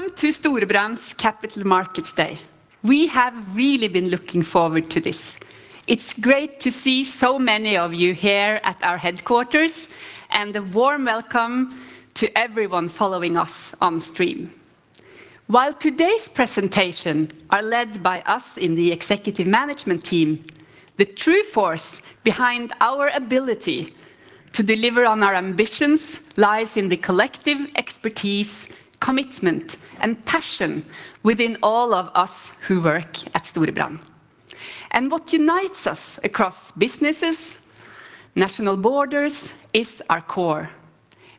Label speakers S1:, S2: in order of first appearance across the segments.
S1: Welcome to Storebrand's Capital Markets Day. We have really been looking forward to this. It's great to see so many of you here at our headquarters, and a warm welcome to everyone following us on stream. While today's presentations are led by us in the executive management team, the true force behind our ability to deliver on our ambitions lies in the collective expertise, commitment, and passion within all of us who work at Storebrand, and what unites us across businesses, national borders, is our core,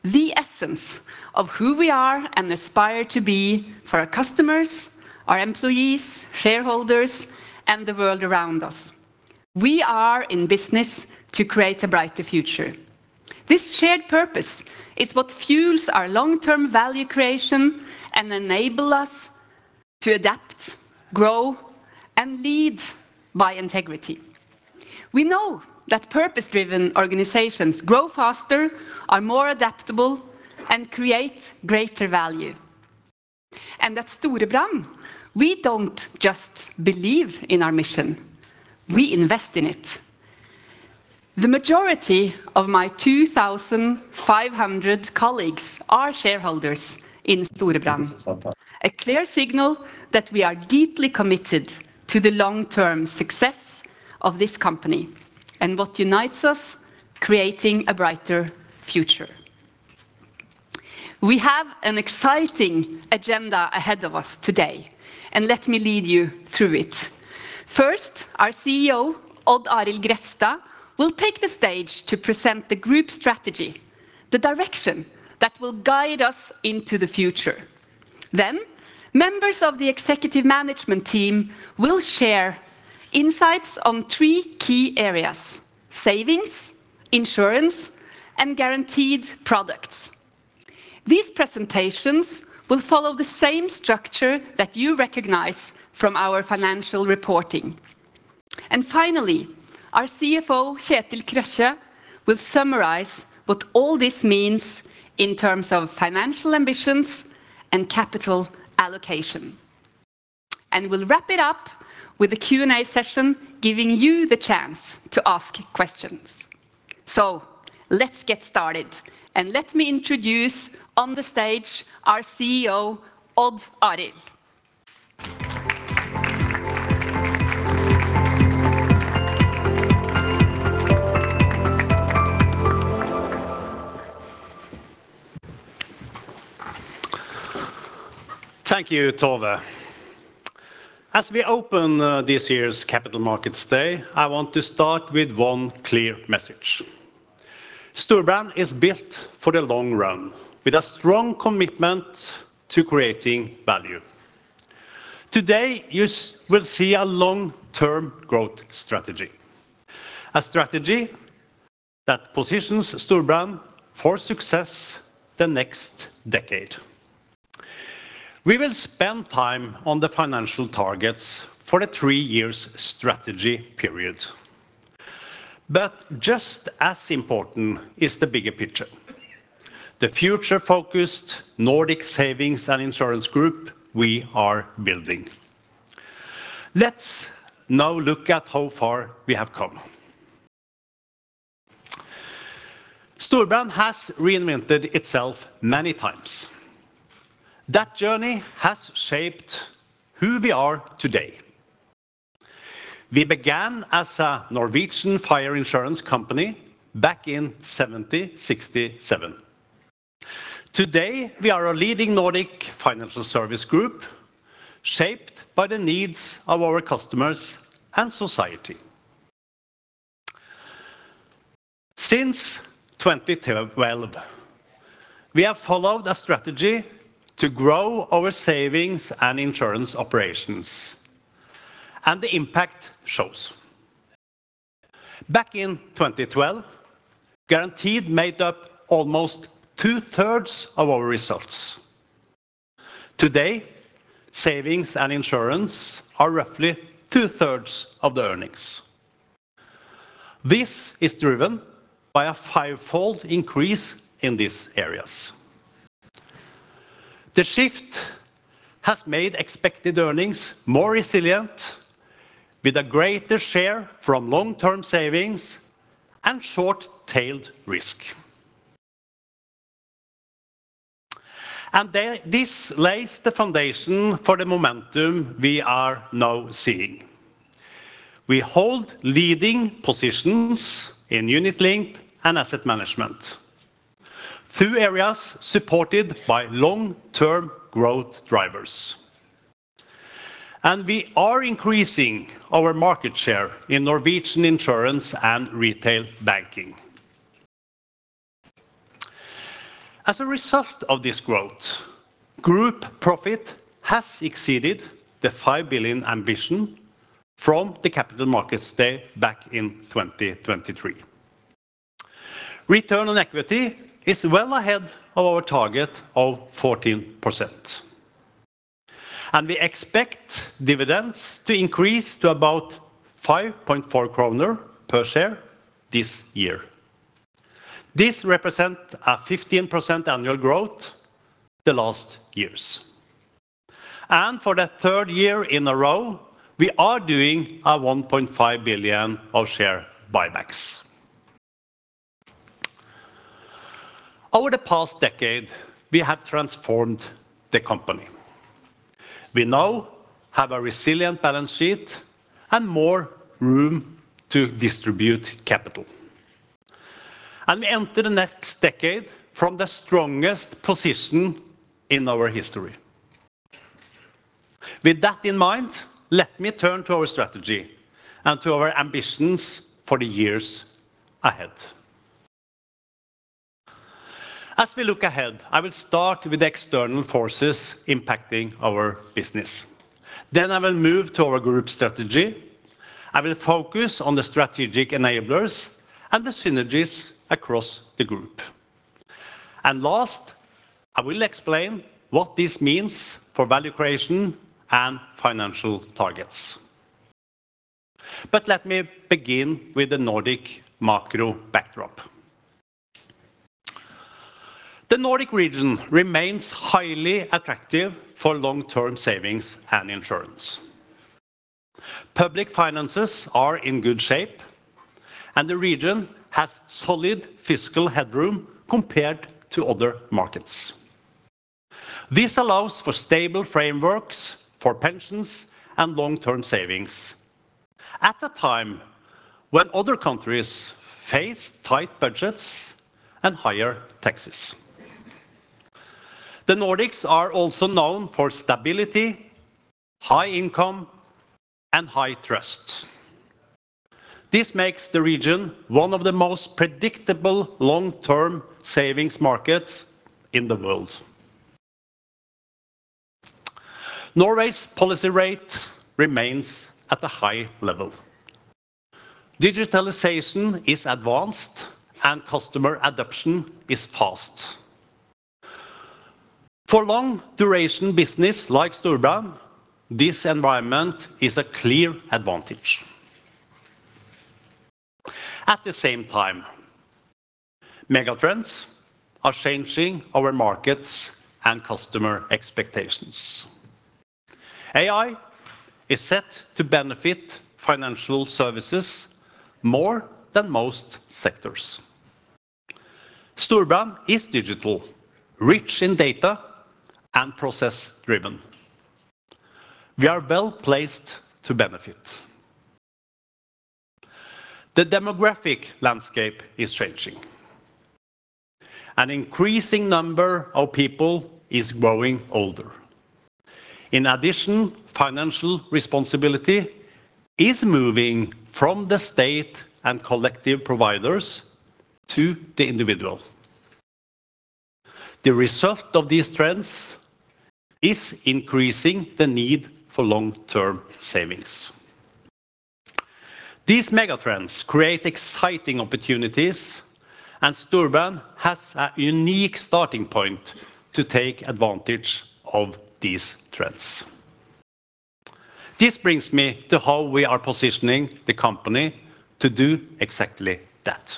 S1: the essence of who we are and aspire to be for our customers, our employees, shareholders, and the world around us. We are in business to create a brighter future. This shared purpose is what fuels our long-term value creation and enables us to adapt, grow, and lead by integrity. We know that purpose-driven organizations grow faster, are more adaptable, and create greater value. At Storebrand, we don't just believe in our mission. We invest in it. The majority of my 2,500 colleagues are shareholders in Storebrand, a clear signal that we are deeply committed to the long-term success of this company and what unites us: creating a brighter future. We have an exciting agenda ahead of us today, and let me lead you through it. First, our CEO, Odd Arild Grefstad, will take the stage to present the group strategy, the direction that will guide us into the future. Members of the executive management team will share insights on three key areas: Savings, Insurance, and Guaranteed Products. These presentations will follow the same structure that you recognize from our financial reporting. Finally, our CFO, Kjetil Krøkje, will summarize what all this means in terms of financial ambitions and capital allocation. And we'll wrap it up with a Q&A session, giving you the chance to ask questions. So let's get started, and let me introduce on the stage our CEO, Odd Arild.
S2: Thank you, Tove. As we open this year's Capital Markets Day, I want to start with one clear message. Storebrand is built for the long run, with a strong commitment to creating value. Today, you will see a long-term growth strategy, a strategy that positions Storebrand for success the next decade. We will spend time on the financial targets for the three-year strategy period. But just as important is the bigger picture: the future-focused Nordic savings and insurance group we are building. Let's now look at how far we have come. Storebrand has reinvented itself many times. That journey has shaped who we are today. We began as a Norwegian fire insurance company back in 1767. Today, we are a leading Nordic financial service group shaped by the needs of our customers and society. Since 2012, we have followed a strategy to grow our savings and insurance operations, and the impact shows. Back in 2012, Guaranteed made up almost two-thirds of our results. Today, savings and insurance are roughly two-thirds of the earnings. This is driven by a five-fold increase in these areas. The shift has made expected earnings more resilient, with a greater share from long-term savings and short-tailed risk, and this lays the foundation for the momentum we are now seeing. We hold leading positions in Unit Linked and asset management, two areas supported by long-term growth drivers, and we are increasing our market share in Norwegian insurance and retail banking. As a result of this growth, group profit has exceeded the 5 billion ambition from the Capital Markets Day back in 2023. Return on equity is well ahead of our target of 14%. And we expect dividends to increase to about 5.4 kroner per share this year. This represents a 15% annual growth the last years. And for the third year in a row, we are doing 1.5 billion of share buybacks. Over the past decade, we have transformed the company. We now have a resilient balance sheet and more room to distribute capital. And we enter the next decade from the strongest position in our history. With that in mind, let me turn to our strategy and to our ambitions for the years ahead. As we look ahead, I will start with the external forces impacting our business. Then I will move to our group strategy. I will focus on the strategic enablers and the synergies across the group. And last, I will explain what this means for value creation and financial targets. But let me begin with the Nordic macro backdrop. The Nordic region remains highly attractive for long-term savings and insurance. Public finances are in good shape, and the region has solid fiscal headroom compared to other markets. This allows for stable frameworks for pensions and long-term savings at a time when other countries face tight budgets and higher taxes. The Nordics are also known for stability, high income, and high trust. This makes the region one of the most predictable long-term savings markets in the world. Norway's policy rate remains at a high level. Digitalization is advanced, and customer adoption is fast. For long-duration business like Storebrand, this environment is a clear advantage. At the same time, megatrends are changing our markets and customer expectations. AI is set to benefit financial services more than most sectors. Storebrand is digital, rich in data, and process-driven. We are well placed to benefit. The demographic landscape is changing. An increasing number of people is growing older. In addition, financial responsibility is moving from the state and collective providers to the individual. The result of these trends is increasing the need for long-term savings. These megatrends create exciting opportunities, and Storebrand has a unique starting point to take advantage of these trends. This brings me to how we are positioning the company to do exactly that.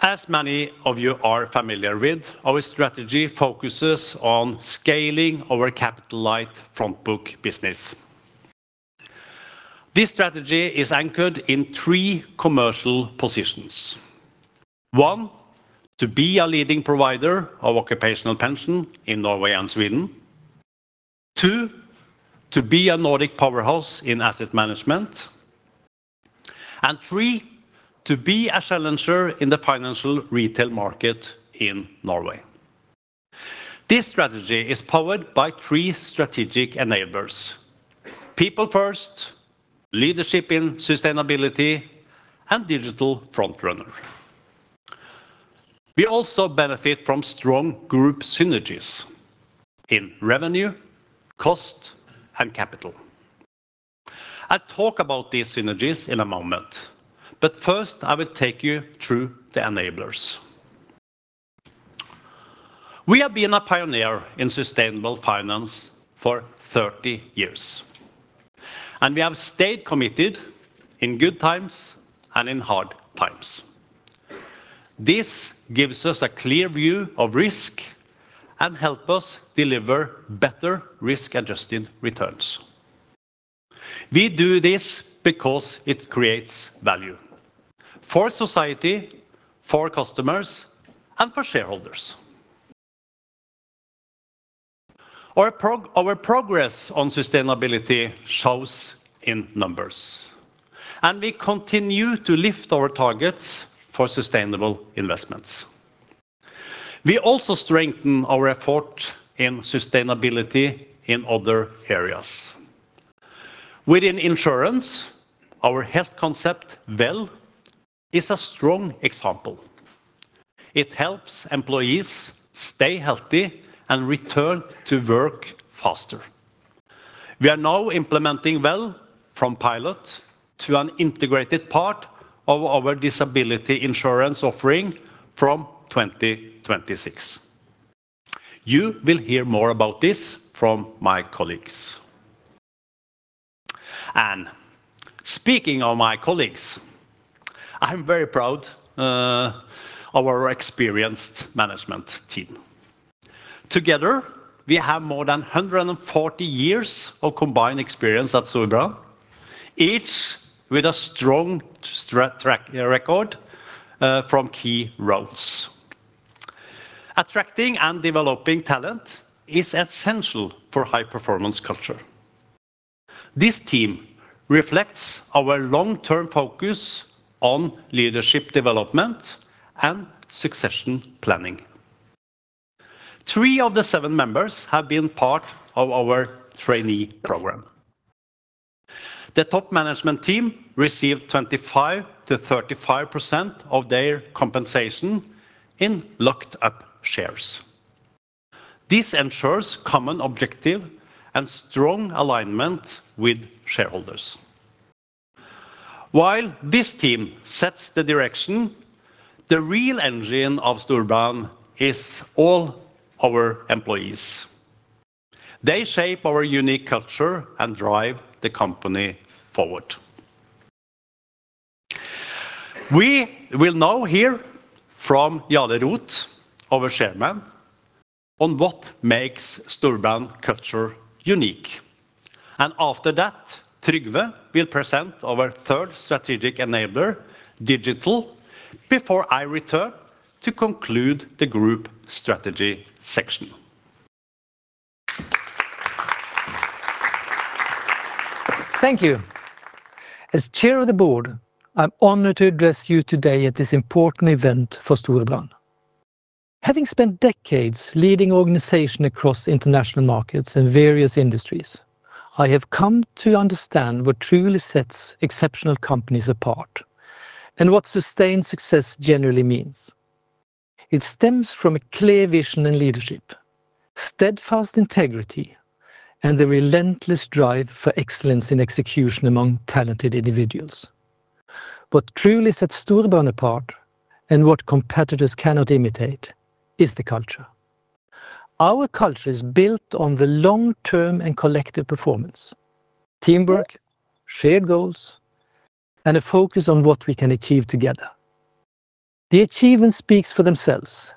S2: As many of you are familiar with, our strategy focuses on scaling our capital-light Front Book business. This strategy is anchored in three commercial positions. One, to be a leading provider of occupational pension in Norway and Sweden. Two, to be a Nordic powerhouse in asset management. And three, to be a challenger in the financial retail market in Norway. This strategy is powered by three strategic enablers: people first, leadership in sustainability, and digital front-runner. We also benefit from strong group synergies in revenue, cost, and capital. I'll talk about these synergies in a moment, but first, I will take you through the enablers. We have been a pioneer in sustainable finance for 30 years, and we have stayed committed in good times and in hard times. This gives us a clear view of risk and helps us deliver better risk-adjusted returns. We do this because it creates value for society, for customers, and for shareholders. Our progress on sustainability shows in numbers, and we continue to lift our targets for sustainable investments. We also strengthen our effort in sustainability in other areas. Within insurance, our health concept, VEL, is a strong example. It helps employees stay healthy and return to work faster. We are now implementing VEL from pilot to an integrated part of our disability insurance offering from 2026. You will hear more about this from my colleagues. And speaking of my colleagues, I'm very proud of our experienced management team. Together, we have more than 140 years of combined experience at Storebrand, each with a strong track record from key roles. Attracting and developing talent is essential for high-performance culture. This team reflects our long-term focus on leadership development and succession planning. Three of the seven members have been part of our trainee program. The top management team received 25%-35% of their compensation in locked-up shares. This ensures common objective and strong alignment with shareholders. While this team sets the direction, the real engine of Storebrand is all our employees. They shape our unique culture and drive the company forward. We will now hear from Jarle Roth, our Chairman, on what makes Storebrand culture unique. After that, Trygve will present our third strategic enabler, Digital, before I return to conclude the group strategy section.
S3: Thank you. As Chair of the Board, I'm honored to address you today at this important event for Storebrand. Having spent decades leading organizations across international markets and various industries, I have come to understand what truly sets exceptional companies apart and what sustained success generally means. It stems from a clear vision and leadership, steadfast integrity, and the relentless drive for excellence in execution among talented individuals. What truly sets Storebrand apart and what competitors cannot imitate is the culture. Our culture is built on the long-term and collective performance, teamwork, shared goals, and a focus on what we can achieve together. The achievement speaks for themselves.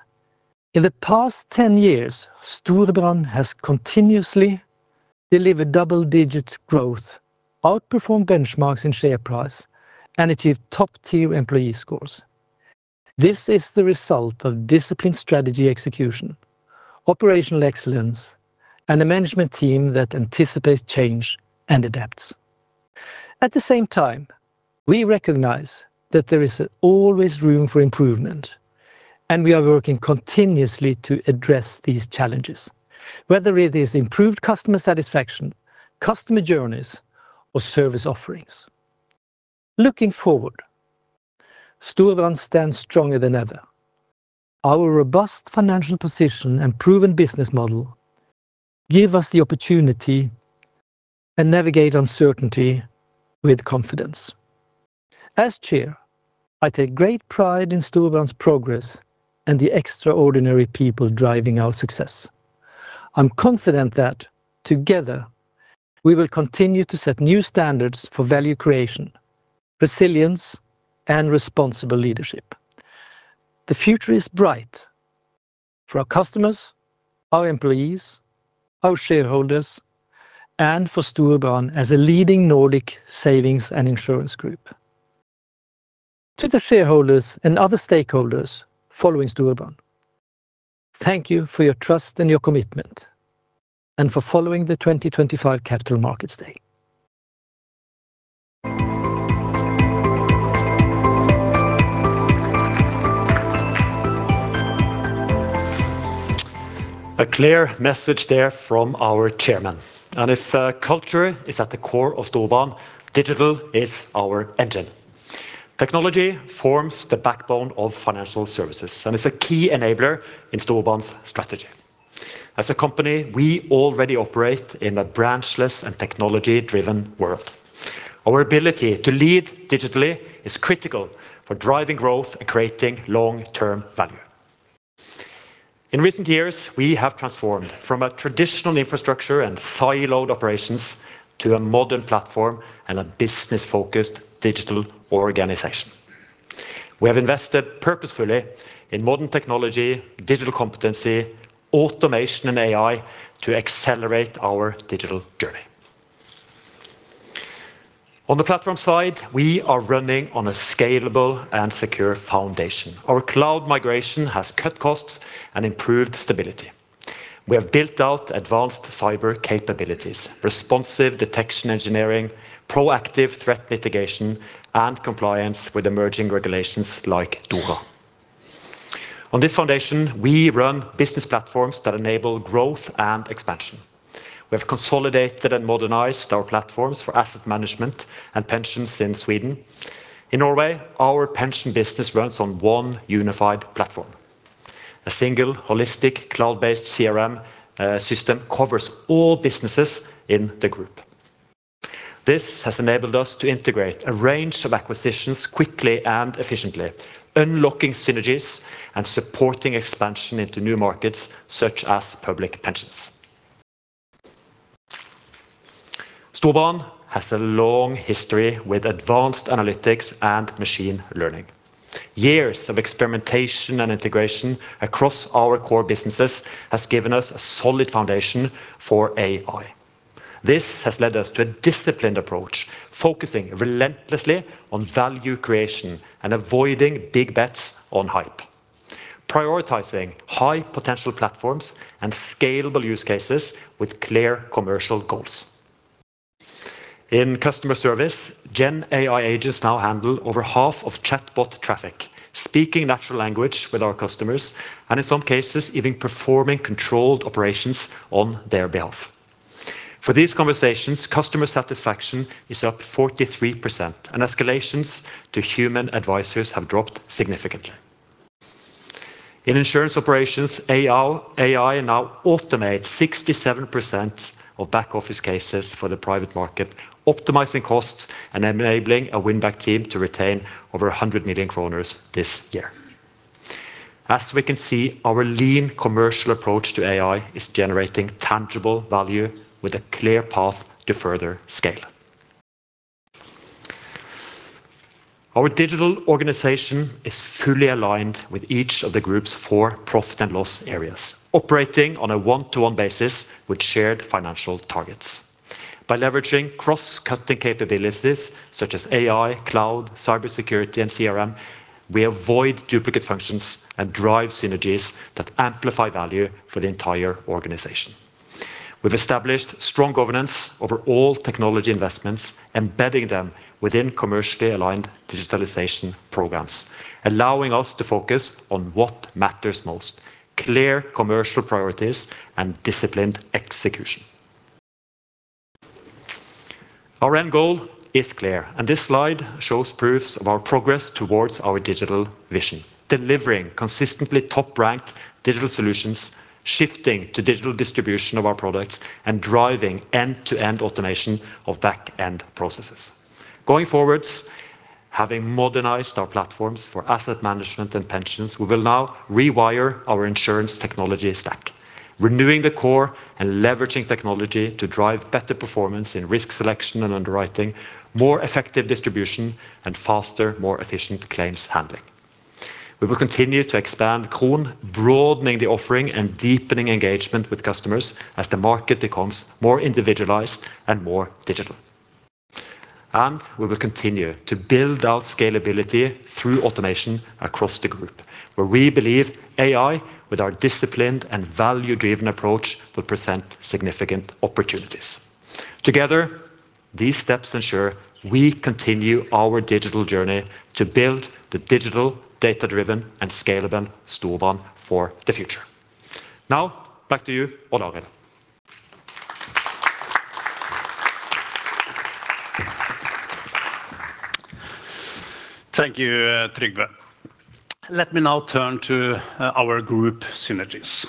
S3: In the past 10 years, Storebrand has continuously delivered double-digit growth, outperformed benchmarks in share price, and achieved top-tier employee scores. This is the result of disciplined strategy execution, operational excellence, and a management team that anticipates change and adapts. At the same time, we recognize that there is always room for improvement, and we are working continuously to address these challenges, whether it is improved customer satisfaction, customer journeys, or service offerings. Looking forward, Storebrand stands stronger than ever. Our robust financial position and proven business model give us the opportunity to navigate uncertainty with confidence. As Chair, I take great pride in Storebrand's progress and the extraordinary people driving our success. I'm confident that together, we will continue to set new standards for value creation, resilience, and responsible leadership. The future is bright for our customers, our employees, our shareholders, and for Storebrand as a leading Nordic savings and insurance group. To the shareholders and other stakeholders following Storebrand, thank you for your trust and your commitment, and for following the 2025 Capital Markets Day.
S4: A clear message there from our chairman, and if culture is at the core of Storebrand, digital is our engine. Technology forms the backbone of financial services, and it's a key enabler in Storebrand's strategy. As a company, we already operate in a branchless and technology-driven world. Our ability to lead digitally is critical for driving growth and creating long-term value. In recent years, we have transformed from a traditional infrastructure and siloed operations to a modern platform and a business-focused digital organization. We have invested purposefully in modern technology, digital competency, automation, and AI to accelerate our digital journey. On the platform side, we are running on a scalable and secure foundation. Our cloud migration has cut costs and improved stability. We have built out advanced cyber capabilities, responsive detection engineering, proactive threat mitigation, and compliance with emerging regulations like DORA. On this foundation, we run business platforms that enable growth and expansion. We have consolidated and modernized our platforms for asset management and pensions in Sweden. In Norway, our pension business runs on one unified platform. A single, holistic cloud-based CRM system covers all businesses in the group. This has enabled us to integrate a range of acquisitions quickly and efficiently, unlocking synergies and supporting expansion into new markets such as public pensions. Storebrand has a long history with advanced analytics and machine learning. Years of experimentation and integration across our core businesses have given us a solid foundation for AI. This has led us to a disciplined approach, focusing relentlessly on value creation and avoiding big bets on hype, prioritizing high-potential platforms and scalable use cases with clear commercial goals. In customer service, GenAI agents now handle over half of chatbot traffic, speaking natural language with our customers, and in some cases, even performing controlled operations on their behalf. For these conversations, customer satisfaction is up 43%, and escalations to human advisors have dropped significantly. In insurance operations, AI now automates 67% of back-office cases for the private market, optimizing costs and enabling a win-back team to retain over 100 million kroner this year. As we can see, our lean commercial approach to AI is generating tangible value with a clear path to further scale. Our digital organization is fully aligned with each of the group's four profit and loss areas, operating on a one-to-one basis with shared financial targets. By leveraging cross-cutting capabilities such as AI, cloud, cybersecurity, and CRM, we avoid duplicate functions and drive synergies that amplify value for the entire organization. We've established strong governance over all technology investments, embedding them within commercially aligned digitalization programs, allowing us to focus on what matters most: clear commercial priorities and disciplined execution. Our end goal is clear, and this slide shows proofs of our progress towards our digital vision: delivering consistently top-ranked digital solutions, shifting to digital distribution of our products, and driving end-to-end automation of back-end processes. Going forward, having modernized our platforms for asset management and pensions, we will now rewire our insurance technology stack, renewing the core and leveraging technology to drive better performance in risk selection and underwriting, more effective distribution, and faster, more efficient claims handling. We will continue to expand Kron, broadening the offering and deepening engagement with customers as the market becomes more individualized and more digital. We will continue to build out scalability through automation across the group, where we believe AI, with our disciplined and value-driven approach, will present significant opportunities. Together, these steps ensure we continue our digital journey to build the digital, data-driven, and scalable Storebrand for the future. Now, back to you, Odd Arild.
S2: Thank you, Trygve. Let me now turn to our group synergies.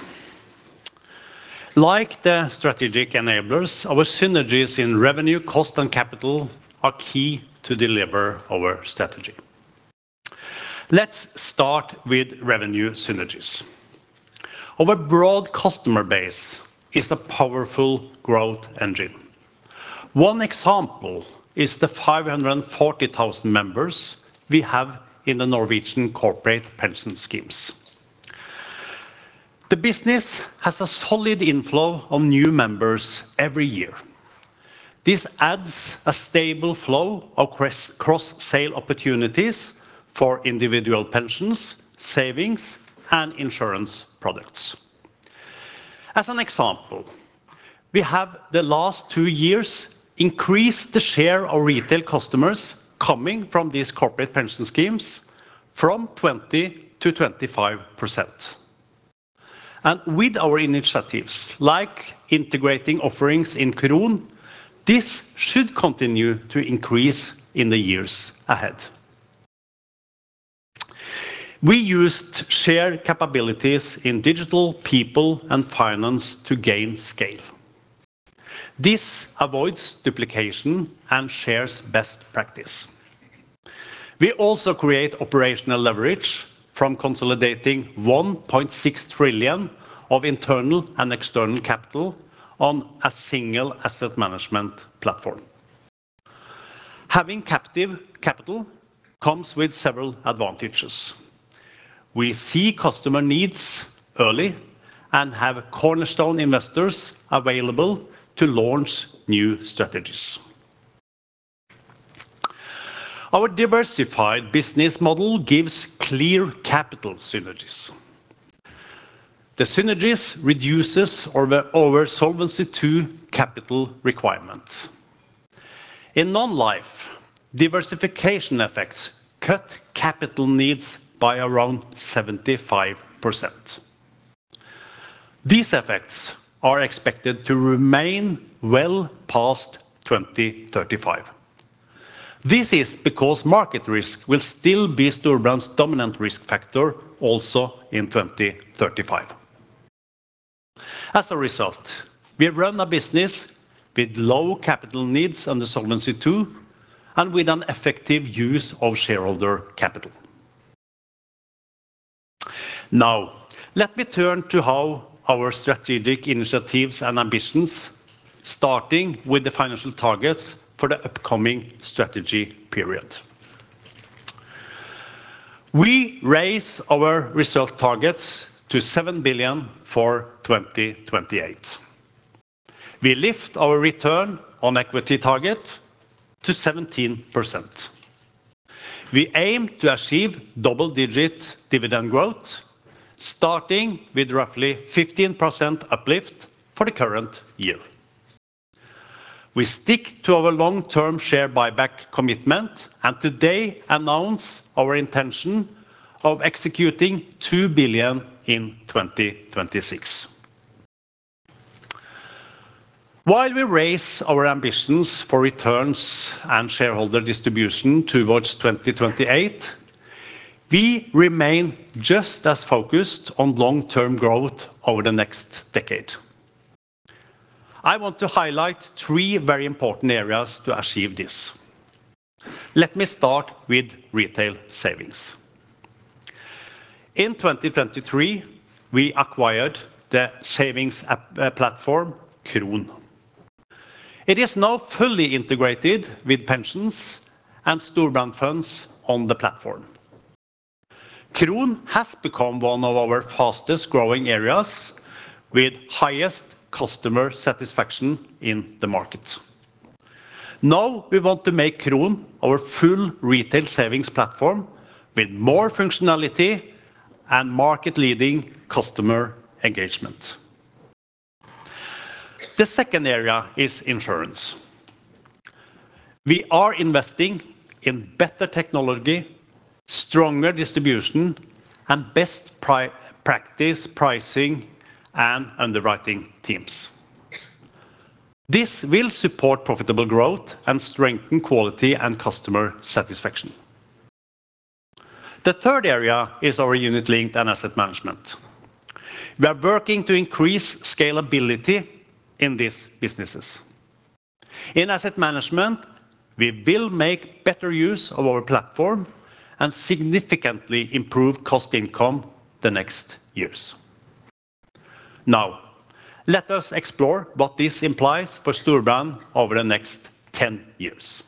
S2: Like the strategic enablers, our synergies in revenue, cost, and capital are key to deliver our strategy. Let's start with revenue synergies. Our broad customer base is a powerful growth engine. One example is the 540,000 members we have in the Norwegian corporate pension schemes. The business has a solid inflow of new members every year. This adds a stable flow of cross-sale opportunities for individual pensions, savings, and insurance products. As an example, we have, the last two years, increased the share of retail customers coming from these corporate pension schemes from 20%-25%. And with our initiatives, like integrating offerings in Kron, this should continue to increase in the years ahead. We used shared capabilities in digital, people, and finance to gain scale. This avoids duplication and shares best practice. We also create operational leverage from consolidating 1.6 trillion of internal and external capital on a single asset management platform. Having captive capital comes with several advantages. We see customer needs early and have cornerstone investors available to launch new strategies. Our diversified business model gives clear capital synergies. The synergies reduce our solvency capital requirements. In non-life, diversification effects cut capital needs by around 75%. These effects are expected to remain well past 2035. This is because market risk will still be Storebrand's dominant risk factor also in 2035. As a result, we run a business with low capital needs and the Solvency II, and with an effective use of shareholder capital. Now, let me turn to how our strategic initiatives and ambitions, starting with the financial targets for the upcoming strategy period. We raise our result targets to 7 billion for 2028. We lift our return on equity target to 17%. We aim to achieve double-digit dividend growth, starting with roughly 15% uplift for the current year. We stick to our long-term share buyback commitment and today announce our intention of executing 2 billion in 2026. While we raise our ambitions for returns and shareholder distribution towards 2028, we remain just as focused on long-term growth over the next decade. I want to highlight three very important areas to achieve this. Let me start with retail savings. In 2023, we acquired the savings platform Kron. It is now fully integrated with pensions and Storebrand funds on the platform. Kron has become one of our fastest-growing areas, with highest customer satisfaction in the market. Now, we want to make Kron our full retail savings platform with more functionality and market-leading customer engagement. The second area is Insurance. We are investing in better technology, stronger distribution, and best-practice pricing and underwriting teams. This will support profitable growth and strengthen quality and customer satisfaction. The third area is our Unit Linked and asset management. We are working to increase scalability in these businesses. In asset management, we will make better use of our platform and significantly improve cost-income the next years. Now, let us explore what this implies for Storebrand over the next 10 years.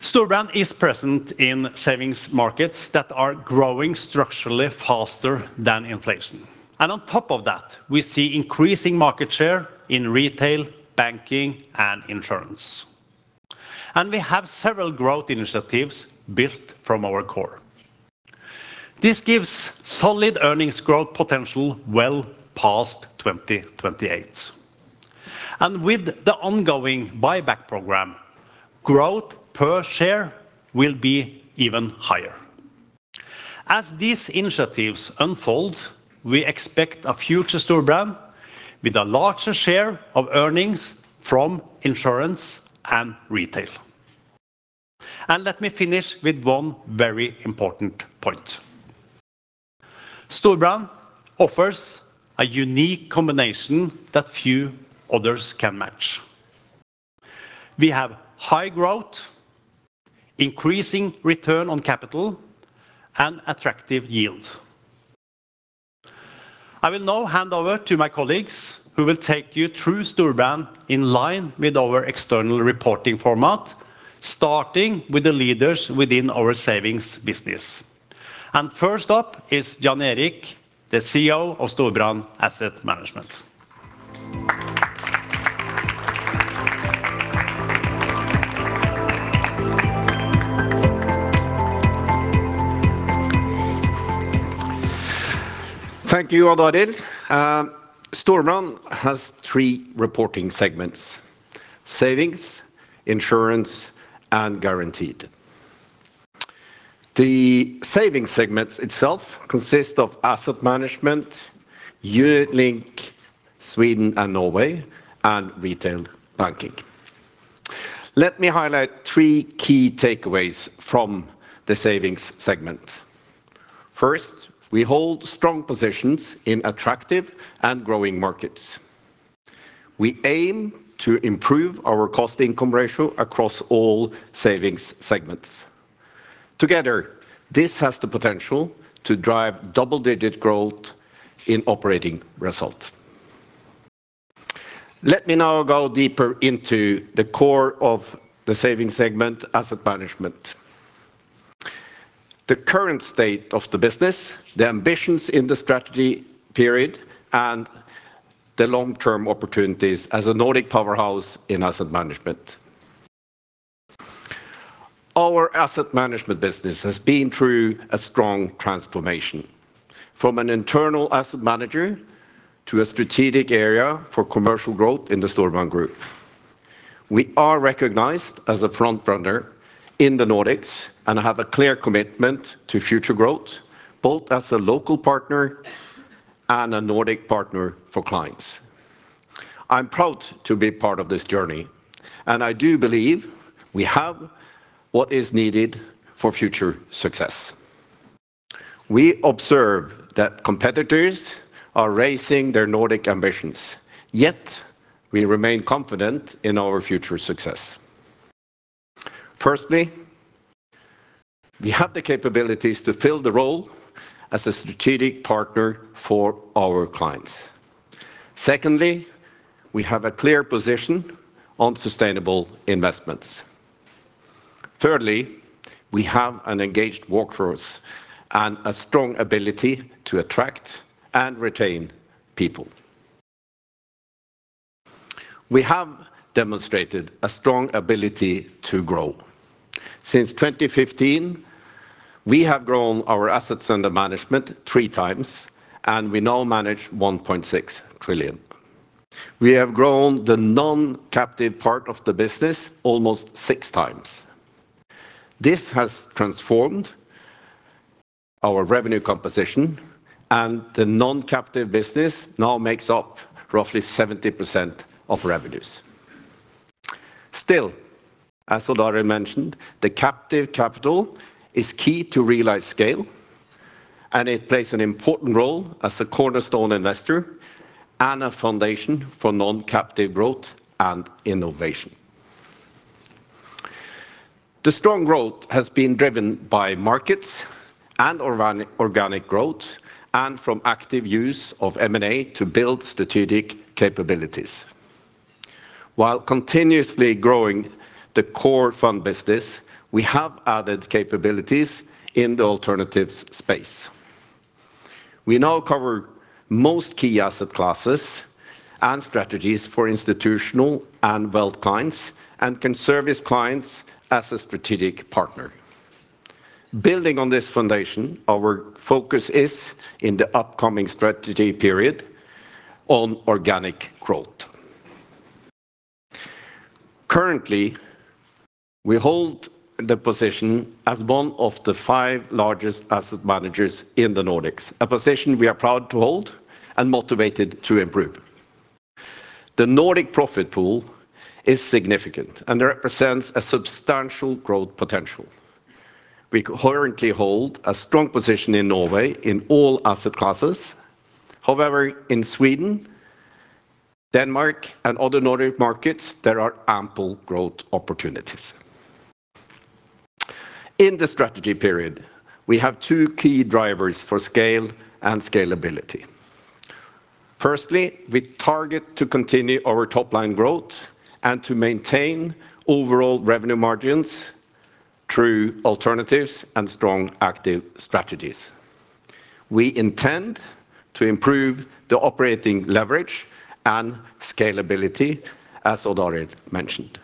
S2: Storebrand is present in savings markets that are growing structurally faster than inflation. And on top of that, we see increasing market share in retail, banking, and insurance. And we have several growth initiatives built from our core. This gives solid earnings growth potential well past 2028. And with the ongoing buyback program, growth per share will be even higher. As these initiatives unfold, we expect a future Storebrand with a larger share of earnings from insurance and retail. And let me finish with one very important point. Storebrand offers a unique combination that few others can match. We have high growth, increasing return on capital, and attractive yield. I will now hand over to my colleagues who will take you through Storebrand in line with our external reporting format, starting with the leaders within our savings business. And first up is Jan Erik, the CEO of Storebrand Asset Management.
S5: Thank you, Odd Arild. Storebrand has three reporting segments: Savings, Insurance, and Guaranteed. The Savings segment itself consists of asset management, Unit Linked Sweden and Norway, and retail banking. Let me highlight three key takeaways from the savings segment. First, we hold strong positions in attractive and growing markets. We aim to improve our cost-income ratio across all savings segments. Together, this has the potential to drive double-digit growth in operating result. Let me now go deeper into the core of the savings segment, asset management. The current state of the business, the ambitions in the strategy period, and the long-term opportunities as a Nordic powerhouse in asset management. Our asset management business has been through a strong transformation from an internal asset manager to a strategic area for commercial growth in the Storebrand group. We are recognized as a front-runner in the Nordics and have a clear commitment to future growth, both as a local partner and a Nordic partner for clients. I'm proud to be part of this journey, and I do believe we have what is needed for future success. We observe that competitors are racing their Nordic ambitions, yet we remain confident in our future success. Firstly, we have the capabilities to fill the role as a strategic partner for our clients. Secondly, we have a clear position on sustainable investments. Thirdly, we have an engaged workforce and a strong ability to attract and retain people. We have demonstrated a strong ability to grow. Since 2015, we have grown our assets under management 3x, and we now manage 1.6 trillion. We have grown the non-captive part of the business almost 6x. This has transformed our revenue composition, and the non-captive business now makes up roughly 70% of revenues. Still, as Odd Arild mentioned, the captive capital is key to realize scale, and it plays an important role as a cornerstone investor and a foundation for non-captive growth and innovation. The strong growth has been driven by markets and organic growth and from active use of M&A to build strategic capabilities. While continuously growing the core fund business, we have added capabilities in the alternatives space. We now cover most key asset classes and strategies for institutional and wealth clients and can service clients as a strategic partner. Building on this foundation, our focus is in the upcoming strategy period on organic growth. Currently, we hold the position as one of the five largest asset managers in the Nordics, a position we are proud to hold and motivated to improve. The Nordic profit pool is significant and represents a substantial growth potential. We currently hold a strong position in Norway in all asset classes. However, in Sweden, Denmark, and other Nordic markets, there are ample growth opportunities. In the strategy period, we have two key drivers for scale and scalability. Firstly, we target to continue our top-line growth and to maintain overall revenue margins through alternatives and strong active strategies. We intend to improve the operating leverage and scalability, as Odd Arild mentioned.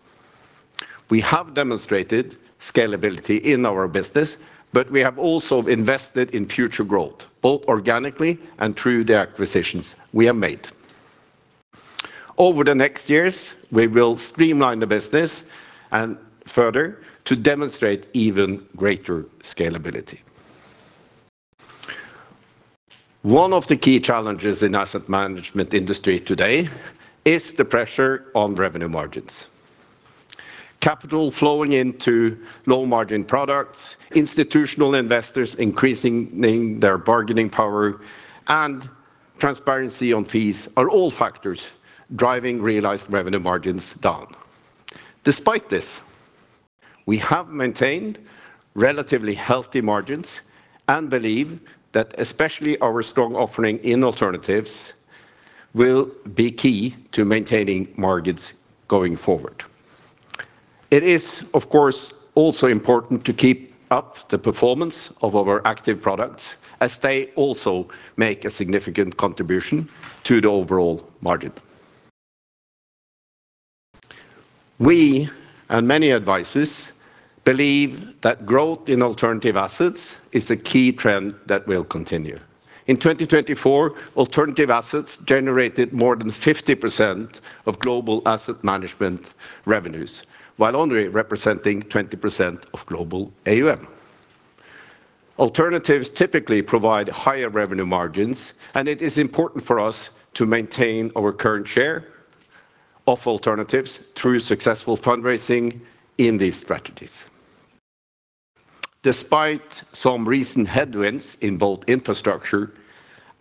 S5: We have demonstrated scalability in our business, but we have also invested in future growth, both organically and through the acquisitions we have made. Over the next years, we will streamline the business and further to demonstrate even greater scalability. One of the key challenges in the asset management industry today is the pressure on revenue margins. Capital flowing into low-margin products, institutional investors increasing their bargaining power, and transparency on fees are all factors driving realized revenue margins down. Despite this, we have maintained relatively healthy margins and believe that especially our strong offering in alternatives will be key to maintaining margins going forward. It is, of course, also important to keep up the performance of our active products as they also make a significant contribution to the overall margin. We, and many advisors, believe that growth in alternative assets is the key trend that will continue. In 2024, alternative assets generated more than 50% of global asset management revenues, while only representing 20% of global AUM. Alternatives typically provide higher revenue margins, and it is important for us to maintain our current share of alternatives through successful fundraising in these strategies. Despite some recent headwinds in both infrastructure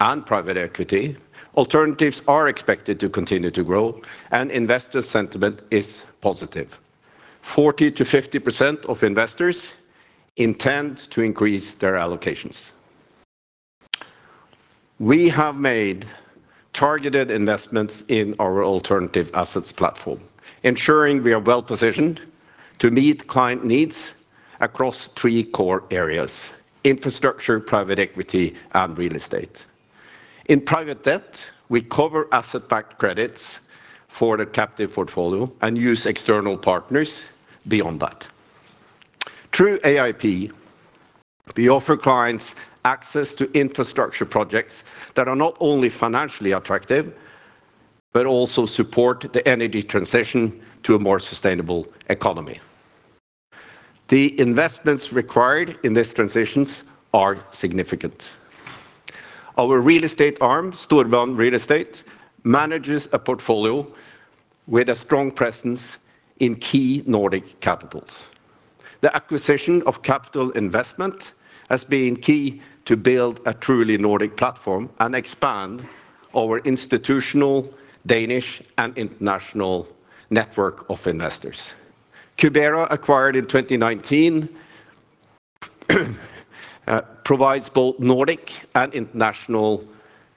S5: and private equity, alternatives are expected to continue to grow, and investor sentiment is positive. 40%-50% of investors intend to increase their allocations. We have made targeted investments in our alternative assets platform, ensuring we are well-positioned to meet client needs across three core areas: infrastructure, private equity, and real estate. In private debt, we cover asset-backed credits for the captive portfolio and use external partners beyond that. Through AIP, we offer clients access to infrastructure projects that are not only financially attractive but also support the energy transition to a more sustainable economy. The investments required in these transitions are significant. Our real estate arm, Storebrand Real Estate, manages a portfolio with a strong presence in key Nordic capitals. The acquisition of Capital Investment has been key to build a truly Nordic platform and expand our institutional Danish and international network of investors. Cubera, acquired in 2019, provides both Nordic and international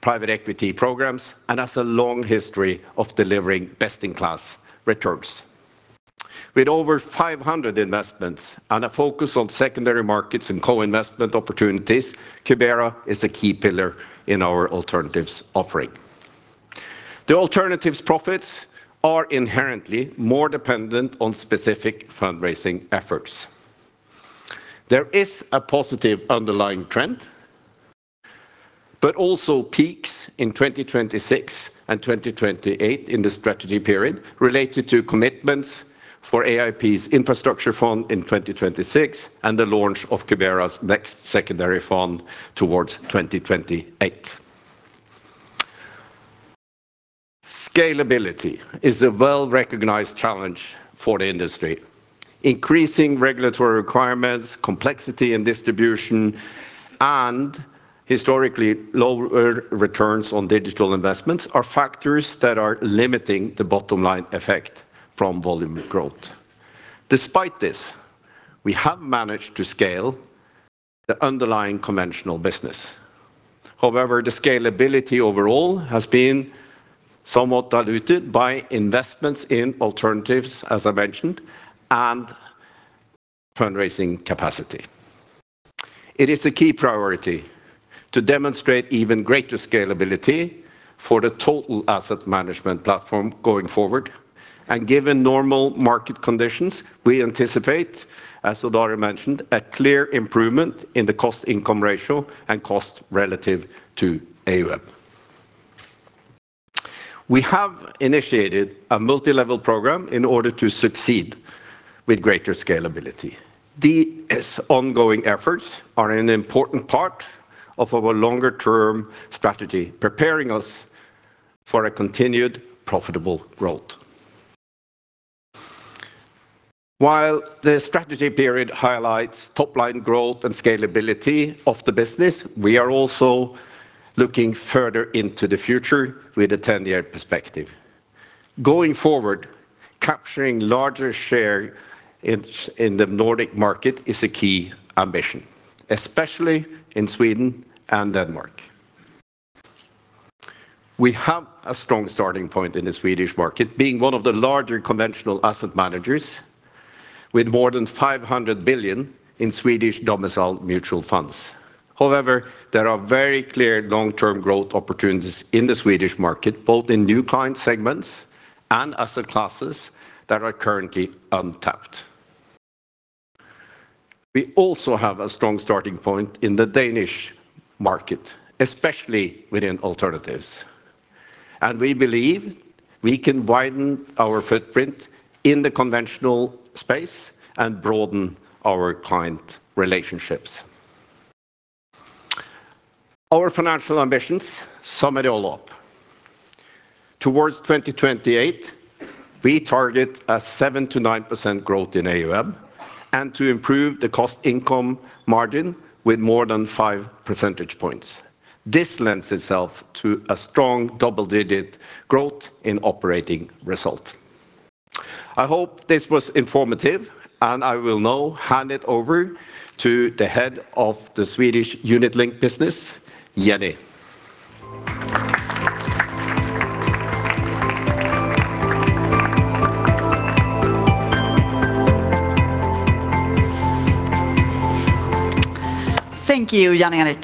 S5: private equity programs and has a long history of delivering best-in-class returns. With over 500 investments and a focus on secondary markets and co-investment opportunities, Cubera is a key pillar in our alternatives offering. The alternatives profits are inherently more dependent on specific fundraising efforts. There is a positive underlying trend, but also peaks in 2026 and 2028 in the strategy period related to commitments for AIP's infrastructure fund in 2026 and the launch of Cubera's next secondary fund towards 2028. Scalability is a well-recognized challenge for the industry. Increasing regulatory requirements, complexity in distribution, and historically lower returns on digital investments are factors that are limiting the bottom-line effect from volume growth. Despite this, we have managed to scale the underlying conventional business. However, the scalability overall has been somewhat diluted by investments in alternatives, as I mentioned, and fundraising capacity. It is a key priority to demonstrate even greater scalability for the total asset management platform going forward, and given normal market conditions, we anticipate, as Odd Arild mentioned, a clear improvement in the cost-income ratio and cost relative to AUM. We have initiated a multilevel program in order to succeed with greater scalability. These ongoing efforts are an important part of our longer-term strategy, preparing us for a continued profitable growth. While the strategy period highlights top-line growth and scalability of the business, we are also looking further into the future with a 10-year perspective. Going forward, capturing larger share in the Nordic market is a key ambition, especially in Sweden and Denmark. We have a strong starting point in the Swedish market, being one of the larger conventional asset managers with more than 500 billion in Swedish domiciled mutual funds. However, there are very clear long-term growth opportunities in the Swedish market, both in new client segments and asset classes that are currently untapped. We also have a strong starting point in the Danish market, especially within alternatives. And we believe we can widen our footprint in the conventional space and broaden our client relationships. Our financial ambitions sum it all up. Towards 2028, we target a 7%-9% growth in AUM and to improve the cost-income margin with more than 5 percentage points. This lends itself to a strong double-digit growth in operating result. I hope this was informative, and I will now hand it over to the head of the Swedish Unit Linked business, Jenny.
S6: Thank you, Jan Erik.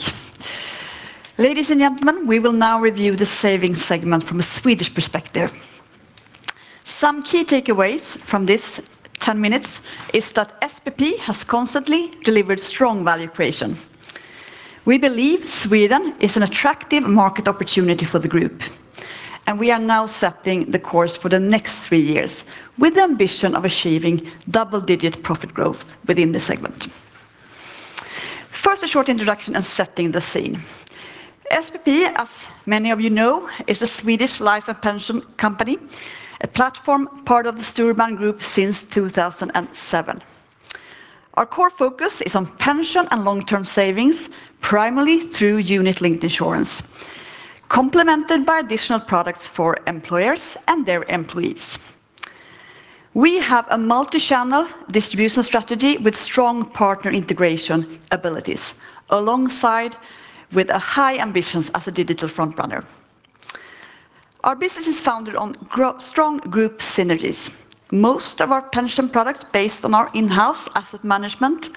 S6: Ladies and gentlemen, we will now review the savings segment from a Swedish perspective. Some key takeaways from this 10 minutes is that SPP has constantly delivered strong value creation. We believe Sweden is an attractive market opportunity for the group, and we are now setting the course for the next three years with the ambition of achieving double-digit profit growth within the segment. First, a short introduction and setting the scene. SPP, as many of you know, is a Swedish life and pension company, a platform part of the Storebrand Group since 2007. Our core focus is on pension and long-term savings, primarily through Unit Linked insurance, complemented by additional products for employers and their employees. We have a multi-channel distribution strategy with strong partner integration abilities, alongside with high ambitions as a digital front-runner. Our business is founded on strong group synergies. Most of our pension products are based on our in-house asset management,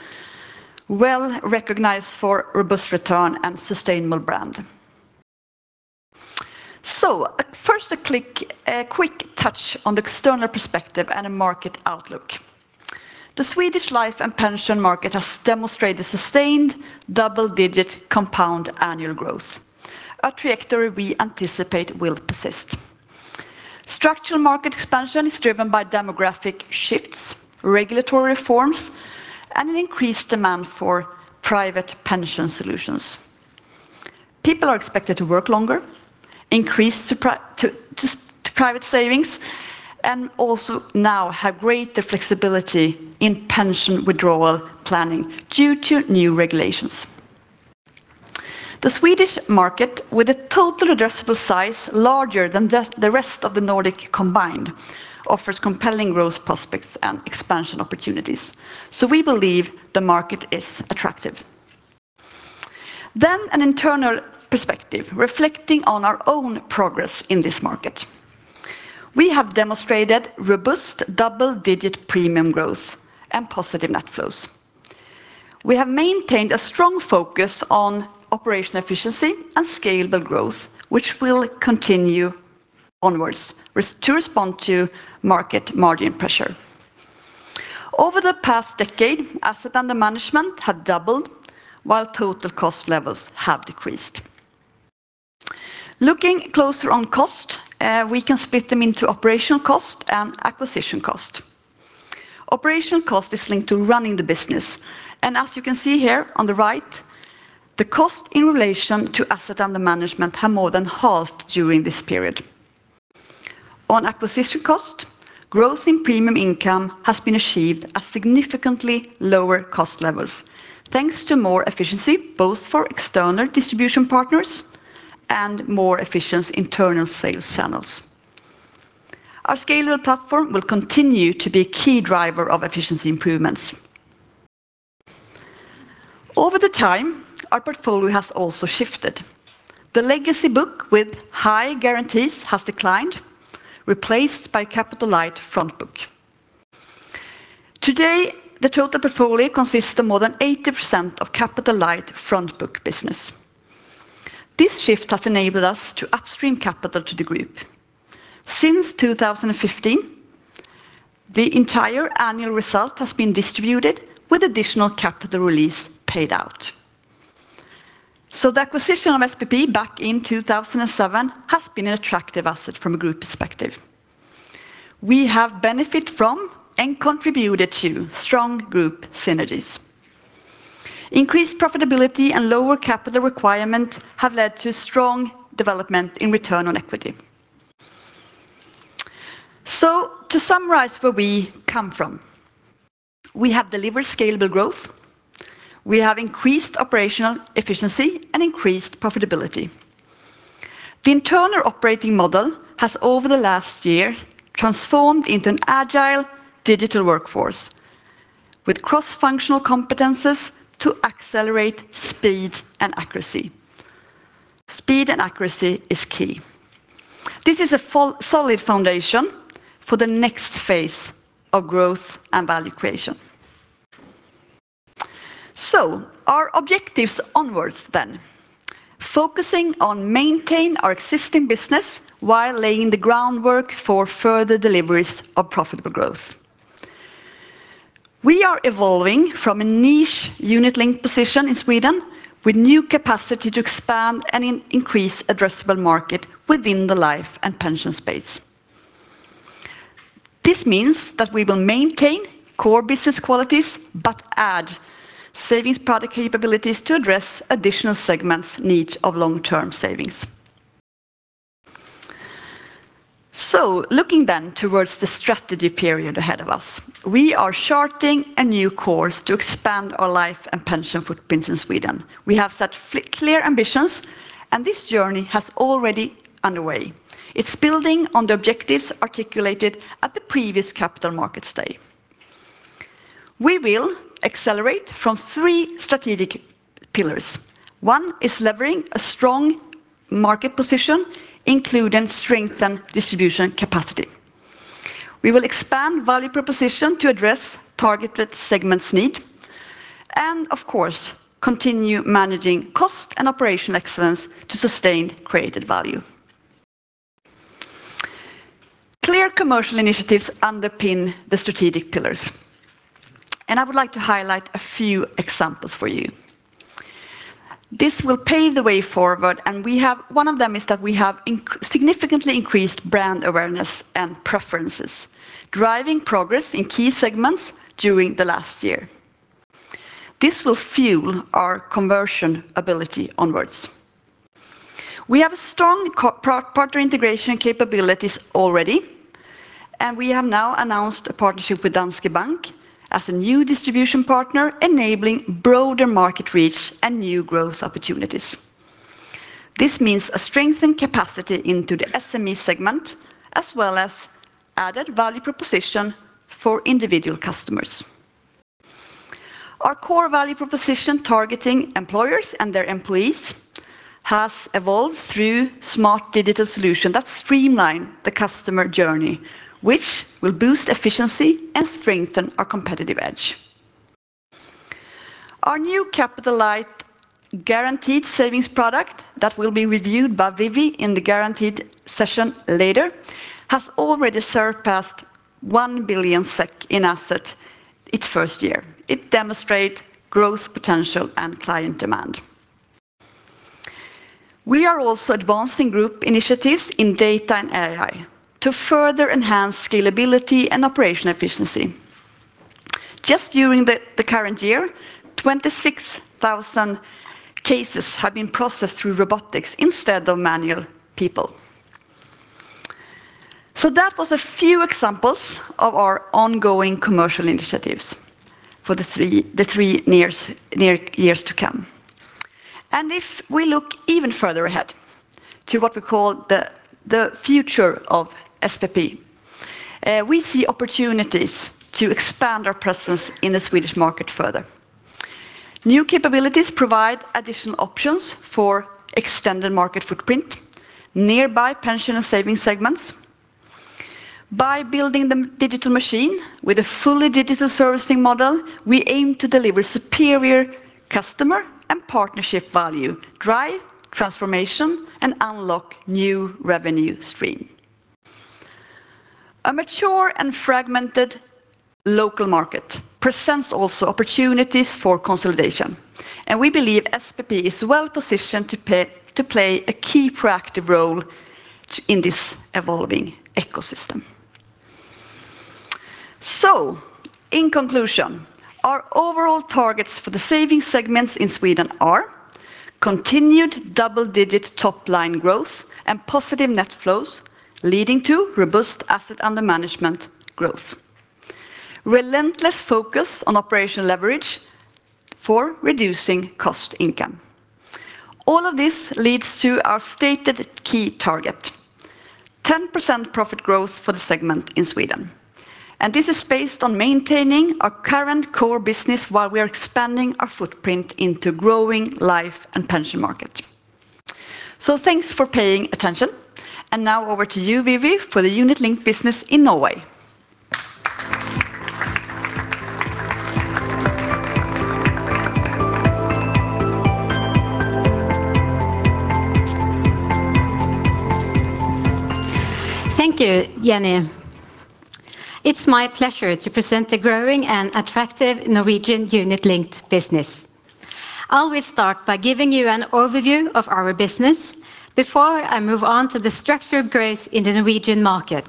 S6: well recognized for robust return and sustainable brand, so first, a quick touch on the external perspective and a market outlook. The Swedish life and pension market has demonstrated sustained double-digit compound annual growth, a trajectory we anticipate will persist. Structural market expansion is driven by demographic shifts, regulatory reforms, and an increased demand for private pension solutions. People are expected to work longer, increase private savings, and also now have greater flexibility in pension withdrawal planning due to new regulations. The Swedish market, with a total addressable size larger than the rest of the Nordics combined, offers compelling growth prospects and expansion opportunities, so we believe the market is attractive, then an internal perspective reflecting on our own progress in this market. We have demonstrated robust double-digit premium growth and positive net flows. We have maintained a strong focus on operational efficiency and scalable growth, which will continue onwards to respond to market margin pressure. Over the past decade, assets under management has doubled, while total cost levels have decreased. Looking closer on cost, we can split them into operational cost and acquisition cost. Operational cost is linked to running the business, and as you can see here on the right, the cost in relation to assets under management has more than halved during this period. On acquisition cost, growth in premium income has been achieved at significantly lower cost levels, thanks to more efficiency both for external distribution partners and more efficient internal sales channels. Our scalable platform will continue to be a key driver of efficiency improvements. Over the time, our portfolio has also shifted. The legacy book with high guarantees has declined, replaced by capital-light Front Book. Today, the total portfolio consists of more than 80% of capital-l Front Book business. This shift has enabled us to upstream capital to the group. Since 2015, the entire annual result has been distributed with additional capital release paid out. So, the acquisition of SPP back in 2007 has been an attractive asset from a group perspective. We have benefited from and contributed to strong group synergies. Increased profitability and lower capital requirement have led to strong development in return on equity. So, to summarize where we come from, we have delivered scalable growth. We have increased operational efficiency and increased profitability. The internal operating model has, over the last year, transformed into an agile digital workforce with cross-functional competences to accelerate speed and accuracy. Speed and accuracy is key. This is a solid foundation for the next phase of growth and value creation. Our objectives onwards then, focusing on maintaining our existing business while laying the groundwork for further deliveries of profitable growth. We are evolving from a niche Unit Linked position in Sweden with new capacity to expand and increase addressable market within the life and pension space. This means that we will maintain core business qualities but add savings product capabilities to address additional segments' needs of long-term savings. Looking then towards the strategy period ahead of us, we are charting a new course to expand our life and pension footprints in Sweden. We have set clear ambitions, and this journey has already underway. It's building on the objectives articulated at the previous capital markets day. We will accelerate from three strategic pillars. One is leveraging a strong market position, including strengthened distribution capacity. We will expand value proposition to address targeted segments' need and, of course, continue managing cost and operational excellence to sustain created value. Clear commercial initiatives underpin the strategic pillars, and I would like to highlight a few examples for you. This will pave the way forward, and one of them is that we have significantly increased brand awareness and preferences, driving progress in key segments during the last year. This will fuel our conversion ability onwards. We have strong partner integration capabilities already, and we have now announced a partnership with Danske Bank as a new distribution partner, enabling broader market reach and new growth opportunities. This means a strengthened capacity into the SME segment, as well as added value proposition for individual customers. Our core value proposition targeting employers and their employees has evolved through smart digital solutions that streamline the customer journey, which will boost efficiency and strengthen our competitive edge. Our new Capital Light Guaranteed savings product that will be reviewed by Vivi in the Guaranteed session later has already surpassed 1 billion SEK in assets, its first year. It demonstrates growth potential and client demand. We are also advancing group initiatives in data and AI to further enhance scalability and operational efficiency. Just during the current year, 26,000 cases have been processed through robotics instead of manual people. So, that was a few examples of our ongoing commercial initiatives for the three years to come, and if we look even further ahead to what we call the future of SPP, we see opportunities to expand our presence in the Swedish market further. New capabilities provide additional options for extended market footprint nearby pension and savings segments. By building the digital machine with a fully digital servicing model, we aim to deliver superior customer and partnership value, drive transformation, and unlock new revenue streams. A mature and fragmented local market presents also opportunities for consolidation, and we believe SPP is well positioned to play a key proactive role in this evolving ecosystem, so in conclusion, our overall targets for the savings segments in Sweden are continued double-digit top-line growth and positive net flows leading to robust assets under management growth, relentless focus on operational leverage for reducing cost-income. All of this leads to our stated key target: 10% profit growth for the segment in Sweden, and this is based on maintaining our current core business while we are expanding our footprint into growing life and pension markets, so thanks for paying attention. Now over to you, Vivi, for the Unit Linked business in Norway.
S7: Thank you, Jenny. It's my pleasure to present the growing and attractive Norwegian Unit Linked business. I'll start by giving you an overview of our business before I move on to the structured growth in the Norwegian market.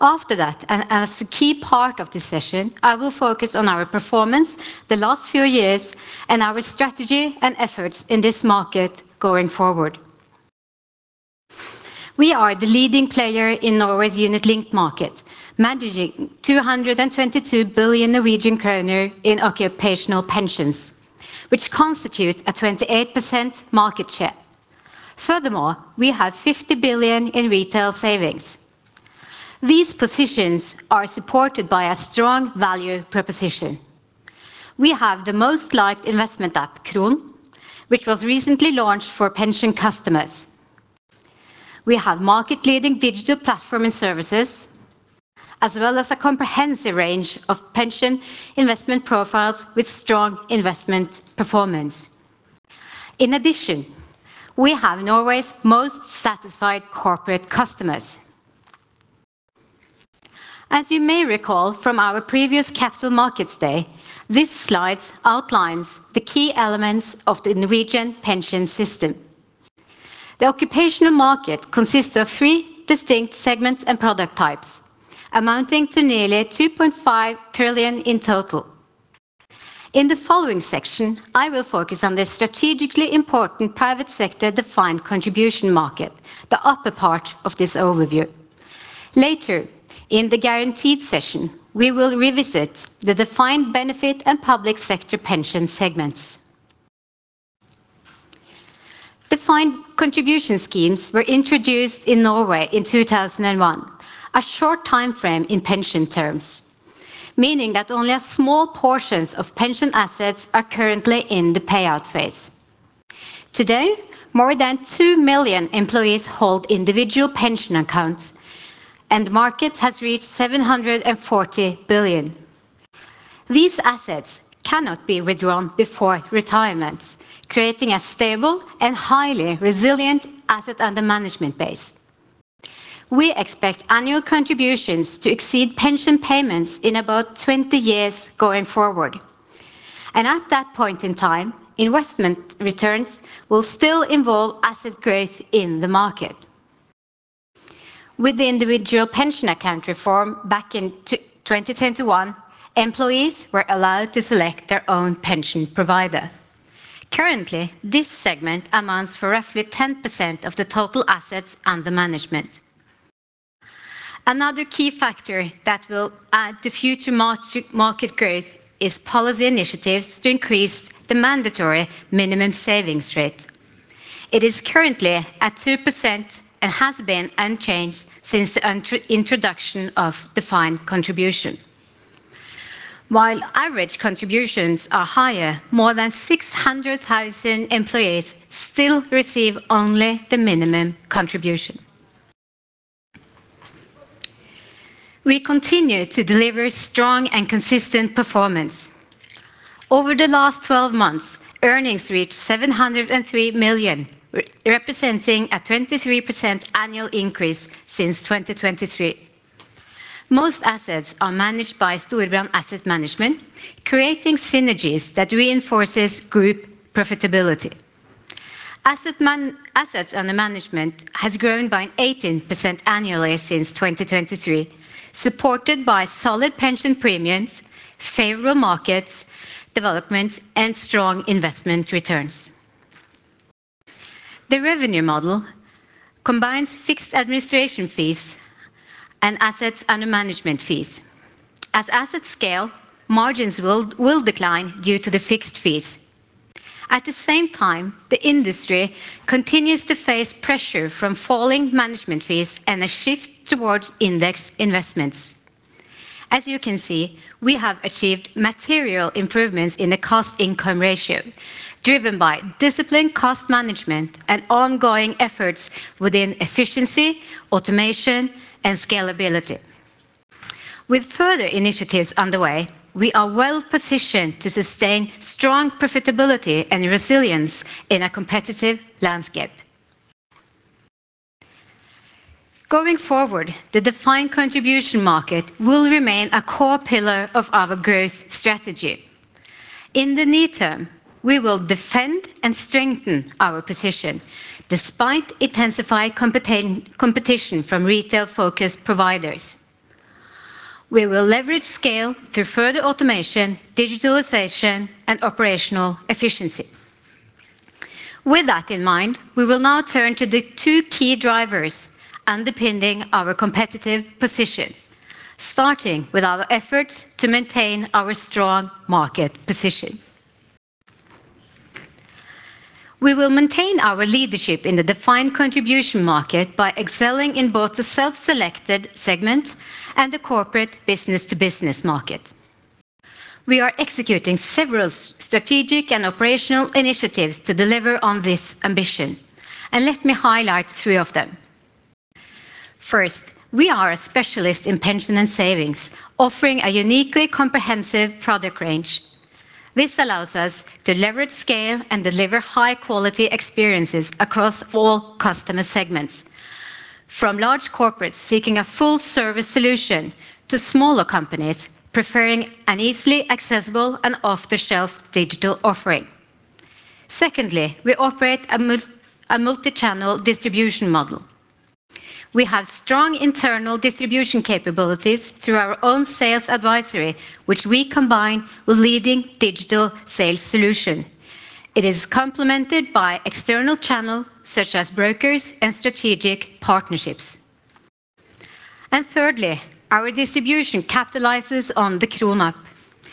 S7: After that, and as a key part of this session, I will focus on our performance the last few years and our strategy and efforts in this market going forward. We are the leading player in Norway's Unit Linked market, managing 222 billion Norwegian kroner in occupational pensions, which constitutes a 28% market share. Furthermore, we have 50 billion in retail savings. These positions are supported by a strong value proposition. We have the most liked investment app, Kron, which was recently launched for pension customers. We have market-leading digital platform and services, as well as a comprehensive range of pension investment profiles with strong investment performance. In addition, we have Norway's most satisfied corporate customers. As you may recall from our previous Capital Markets Day, this slide outlines the key elements of the Norwegian pension system. The occupational market consists of three distinct segments and product types, amounting to nearly 2.5 trillion in total. In the following section, I will focus on the strategically important private sector defined contribution market, the upper part of this overview. Later, in the Guaranteed session, we will revisit the defined benefit and public sector pension segments. Defined contribution schemes were introduced in Norway in 2001, a short time frame in pension terms, meaning that only a small portion of pension assets are currently in the payout phase. Today, more than 2 million employees hold individual pension accounts, and the market has reached 740 billion. These assets cannot be withdrawn before retirement, creating a stable and highly resilient asset under management base. We expect annual contributions to exceed pension payments in about 20 years going forward. And at that point in time, investment returns will still involve asset growth in the market. With the individual pension account reform back in 2021, employees were allowed to select their own pension provider. Currently, this segment amounts to roughly 10% of the total assets under management. Another key factor that will add to future market growth is policy initiatives to increase the mandatory minimum savings rate. It is currently at 2% and has been unchanged since the introduction of defined contribution. While average contributions are higher, more than 600,000 employees still receive only the minimum contribution. We continue to deliver strong and consistent performance. Over the last 12 months, earnings reached 703 million, representing a 23% annual increase since 2023. Most assets are managed by Storebrand Asset Management, creating synergies that reinforce group profitability. Assets under management have grown by 18% annually since 2023, supported by solid pension premiums, favorable markets, development, and strong investment returns. The revenue model combines fixed administration fees and assets under management fees. As assets scale, margins will decline due to the fixed fees. At the same time, the industry continues to face pressure from falling management fees and a shift towards index investments. As you can see, we have achieved material improvements in the cost-income ratio, driven by disciplined cost management and ongoing efforts within efficiency, automation, and scalability. With further initiatives underway, we are well positioned to sustain strong profitability and resilience in a competitive landscape. Going forward, the defined contribution market will remain a core pillar of our growth strategy. In the near term, we will defend and strengthen our position despite intensified competition from retail-focused providers. We will leverage scale through further automation, digitalization, and operational efficiency. With that in mind, we will now turn to the two key drivers underpinning our competitive position, starting with our efforts to maintain our strong market position. We will maintain our leadership in the defined contribution market by excelling in both the self-selected segment and the corporate business-to-business market. We are executing several strategic and operational initiatives to deliver on this ambition, and let me highlight three of them. First, we are a specialist in pension and savings, offering a uniquely comprehensive product range. This allows us to leverage scale and deliver high-quality experiences across all customer segments, from large corporates seeking a full-service solution to smaller companies preferring an easily accessible and off-the-shelf digital offering. Secondly, we operate a multi-channel distribution model. We have strong internal distribution capabilities through our own sales advisory, which we combine with leading digital sales solutions. It is complemented by external channels such as brokers and strategic partnerships. And thirdly, our distribution capitalizes on the Kron app,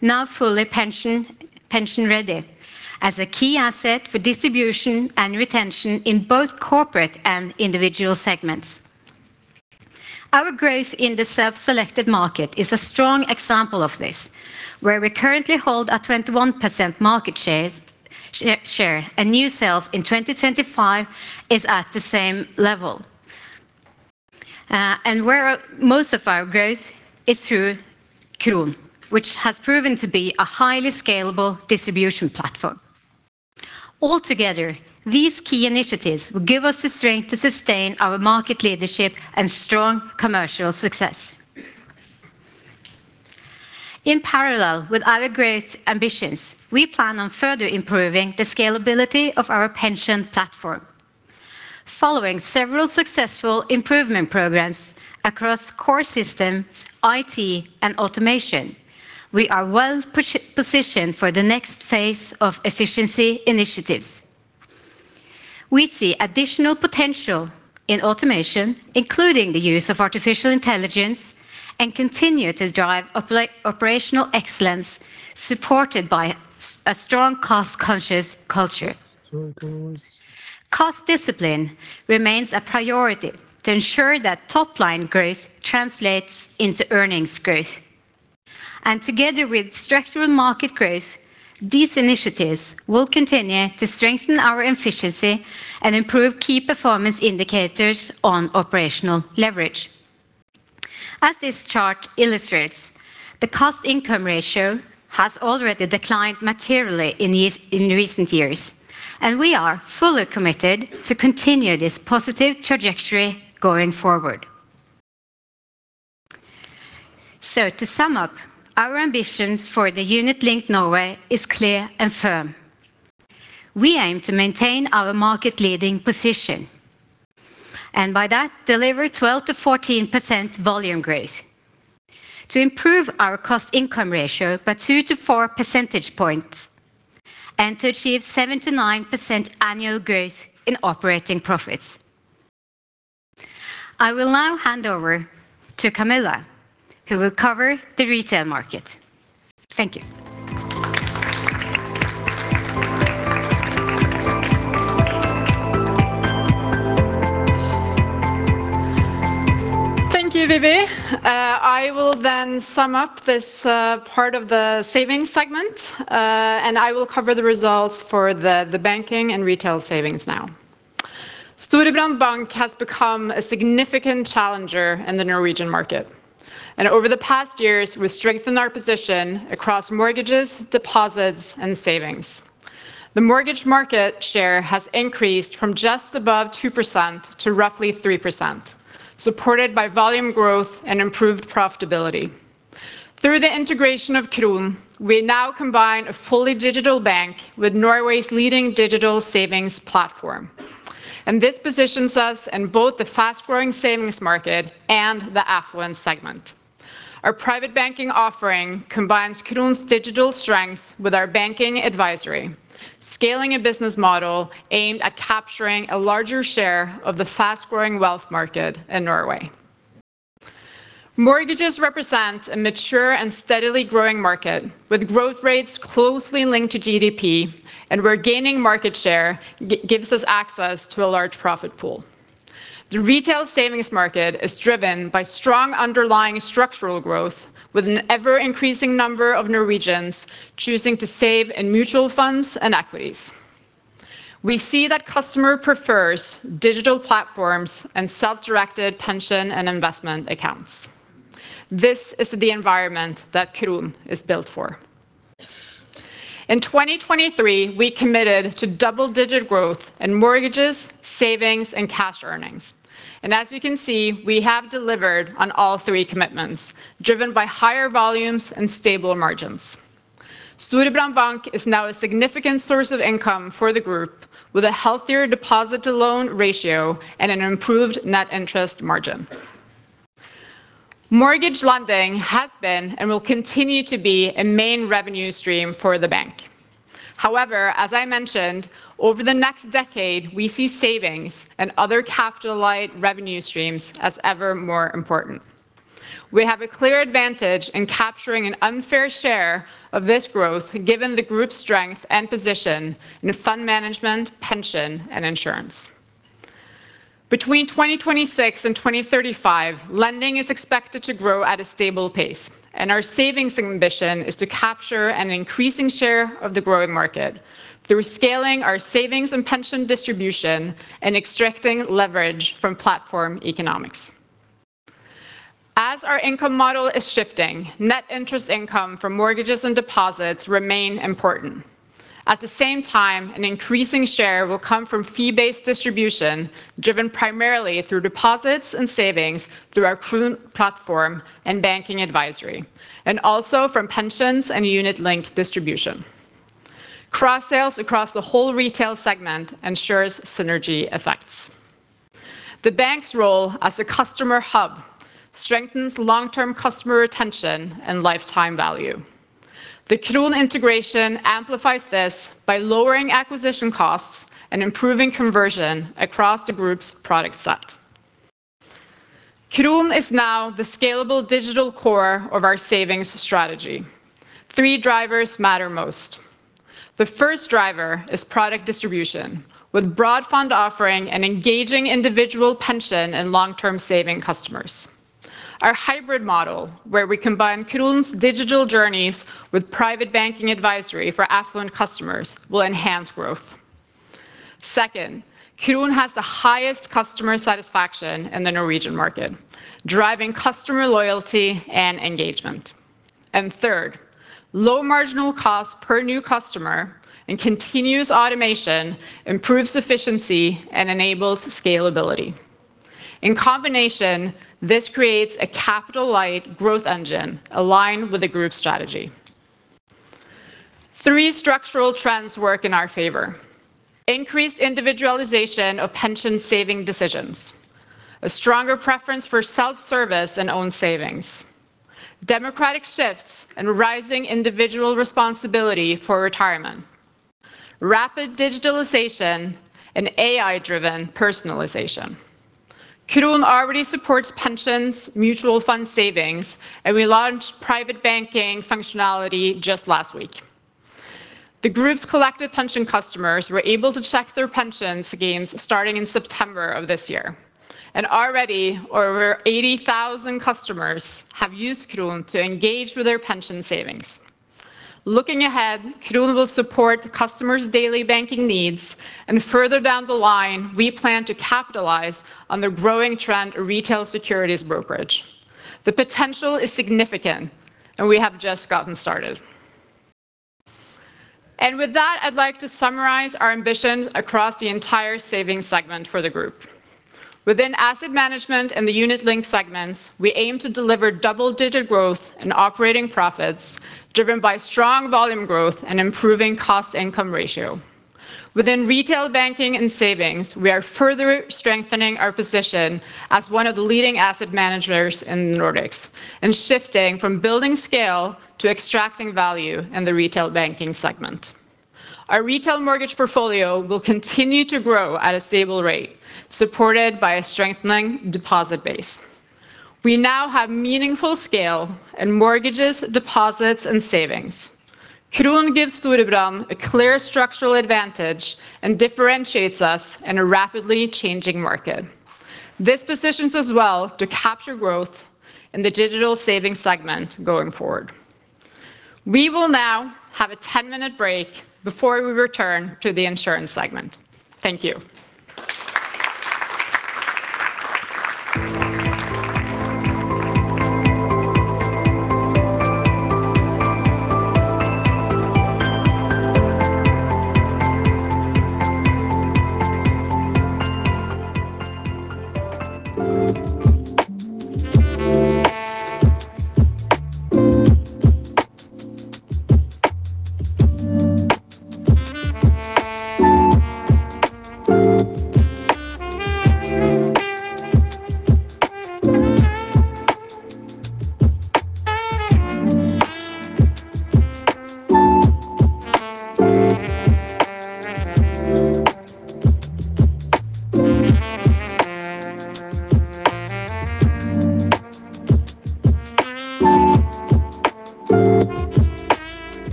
S7: now fully pension-ready, as a key asset for distribution and retention in both corporate and individual segments. Our growth in the self-selected market is a strong example of this, where we currently hold a 21% market share, and new sales in 2025 is at the same level. And where most of our growth is through Kron, which has proven to be a highly scalable distribution platform. Altogether, these key initiatives will give us the strength to sustain our market leadership and strong commercial success. In parallel with our growth ambitions, we plan on further improving the scalability of our pension platform. Following several successful improvement programs across core systems, IT, and automation, we are well positioned for the next phase of efficiency initiatives. We see additional potential in automation, including the use of artificial intelligence, and continue to drive operational excellence supported by a strong cost-conscious culture. Cost discipline remains a priority to ensure that top-line growth translates into earnings growth. And together with structural market growth, these initiatives will continue to strengthen our efficiency and improve key performance indicators on operational leverage. As this chart illustrates, the cost-income ratio has already declined materially in recent years, and we are fully committed to continue this positive trajectory going forward. To sum up, our ambitions for the Unit Linked Norway are clear and firm. We aim to maintain our market-leading position and by that deliver 12%-14% volume growth, to improve our cost-income ratio by 2-4 percentage points, and to achieve 7%-9% annual growth in operating profits. I will now hand over to Camilla, who will cover the retail market. Thank you.
S8: Thank you, Vivi. I will then sum up this part of the savings segment, and I will cover the results for the banking and retail savings now. Storebrand Bank has become a significant challenger in the Norwegian market, and over the past years, we've strengthened our position across mortgages, deposits, and savings. The mortgage market share has increased from just above 2% to roughly 3%, supported by volume growth and improved profitability. Through the integration of Kron, we now combine a fully digital bank with Norway's leading digital savings platform, and this positions us in both the fast-growing savings market and the affluent segment. Our private banking offering combines Kron's digital strength with our banking advisory, scaling a business model aimed at capturing a larger share of the fast-growing wealth market in Norway. Mortgages represent a mature and steadily growing market, with growth rates closely linked to GDP, and where gaining market share gives us access to a large profit pool. The retail savings market is driven by strong underlying structural growth, with an ever-increasing number of Norwegians choosing to save in mutual funds and equities. We see that customers prefer digital platforms and self-directed pension and investment accounts. This is the environment that Kron is built for. In 2023, we committed to double-digit growth in mortgages, savings, and cash earnings. And as you can see, we have delivered on all three commitments, driven by higher volumes and stable margins. Storebrand Bank is now a significant source of income for the group, with a healthier deposit-to-loan ratio and an improved net interest margin. Mortgage lending has been and will continue to be a main revenue stream for the bank. However, as I mentioned, over the next decade, we see savings and other capital-light revenue streams as ever more important. We have a clear advantage in capturing an unfair share of this growth, given the group's strength and position in fund management, pension, and insurance. Between 2026 and 2035, lending is expected to grow at a stable pace, and our savings ambition is to capture an increasing share of the growing market through scaling our savings and pension distribution and extracting leverage from platform economics. As our income model is shifting, net interest income from mortgages and deposits remains important. At the same time, an increasing share will come from fee-based distribution driven primarily through deposits and savings through our Kron platform and banking advisory, and also from pensions and Unit Linked distribution. Cross-sales across the whole retail segment ensures synergy effects. The bank's role as a customer hub strengthens long-term customer retention and lifetime value. The Kron integration amplifies this by lowering acquisition costs and improving conversion across the group's product set. Kron is now the scalable digital core of our savings strategy. Three drivers matter most. The first driver is product distribution, with broad fund offering and engaging individual pension and long-term saving customers. Our hybrid model, where we combine Kron's digital journeys with private banking advisory for affluent customers, will enhance growth. Second, Kron has the highest customer satisfaction in the Norwegian market, driving customer loyalty and engagement, and third, low marginal costs per new customer and continuous automation improve efficiency and enable scalability. In combination, this creates a capital-like growth engine aligned with the group's strategy. Three structural trends work in our favor: increased individualization of pension saving decisions, a stronger preference for self-service and own savings, demographic shifts and rising individual responsibility for retirement, rapid digitalization, and AI-driven personalization. Kron already supports pensions, mutual fund savings, and we launched private banking functionality just last week. The group's collective pension customers were able to check their pension schemes starting in September of this year, and already over 80,000 customers have used Kron to engage with their pension savings. Looking ahead, Kron will support customers' daily banking needs, and further down the line, we plan to capitalize on the growing trend of retail securities brokerage. The potential is significant, and we have just gotten started. And with that, I'd like to summarize our ambitions across the entire savings segment for the group. Within asset management and the Unit Linked segments, we aim to deliver double-digit growth in operating profits driven by strong volume growth and improving cost-income ratio. Within retail banking and savings, we are further strengthening our position as one of the leading asset managers in the Nordics and shifting from building scale to extracting value in the retail banking segment. Our retail mortgage portfolio will continue to grow at a stable rate, supported by a strengthening deposit base. We now have meaningful scale in mortgages, deposits, and savings. Kron gives Storebrand a clear structural advantage and differentiates us in a rapidly changing market. This positions us well to capture growth in the digital savings segment going forward. We will now have a 10-minute break before we return to the insurance segment. Thank you.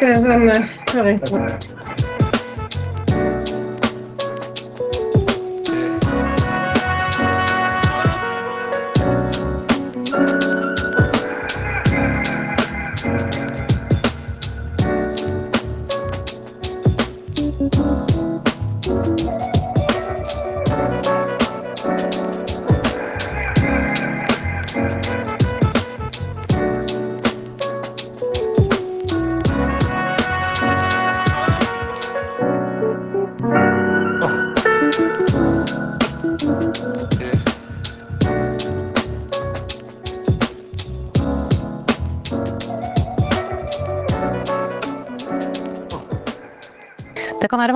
S9: [Foreigh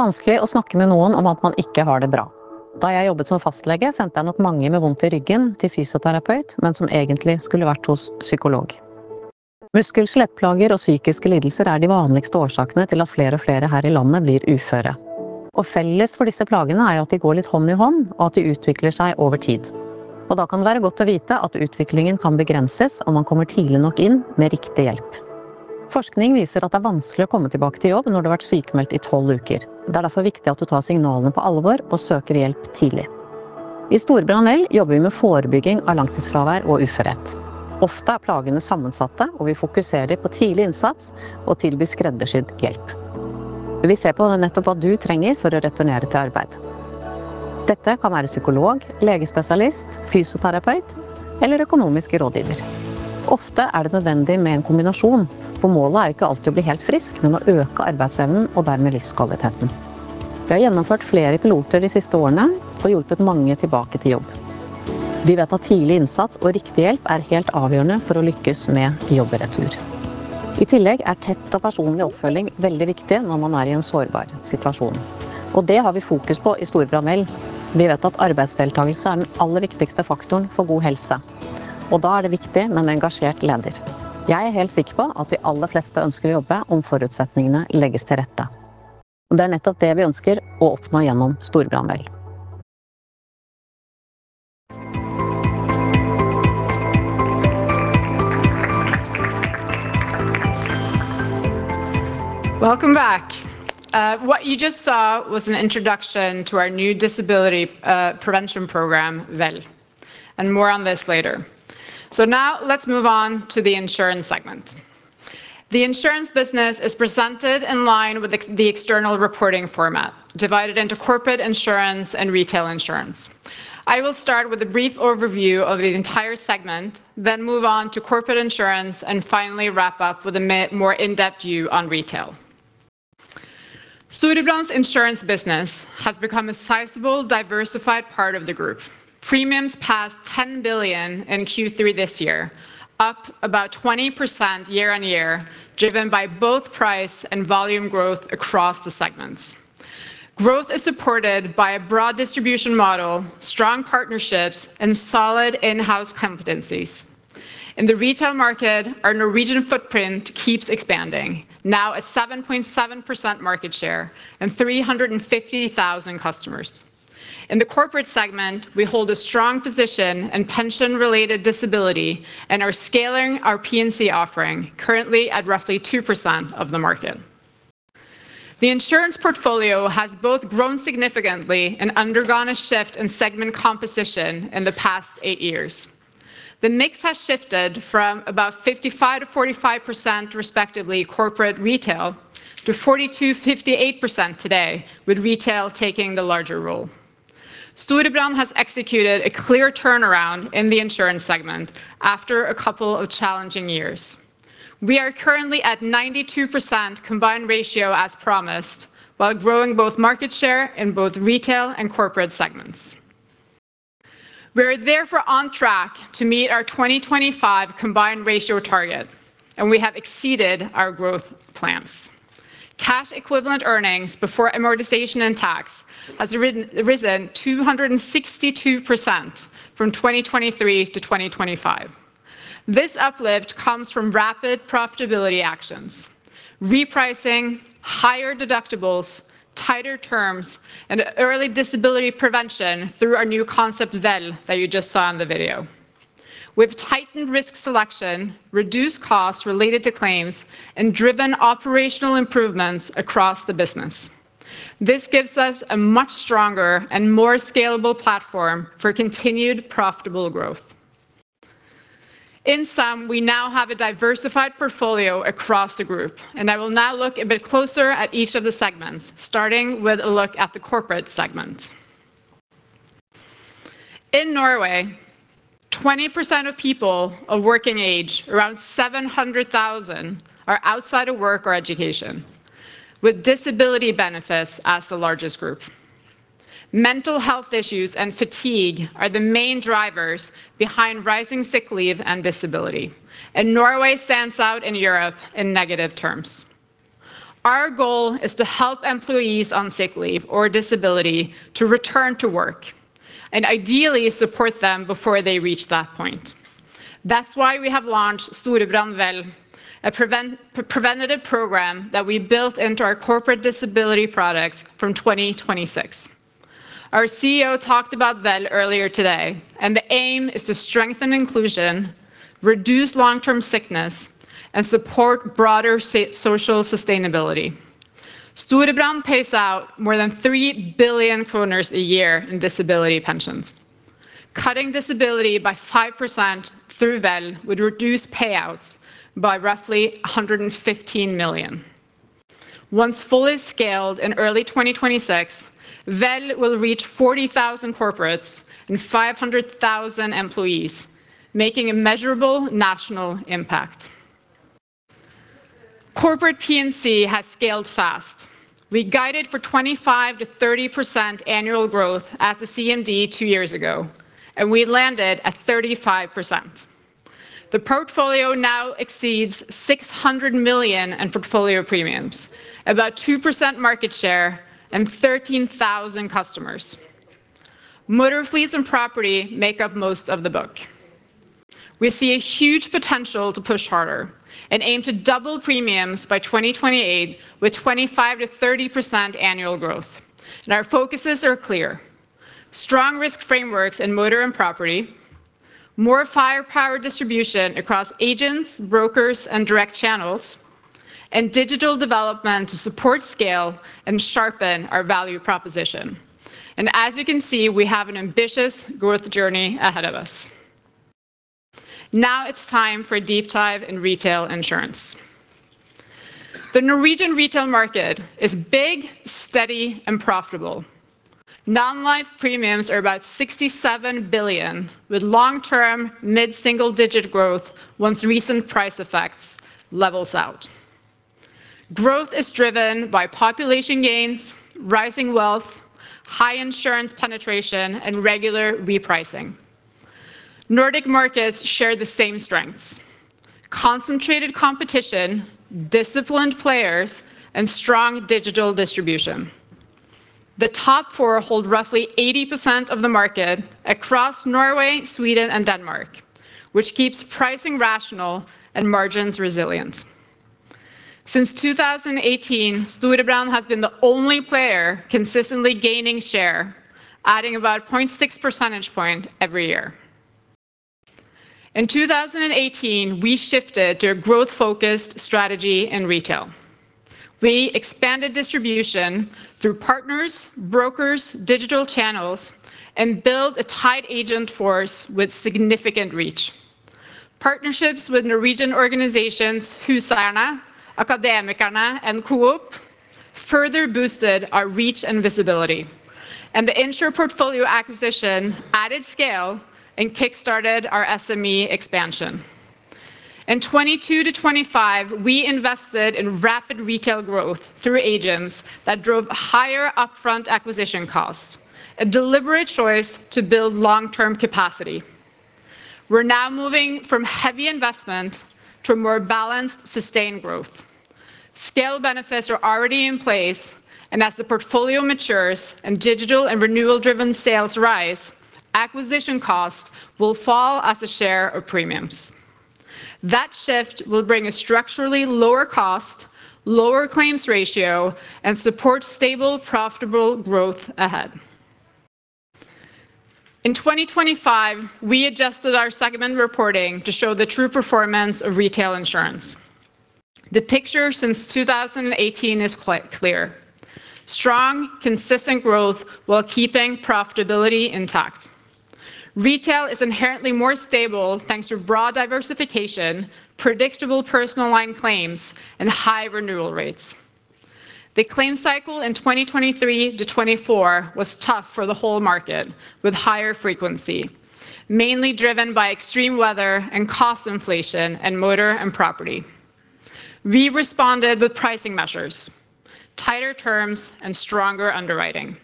S9: language] Welcome back. What you just saw was an introduction to our new disability prevention program, VEL, and more on this later. So now let's move on to the insurance segment. The insurance business is presented in line with the external reporting format, divided into corporate insurance and retail insurance. I will start with a brief overview of the entire segment, then move on to corporate insurance, and finally wrap up with a more in-depth view on retail. Storebrand's insurance business has become a sizable, diversified part of the group. Premiums passed 10 billion in Q3 this year, up about 20% year-on-year, driven by both price and volume growth across the segments. Growth is supported by a broad distribution model, strong partnerships, and solid in-house competencies. In the retail market, our Norwegian footprint keeps expanding, now at 7.7% market share and 350,000 customers. In the corporate segment, we hold a strong position in pension-related disability and are scaling our P&C offering, currently at roughly 2% of the market. The insurance portfolio has both grown significantly and undergone a shift in segment composition in the past eight years. The mix has shifted from about 55%-45%, respectively, corporate retail to 42%-58% today, with retail taking the larger role. Storebrand has executed a clear turnaround in the insurance segment after a couple of challenging years. We are currently at 92% combined ratio as promised, while growing both market share in both retail and corporate segments. We are therefore on track to meet our 2025 combined ratio target, and we have exceeded our growth plans. Cash equivalent earnings before amortization and tax have risen 262% from 2023-2025. This uplift comes from rapid profitability actions: repricing, higher deductibles, tighter terms, and early disability prevention through our new concept, VEL, that you just saw in the video. We've tightened risk selection, reduced costs related to claims, and driven operational improvements across the business. This gives us a much stronger and more scalable platform for continued profitable growth. In sum, we now have a diversified portfolio across the group, and I will now look a bit closer at each of the segments, starting with a look at the corporate segment. In Norway, 20% of people of working age, around 700,000, are outside of work or education, with disability benefits as the largest group. Mental health issues and fatigue are the main drivers behind rising sick leave and disability, and Norway stands out in Europe in negative terms. Our goal is to help employees on sick leave or disability to return to work and ideally support them before they reach that point. That's why we have launched Storebrand VEL, a preventative program that we built into our corporate disability products from 2026. Our CEO talked about VEL earlier today, and the aim is to strengthen inclusion, reduce long-term sickness, and support broader social sustainability. Storebrand pays out more than 3 billion kroner a year in disability pensions. Cutting disability by 5% through VEL would reduce payouts by roughly 115 million. Once fully scaled in early 2026, VEL will reach 40,000 corporates and 500,000 employees, making a measurable national impact. Corporate P&C has scaled fast. We guided for 25%-30% annual growth at the CMD two years ago, and we landed at 35%. The portfolio now exceeds 600 million in portfolio premiums, about 2% market share, and 13,000 customers. Motor fleets and property make up most of the book. We see a huge potential to push harder and aim to double premiums by 2028 with 25%-30% annual growth, and our focuses are clear: strong risk frameworks in motor and property, more firepower distribution across agents, brokers, and direct channels, and digital development to support scale and sharpen our value proposition, and as you can see, we have an ambitious growth journey ahead of us. Now it's time for a deep dive in retail insurance. The Norwegian retail market is big, steady, and profitable. Non-life premiums are about 67 billion, with long-term mid-single-digit growth once recent price effects level out. Growth is driven by population gains, rising wealth, high insurance penetration, and regular repricing. Nordic markets share the same strengths: concentrated competition, disciplined players, and strong digital distribution. The top four hold roughly 80% of the market across Norway, Sweden, and Denmark, which keeps pricing rational and margins resilient. Since 2018, Storebrand has been the only player consistently gaining share, adding about 0.6 percentage points every year. In 2018, we shifted to a growth-focused strategy in retail. We expanded distribution through partners, brokers, digital channels, and built a tight agent force with significant reach. Partnerships with Norwegian organizations Huseierne, Akademikerne, and Coop further boosted our reach and visibility, and the insurance portfolio acquisition added scale and kickstarted our SME expansion. In 2022-2025, we invested in rapid retail growth through agents that drove higher upfront acquisition costs, a deliberate choice to build long-term capacity. We're now moving from heavy investment to a more balanced, sustained growth. Scale benefits are already in place, and as the portfolio matures and digital and renewal-driven sales rise, acquisition costs will fall as a share of premiums. That shift will bring a structurally lower cost, lower claims ratio, and support stable, profitable growth ahead. In 2025, we adjusted our segment reporting to show the true performance of retail insurance. The picture since 2018 is quite clear: strong, consistent growth while keeping profitability intact. Retail is inherently more stable thanks to broad diversification, predictable personal line claims, and high renewal rates. The claim cycle in 2023-2024 was tough for the whole market, with higher frequency, mainly driven by extreme weather and cost inflation in motor and property. We responded with pricing measures, tighter terms, and stronger underwriting.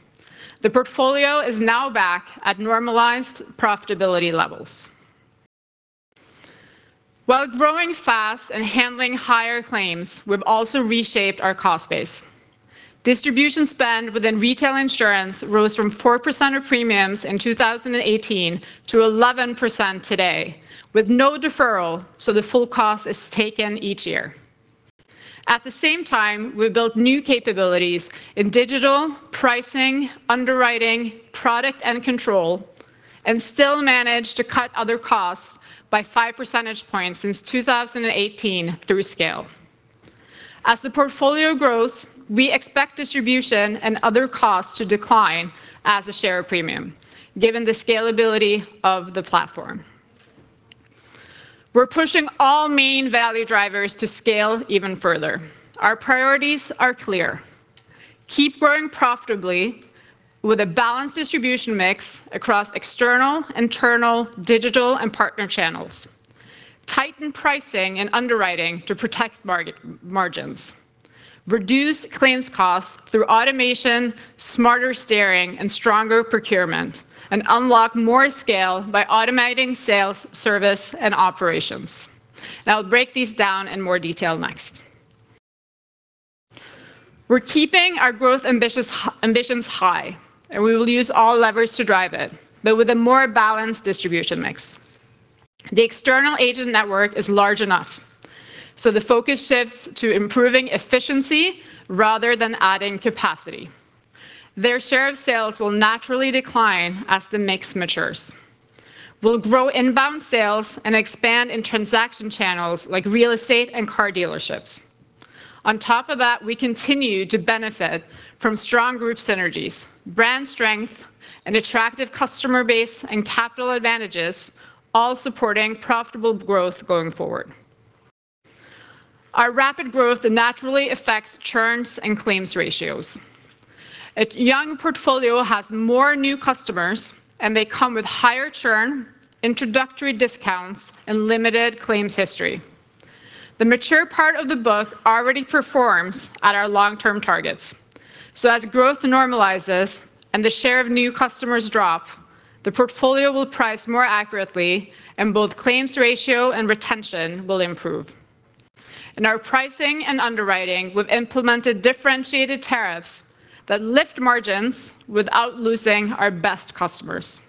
S9: The portfolio is now back at normalized profitability levels. While growing fast and handling higher claims, we've also reshaped our cost base. Distribution spend within retail insurance rose from 4% of premiums in 2018 to 11% today, with no deferral, so the full cost is taken each year. At the same time, we built new capabilities in digital, pricing, underwriting, product, and control, and still managed to cut other costs by 5 percentage points since 2018 through scale. As the portfolio grows, we expect distribution and other costs to decline as a share of premium, given the scalability of the platform. We're pushing all main value drivers to scale even further. Our priorities are clear: keep growing profitably with a balanced distribution mix across external, internal, digital, and partner channels, tighten pricing and underwriting to protect margins, reduce claims costs through automation, smarter steering, and stronger procurement, and unlock more scale by automating sales, service, and operations, and I'll break these down in more detail next. We're keeping our growth ambitions high, and we will use all levers to drive it, but with a more balanced distribution mix. The external agent network is large enough, so the focus shifts to improving efficiency rather than adding capacity. Their share of sales will naturally decline as the mix matures. We'll grow inbound sales and expand in transaction channels like real estate and car dealerships. On top of that, we continue to benefit from strong group synergies, brand strength, an attractive customer base, and capital advantages, all supporting profitable growth going forward. Our rapid growth naturally affects churn and claims ratios. A young portfolio has more new customers, and they come with higher churn, introductory discounts, and limited claims history. The mature part of the book already performs at our long-term targets. So, as growth normalizes and the share of new customers drops, the portfolio will price more accurately, and both claims ratio and retention will improve. In our pricing and underwriting, we've implemented differentiated tariffs that lift margins without losing our best customers.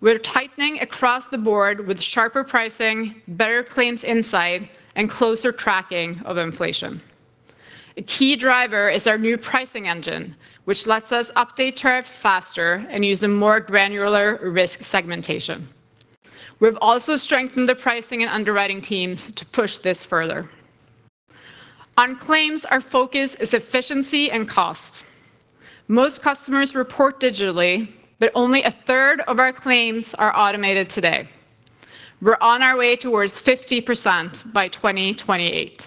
S9: We're tightening across the board with sharper pricing, better claims insight, and closer tracking of inflation. A key driver is our new pricing engine, which lets us update tariffs faster and use a more granular risk segmentation. We've also strengthened the pricing and underwriting teams to push this further. On claims, our focus is efficiency and costs. Most customers report digitally, but only a third of our claims are automated today. We're on our way toward 50% by 2028.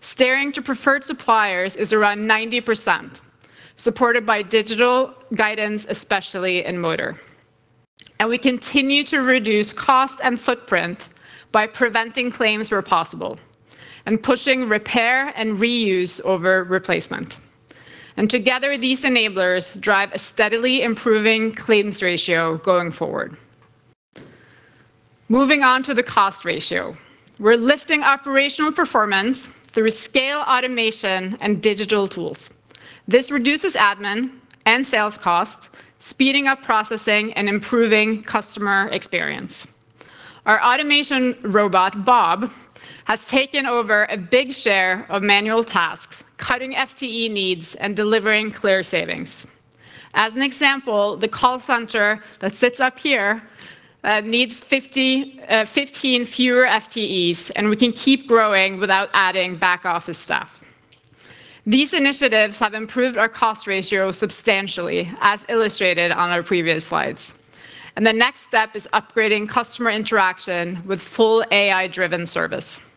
S9: Steering to preferred suppliers is around 90%, supported by digital guidance, especially in motor, and we continue to reduce cost and footprint by preventing claims where possible and pushing repair and reuse over replacement, and together, these enablers drive a steadily improving claims ratio going forward. Moving on to the cost ratio, we're lifting operational performance through scale automation and digital tools. This reduces admin and sales costs, speeding up processing and improving customer experience. Our automation robot, Bob, has taken over a big share of manual tasks, cutting FTE needs and delivering clear savings. As an example, the call center that sits up here needs 15 fewer FTEs, and we can keep growing without adding back office staff. These initiatives have improved our cost ratio substantially, as illustrated on our previous slides, and the next step is upgrading customer interaction with full AI-driven service.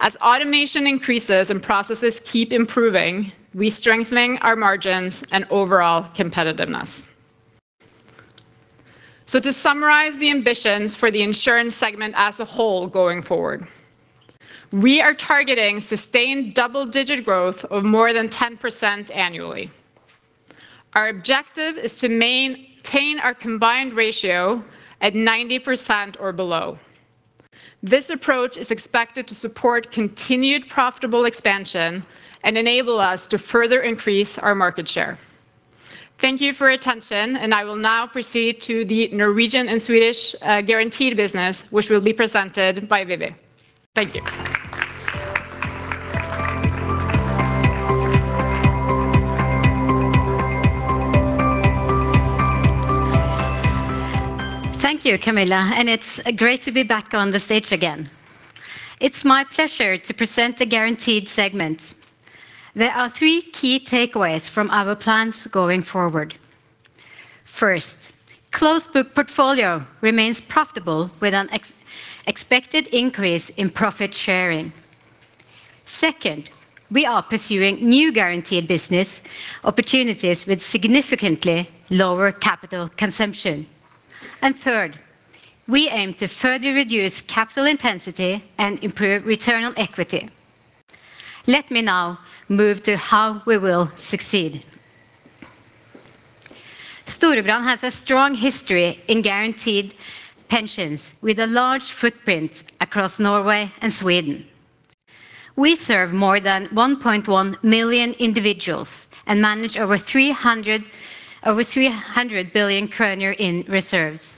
S9: As automation increases and processes keep improving, we're strengthening our margins and overall competitiveness, so to summarize the ambitions for the insurance segment as a whole going forward, we are targeting sustained double-digit growth of more than 10% annually. Our objective is to maintain our combined ratio at 90% or below. This approach is expected to support continued profitable expansion and enable us to further increase our market share. Thank you for your attention, and I will now proceed to the Norwegian and Swedish Guaranteed business, which will be presented by Vivi. Thank you.
S7: Thank you, Camilla, and it's great to be back on the stage again. It's my pleasure to present the Guaranteed segment. There are three key takeaways from our plans going forward. First, Closed Book portfolio remains profitable with an expected increase in profit sharing. Second, we are pursuing new Guaranteed business opportunities with significantly lower capital consumption. And third, we aim to further reduce capital intensity and improve return on equity. Let me now move to how we will succeed. Storebrand has a strong history in Guaranteed pensions with a large footprint across Norway and Sweden. We serve more than 1.1 million individuals and manage over 300 billion kroner in reserves.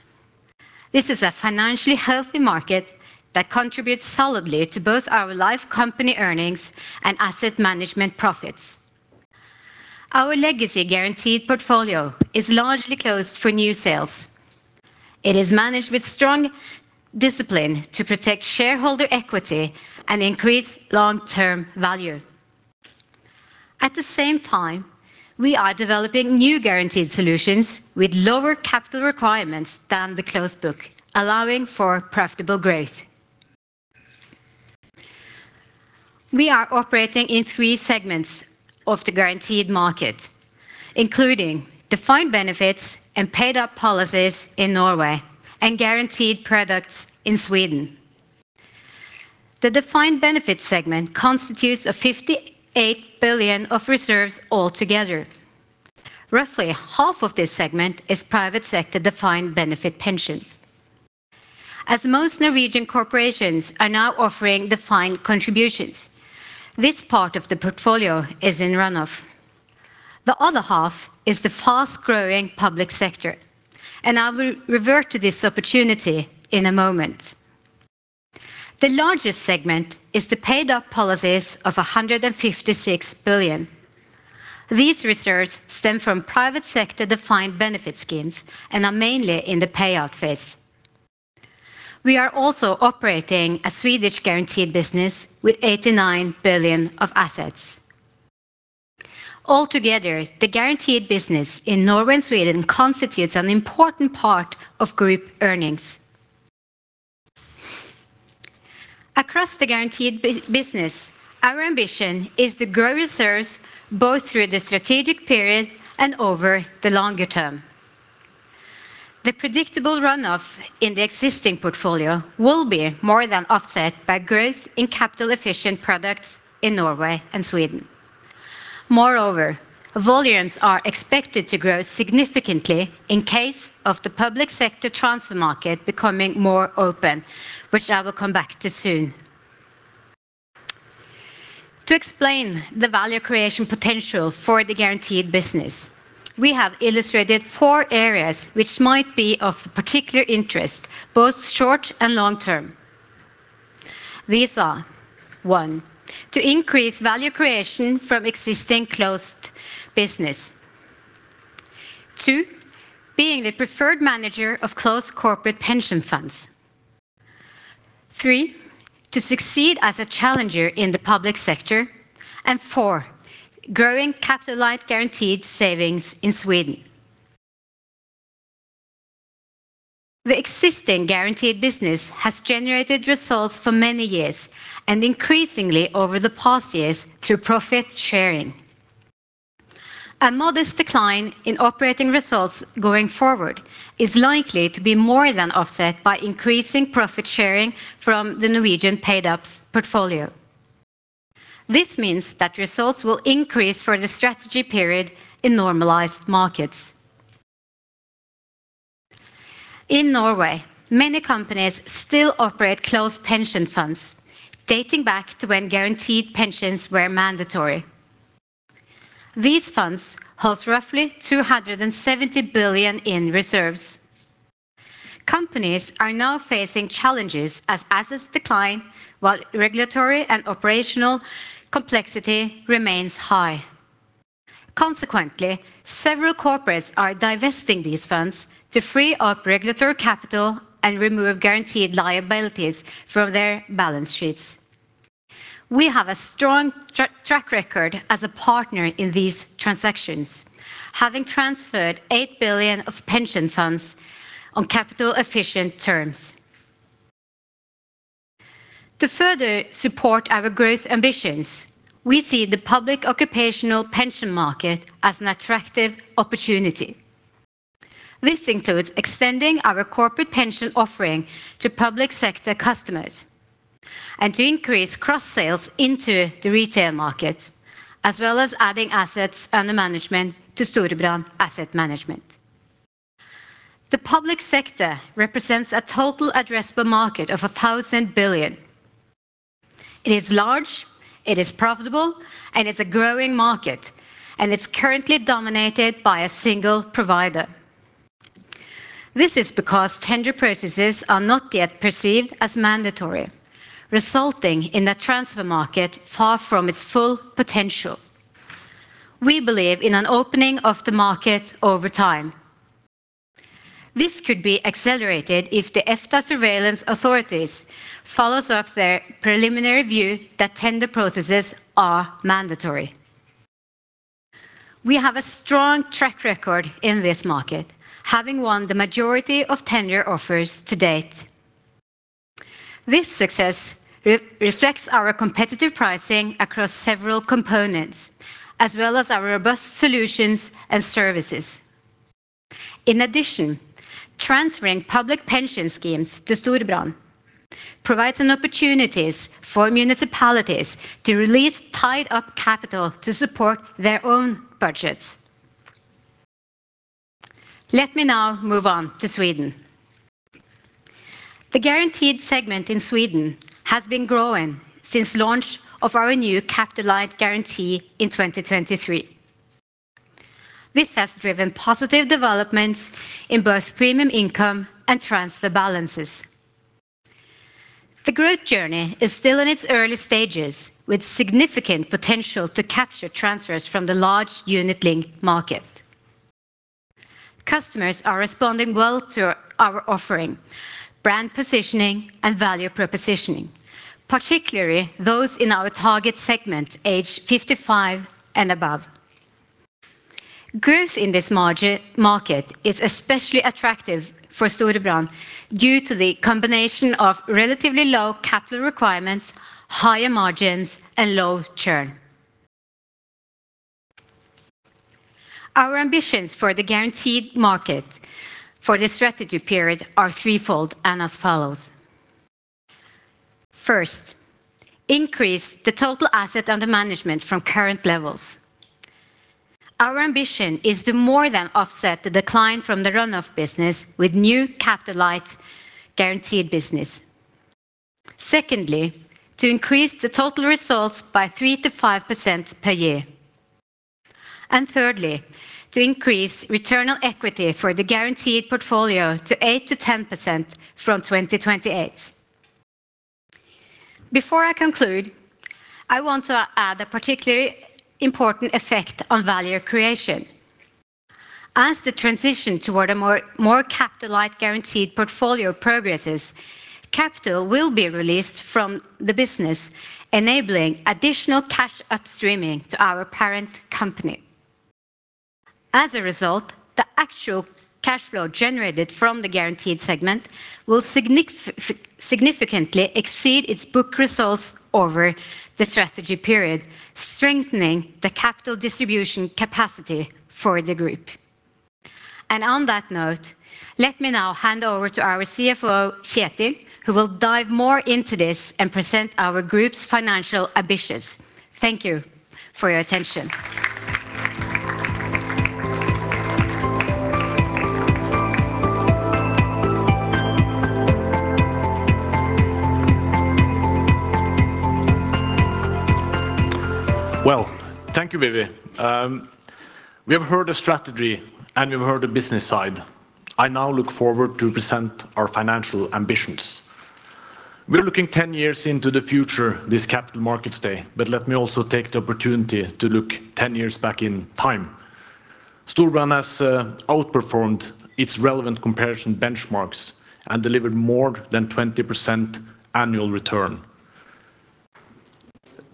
S7: This is a financially healthy market that contributes solidly to both our life company earnings and asset management profits. Our legacy Guaranteed portfolio is largely closed for new sales. It is managed with strong discipline to protect shareholder equity and increase long-term value. At the same time, we are developing new Guaranteed solutions with lower capital requirements than the Closed Book, allowing for profitable growth. We are operating in three segments of the Guaranteed market, including Defined Benefit and paid-up policies in Norway and Guaranteed products in Sweden. The Defined Benefit segment constitutes 58 billion of reserves altogether. Roughly half of this segment is private sector Defined Benefit pensions. As most Norwegian corporations are now offering Defined Contribution, this part of the portfolio is in runoff. The other half is the fast-growing public sector, and I will revert to this opportunity in a moment. The largest segment is the paid-up policies of 156 billion. These reserves stem from private sector Defined Benefit schemes and are mainly in the payout phase. We are also operating a Swedish Guaranteed business with 89 billion of assets. Altogether, the Guaranteed business in Norway and Sweden constitutes an important part of group earnings. Across the Guaranteed business, our ambition is to grow reserves both through the strategic period and over the longer term. The predictable runoff in the existing portfolio will be more than offset by growth in capital-efficient products in Norway and Sweden. Moreover, volumes are expected to grow significantly in case of the public sector transfer market becoming more open, which I will come back to soon. To explain the value creation potential for the Guaranteed business, we have illustrated four areas which might be of particular interest, both short and long term. These are: one, to increase value creation from existing closed business; two, being the preferred manager of closed corporate pension funds; three, to succeed as a challenger in the public sector; and four, growing capital-light Guaranteed savings in Sweden. The existing Guaranteed business has generated results for many years and increasingly over the past years through profit sharing. A modest decline in operating results going forward is likely to be more than offset by increasing profit sharing from the Norwegian paid-ups portfolio. This means that results will increase for the strategy period in normalized markets. In Norway, many companies still operate closed pension funds dating back to when Guaranteed pensions were mandatory. These funds hold roughly 270 billion in reserves. Companies are now facing challenges as assets decline while regulatory and operational complexity remains high. Consequently, several corporates are divesting these funds to free up regulatory capital and remove Guaranteed liabilities from their balance sheets. We have a strong track record as a partner in these transactions, having transferred 8 billion of pension funds on capital-efficient terms. To further support our growth ambitions, we see the public occupational pension market as an attractive opportunity. This includes extending our corporate pension offering to public sector customers and to increase cross-sales into the retail market, as well as adding assets under management to Storebrand Asset Management. The public sector represents a total addressable market of 1,000 billion. It is large, it is profitable, and it's a growing market, and it's currently dominated by a single provider. This is because tender processes are not yet perceived as mandatory, resulting in the transfer market far from its full potential. We believe in an opening of the market over time. This could be accelerated if the EFTA Surveillance Authority follow up their preliminary view that tender processes are mandatory. We have a strong track record in this market, having won the majority of tender offers to date. This success reflects our competitive pricing across several components, as well as our robust solutions and services. In addition, transferring public pension schemes to Storebrand provides opportunities for municipalities to release tied-up capital to support their own budgets. Let me now move on to Sweden. The Guaranteed segment in Sweden has been growing since the launch of our new capital-light guarantee in 2023. This has driven positive developments in both premium income and transfer balances. The growth journey is still in its early stages, with significant potential to capture transfers from the large Unit Linked market. Customers are responding well to our offering, brand positioning, and value proposition, particularly those in our target segment, age 55 and above. Growth in this market is especially attractive for Storebrand due to the combination of relatively low capital requirements, higher margins, and low churn. Our ambitions for the Guaranteed market for the strategy period are threefold and as follows. First, increase the total assets under management from current levels. Our ambition is to more than offset the decline from the runoff business with new capital-light Guaranteed business. Secondly, to increase the total results by 3%-5% per year, and thirdly, to increase return on equity for the Guaranteed portfolio to 8%-10% from 2028. Before I conclude, I want to add a particularly important effect on value creation. As the transition toward a more capital-light Guaranteed portfolio progresses, capital will be released from the business, enabling additional cash upstreaming to our parent company. As a result, the actual cash flow generated from the Guaranteed segment will significantly exceed its book results over the strategy period, strengthening the capital distribution capacity for the group. And on that note, let me now hand over to our CFO, Kjetil, who will dive more into this and present our group's financial ambitions. Thank you for your attention.
S10: Well, thank you, Vivi. We have heard the strategy, and we've heard the business side. I now look forward to present our financial ambitions. We're looking 10 years into the future this Capital Markets Day, but let me also take the opportunity to look 10 years back in time. Storebrand has outperformed its relevant comparison benchmarks and delivered more than 20% annual return.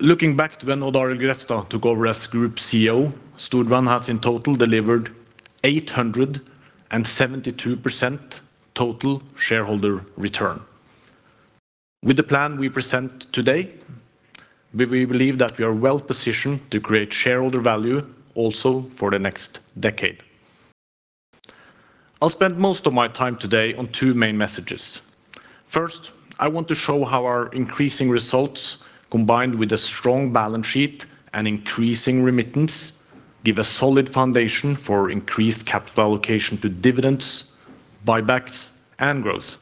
S10: Looking back to when Odd Grefstad took over as Group CEO, Storebrand has in total delivered 872% total shareholder return. With the plan we present today, we believe that we are well positioned to create shareholder value also for the next decade. I'll spend most of my time today on two main messages. First, I want to show how our increasing results, combined with a strong balance sheet and increasing remittance, give a solid foundation for increased capital allocation to dividends, buybacks, and growth.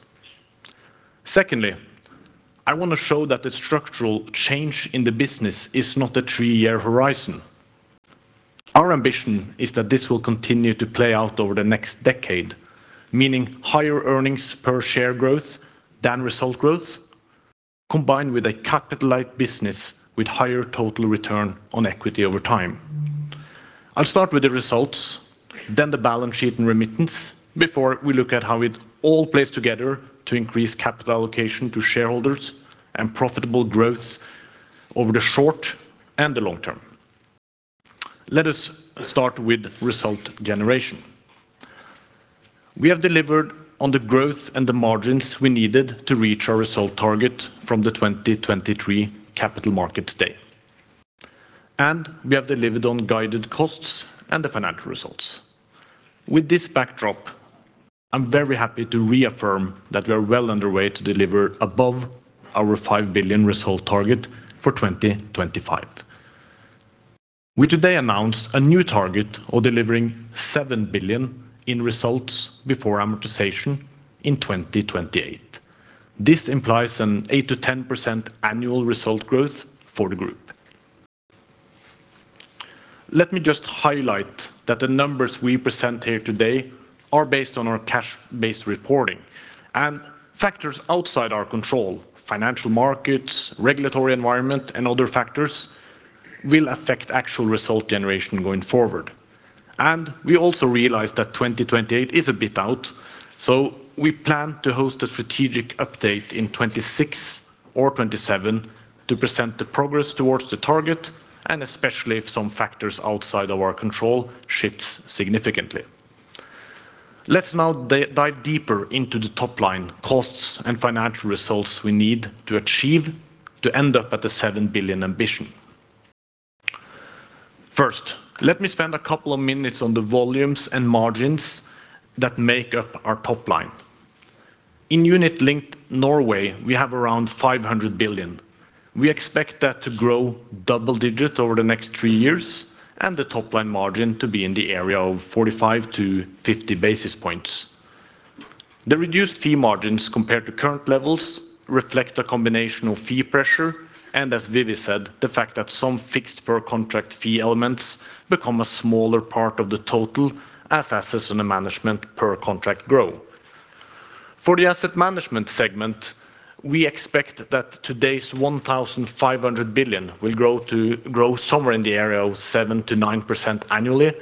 S10: Secondly, I want to show that the structural change in the business is not a three-year horizon. Our ambition is that this will continue to play out over the next decade, meaning higher earnings per share growth than result growth, combined with a capital light business with higher total return on equity over time. I'll start with the results, then the balance sheet and remittance, before we look at how it all plays together to increase capital allocation to shareholders and profitable growth over the short and the long term. Let us start with result generation. We have delivered on the growth and the margins we needed to reach our result target from the 2023 capital markets day. And we have delivered on guided costs and the financial results. With this backdrop, I'm very happy to reaffirm that we are well underway to deliver above our 5 billion result target for 2025. We today announced a new target of delivering 7 billion in results before amortization in 2028. This implies an 8%-10% annual result growth for the group. Let me just highlight that the numbers we present here today are based on our cash-based reporting, and factors outside our control, financial markets, regulatory environment, and other factors will affect actual result generation going forward. And we also realize that 2028 is a bit out, so we plan to host a strategic update in 2026 or 2027 to present the progress towards the target, and especially if some factors outside of our control shift significantly. Let's now dive deeper into the top line costs and financial results we need to achieve to end up at the 7 billion ambition. First, let me spend a couple of minutes on the volumes and margins that make up our top line. In Unit Linked Norway, we have around 500 billion. We expect that to grow double-digit over the next three years and the top line margin to be in the area of 45-50 basis points. The reduced fee margins compared to current levels reflect a combination of fee pressure and, as Vivi said, the fact that some fixed per contract fee elements become a smaller part of the total as assets under management per contract grow. For the asset management segment, we expect that today's 1,500 billion will grow somewhere in the area of 7%-9% annually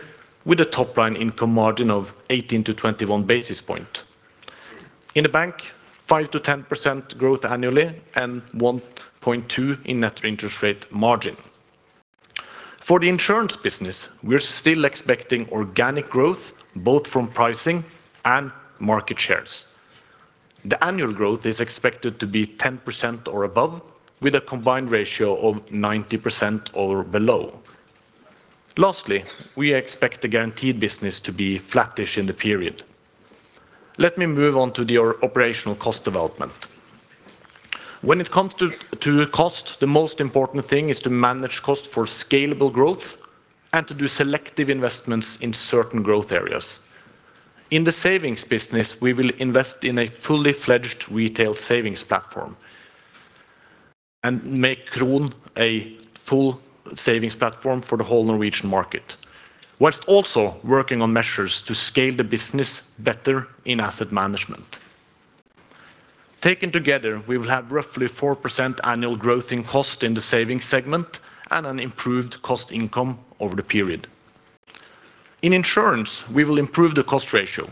S10: with a top line income margin of 18-21 basis points. In the bank, 5%-10% growth annually and 1.2 in net interest rate margin. For the insurance business, we're still expecting organic growth both from pricing and market shares. The annual growth is expected to be 10% or above with a combined ratio of 90% or below. Lastly, we expect the Guaranteed business to be flattish in the period. Let me move on to the operational cost development. When it comes to cost, the most important thing is to manage costs for scalable growth and to do selective investments in certain growth areas. In the savings business, we will invest in a fully fledged retail savings platform and make Kron a full savings platform for the whole Norwegian market, while also working on measures to scale the business better in asset management. Taken together, we will have roughly 4% annual growth in cost in the savings segment and an improved cost-income over the period. In insurance, we will improve the cost ratio,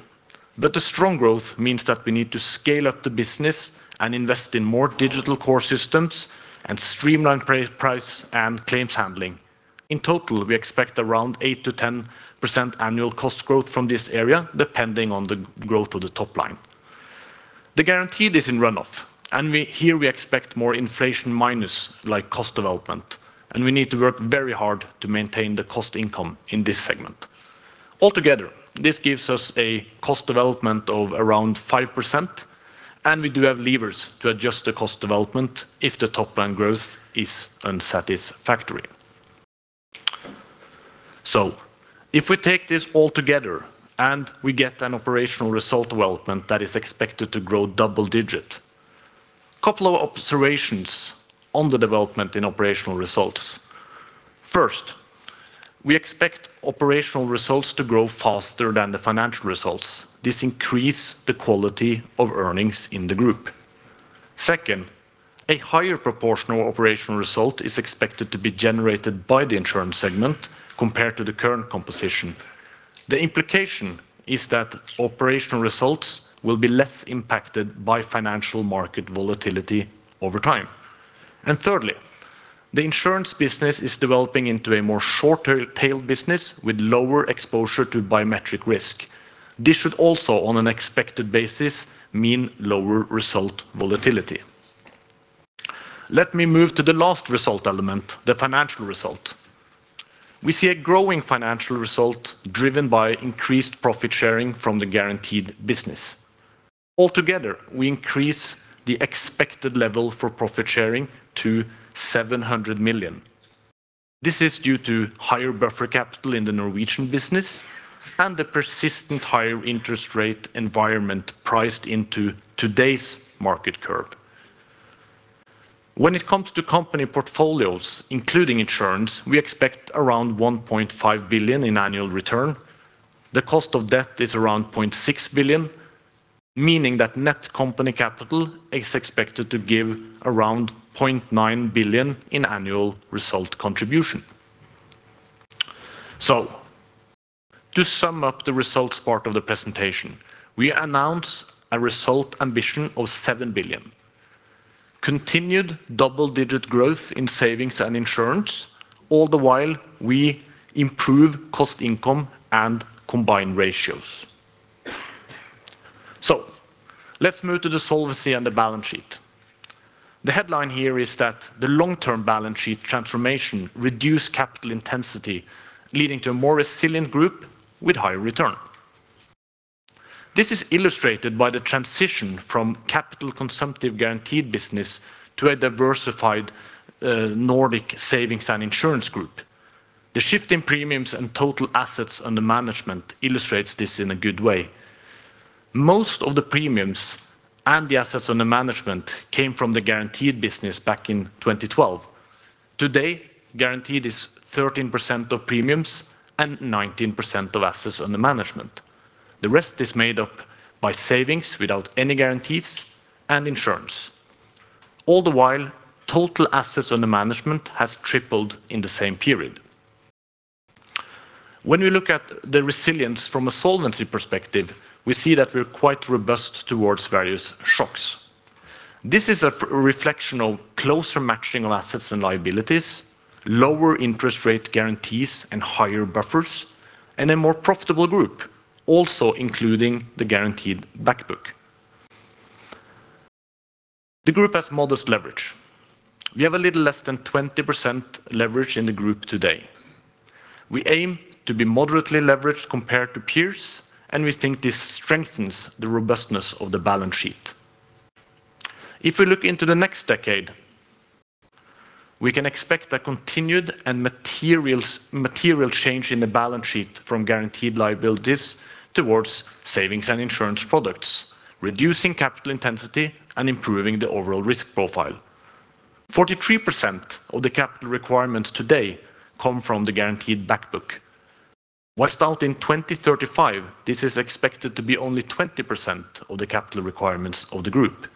S10: but the strong growth means that we need to scale up the business and invest in more digital core systems and streamline price and claims handling. In total, we expect around 8%-10% annual cost growth from this area, depending on the growth of the top line. The Guaranteed is in runoff, and here we expect more inflation-minus cost development, and we need to work very hard to maintain the cost-income in this segment. Altogether, this gives us a cost development of around 5%, and we do have levers to adjust the cost development if the top line growth is unsatisfactory, so if we take this all together and we get an operational result development that is expected to grow double-digit. A couple of observations on the development in operational results. First, we expect operational results to grow faster than the financial results. This increases the quality of earnings in the group. Second, a higher proportion of operational result is expected to be generated by the insurance segment compared to the current composition. The implication is that operational results will be less impacted by financial market volatility over time, and thirdly, the insurance business is developing into a more short-tailed business with lower exposure to biometric risk. This should also, on an expected basis, mean lower result volatility. Let me move to the last result element, the financial result. We see a growing financial result driven by increased profit sharing from the Guaranteed business. Altogether, we increase the expected level for profit sharing to 700 million. This is due to higher buffer capital in the Norwegian business and the persistent higher interest rate environment priced into today's market curve. When it comes to company portfolios, including insurance, we expect around 1.5 billion in annual return. The cost of debt is around 0.6 billion, meaning that net company capital is expected to give around 0.9 billion in annual result contribution. So, to sum up the results part of the presentation, we announce a result ambition of 7 billion, continued double-digit growth in savings and insurance, all the while we improve cost-income and combined ratios. So, let's move to the solvency and the balance sheet. The headline here is that the long-term balance sheet transformation reduces capital intensity, leading to a more resilient group with higher return. This is illustrated by the transition from capital-consumptive Guaranteed business to a diversified Nordic savings and insurance group. The shift in premiums and total assets under management illustrates this in a good way. Most of the premiums and the assets under management came from the Guaranteed business back in 2012. Today, Guaranteed is 13% of premiums and 19% of assets under management. The rest is made up by savings without any guarantees and insurance. All the while, total assets under management has tripled in the same period. When we look at the resilience from a solvency perspective, we see that we're quite robust towards various shocks. This is a reflection of closer matching of assets and liabilities, lower interest rate guarantees and higher buffers, and a more profitable group, also including the Guaranteed Back Book. The group has modest leverage. We have a little less than 20% leverage in the group today. We aim to be moderately leveraged compared to peers, and we think this strengthens the robustness of the balance sheet. If we look into the next decade, we can expect a continued and material change in the balance sheet from Guaranteed liabilities towards savings and insurance products, reducing capital intensity and improving the overall risk profile. 43% of the capital requirements today come from the Guaranteed Back Book. Whilst out in 2035, this is expected to be only 20% of the capital requirements of the group.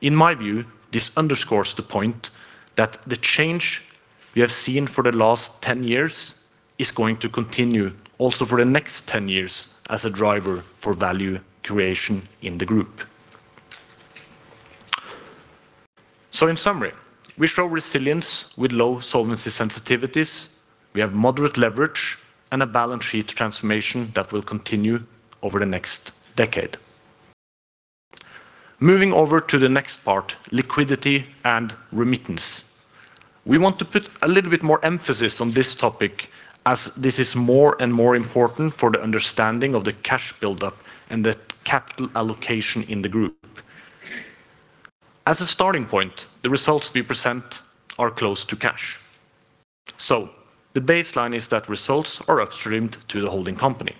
S10: In my view, this underscores the point that the change we have seen for the last 10 years is going to continue also for the next 10 years as a driver for value creation in the group. So, in summary, we show resilience with low solvency sensitivities. We have moderate leverage and a balance sheet transformation that will continue over the next decade. Moving over to the next part, liquidity and remittance. We want to put a little bit more emphasis on this topic as this is more and more important for the understanding of the cash buildup and the capital allocation in the group. As a starting point, the results we present are close to cash. So, the baseline is that results are upstreamed to the holding company.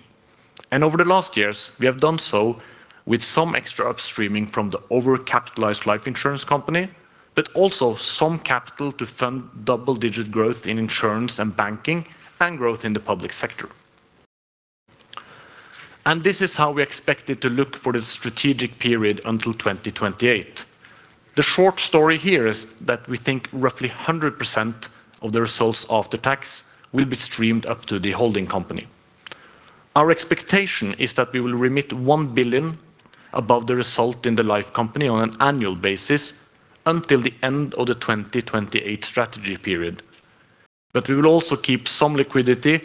S10: And over the last years, we have done so with some extra upstreaming from the over-capitalized life insurance company, but also some capital to fund double-digit growth in insurance and banking and growth in the public sector. And this is how we expect it to look for the strategic period until 2028. The short story here is that we think roughly 100% of the results after tax will be streamed up to the holding company. Our expectation is that we will remit 1 billion above the result in the life company on an annual basis until the end of the 2028 strategy period. But we will also keep some liquidity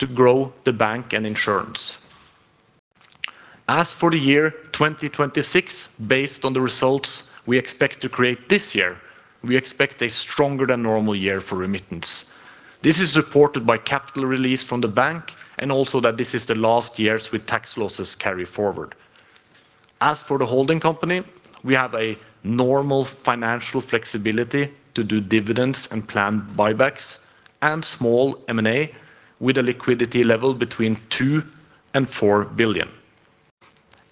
S10: to grow the bank and insurance. As for the year 2026, based on the results we expect to create this year, we expect a stronger than normal year for remittance. This is supported by capital release from the bank and also that this is the last year with tax losses carried forward. As for the holding company, we have a normal financial flexibility to do dividends and plan buybacks and small M&A with a liquidity level between 2 billion and 4 billion.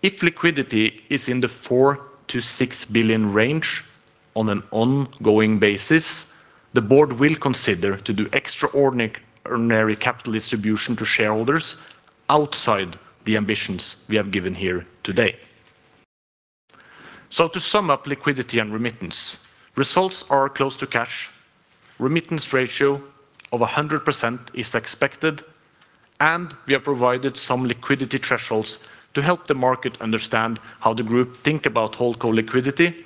S10: If liquidity is in the 4 billion-6 billion range on an ongoing basis, the board will consider to do extraordinary capital distribution to shareholders outside the ambitions we have given here today. So, to sum up liquidity and remittance, results are close to cash. Remittance ratio of 100% is expected, and we have provided some liquidity thresholds to help the market understand how the group thinks about whole core liquidity,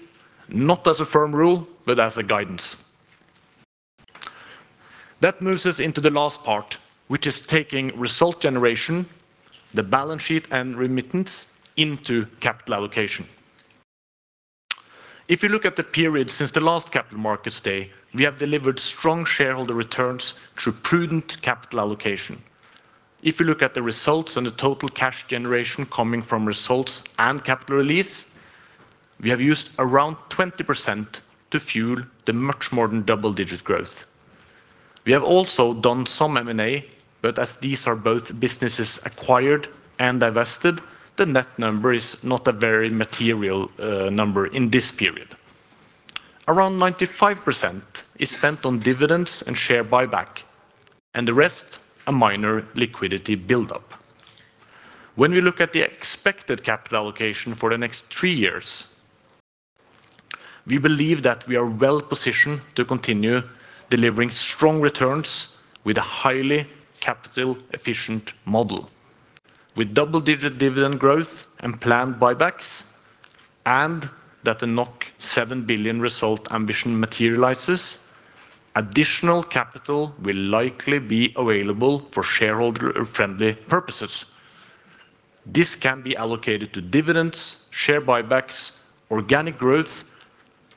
S10: not as a firm rule, but as a guidance. That moves us into the last part, which is taking result generation, the balance sheet and remittance into capital allocation. If you look at the period since the last capital markets day, we have delivered strong shareholder returns through prudent capital allocation. If you look at the results and the total cash generation coming from results and capital release, we have used around 20% to fuel the much more than double-digit growth. We have also done some M&A, but as these are both businesses acquired and divested, the net number is not a very material number in this period. Around 95% is spent on dividends and share buyback, and the rest, a minor liquidity buildup. When we look at the expected capital allocation for the next three years, we believe that we are well positioned to continue delivering strong returns with a highly capital-efficient model. With double-digit dividend growth and planned buybacks, and that the 7 billion result ambition materializes, additional capital will likely be available for shareholder-friendly purposes. This can be allocated to dividends, share buybacks, organic growth,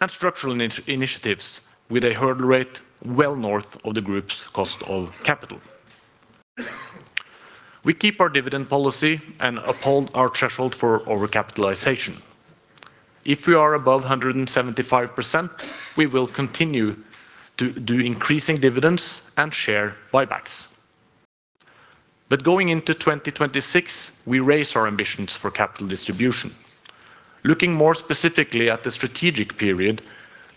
S10: and structural initiatives with a hurdle rate well north of the group's cost of capital. We keep our dividend policy and uphold our threshold for over-capitalization. If we are above 175%, we will continue to do increasing dividends and share buybacks. But going into 2026, we raise our ambitions for capital distribution. Looking more specifically at the strategic period,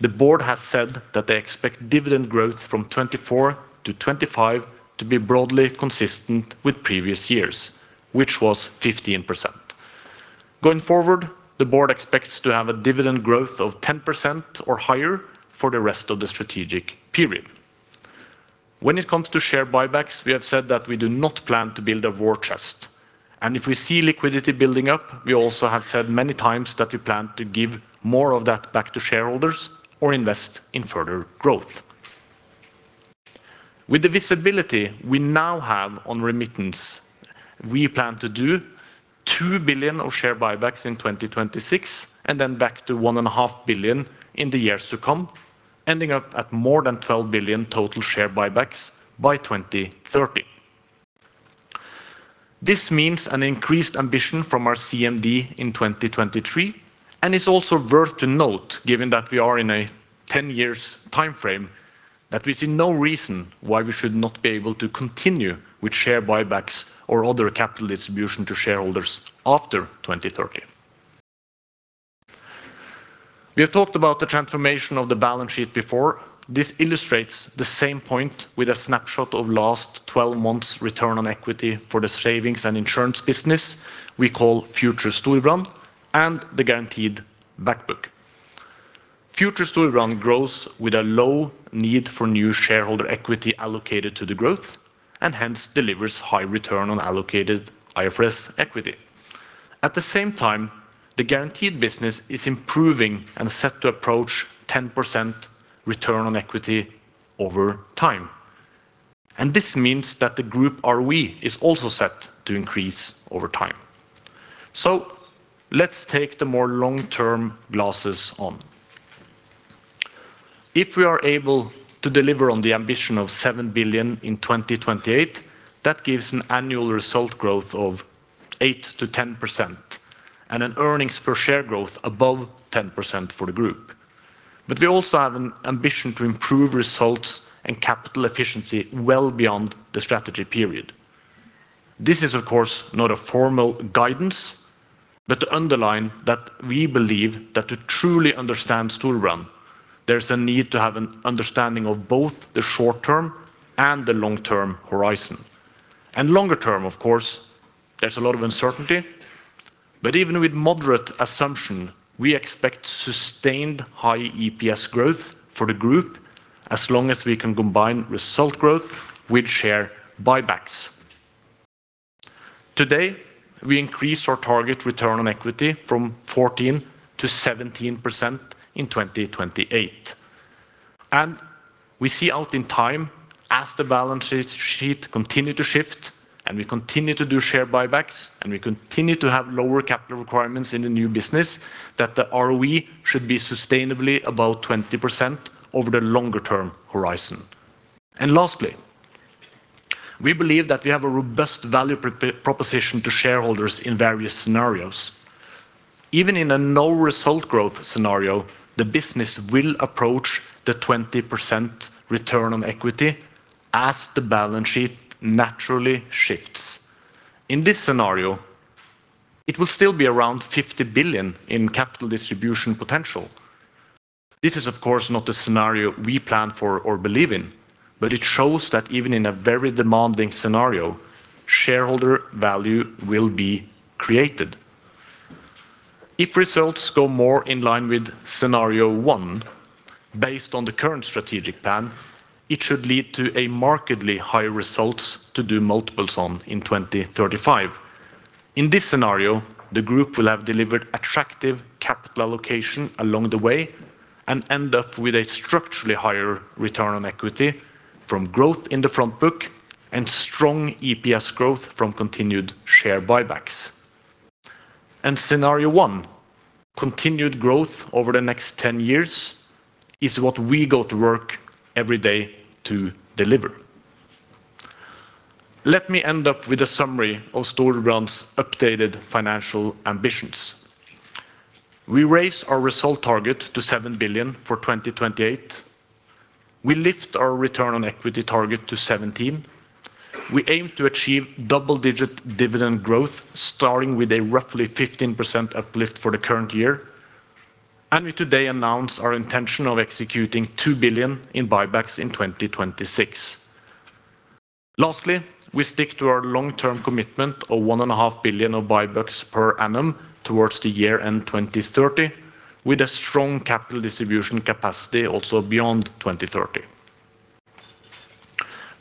S10: the board has said that they expect dividend growth from 2024 to 2025 to be broadly consistent with previous years, which was 15%. Going forward, the board expects to have a dividend growth of 10% or higher for the rest of the strategic period. When it comes to share buybacks, we have said that we do not plan to build a war chest, and if we see liquidity building up, we also have said many times that we plan to give more of that back to shareholders or invest in further growth. With the visibility we now have on remittance, we plan to do 2 billion of share buybacks in 2026 and then back to 1.5 billion in the years to come, ending up at more than 12 billion total share buybacks by 2030. This means an increased ambition from our CMD in 2023, and it's also worth to note, given that we are in a 10-year timeframe, that we see no reason why we should not be able to continue with share buybacks or other capital distribution to shareholders after 2030. We have talked about the transformation of the balance sheet before. This illustrates the same point with a snapshot of last 12 months' return on equity for the savings and insurance business we call Future Storebrand and the Guaranteed Back Book. Future Storebrand grows with a low need for new shareholder equity allocated to the growth and hence delivers high return on allocated IFRS equity. At the same time, the Guaranteed business is improving and set to approach 10% return on equity over time. And this means that the group ROE is also set to increase over time. So, let's take the more long-term glasses on. If we are able to deliver on the ambition of 7 billion in 2028, that gives an annual result growth of 8%-10% and an earnings per share growth above 10% for the group. But we also have an ambition to improve results and capital efficiency well beyond the strategy period. This is, of course, not a formal guidance, but to underline that we believe that to truly understand Storebrand, there is a need to have an understanding of both the short-term and the long-term horizon, and longer-term, of course, there's a lot of uncertainty, but even with moderate assumption, we expect sustained high EPS growth for the group as long as we can combine result growth with share buybacks. Today, we increase our target return on equity from 14% to 17% in 2028, and we see out in time, as the balance sheet continues to shift and we continue to do share buybacks and we continue to have lower capital requirements in the new business, that the ROE should be sustainably above 20% over the longer-term horizon, and lastly, we believe that we have a robust value proposition to shareholders in various scenarios. Even in a no-result growth scenario, the business will approach the 20% return on equity as the balance sheet naturally shifts. In this scenario, it will still be around 50 billion in capital distribution potential. This is, of course, not the scenario we plan for or believe in, but it shows that even in a very demanding scenario, shareholder value will be created. If results go more in line with scenario one, based on the current strategic plan, it should lead to a markedly higher results to do multiples on in 2035. In this scenario, the group will have delivered attractive capital allocation along the way and end up with a structurally higher return on equity from growth in the Front Book and strong EPS growth from continued share buybacks. Scenario one, continued growth over the next 10 years, is what we go to work every day to deliver. Let me end up with a summary of Storebrand's updated financial ambitions. We raise our result target to 7 billion for 2028. We lift our return on equity target to 17%. We aim to achieve double-digit dividend growth, starting with a roughly 15% uplift for the current year. We today announce our intention of executing 2 billion in buybacks in 2026. Lastly, we stick to our long-term commitment of 1.5 billion of buybacks per annum towards the year end 2030, with a strong capital distribution capacity also beyond 2030.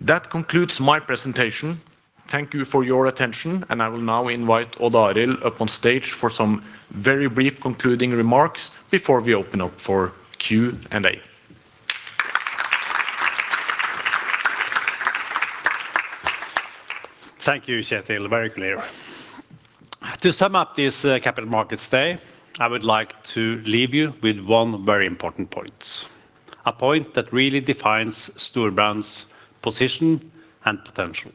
S10: That concludes my presentation. Thank you for your attention, and I will now invite Odd Arild up on stage for some very brief concluding remarks before we open up for Q&A.
S2: Thank you, Kjetil. Very clear. To sum up this Capital Markets Day, I would like to leave you with one very important point, a point that really defines Storebrand's position and potential.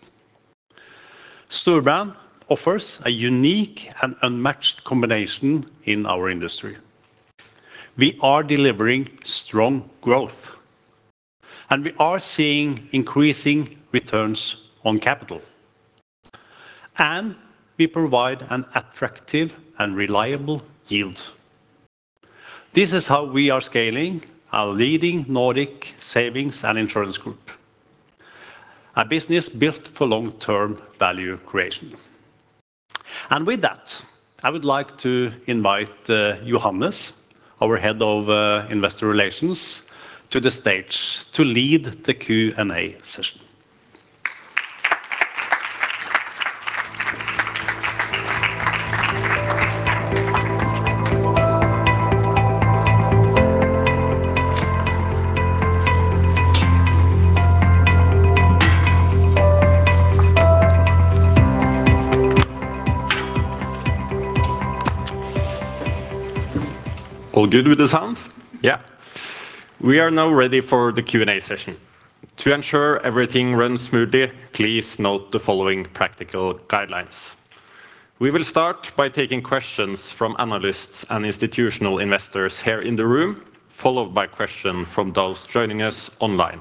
S2: Storebrand offers a unique and unmatched combination in our industry. We are delivering strong growth, and we are seeing increasing returns on capital, and we provide an attractive and reliable yield. This is how we are scaling our leading Nordic savings and insurance group, a business built for long-term value creation, and with that, I would like to invite Johannes, our head of investor relations, to the stage to lead the Q&A session.
S11: All good with the sound?
S2: Yeah.
S11: We are now ready for the Q&A session. To ensure everything runs smoothly, please note the following practical guidelines. We will start by taking questions from analysts and institutional investors here in the room, followed by a question from those joining us online.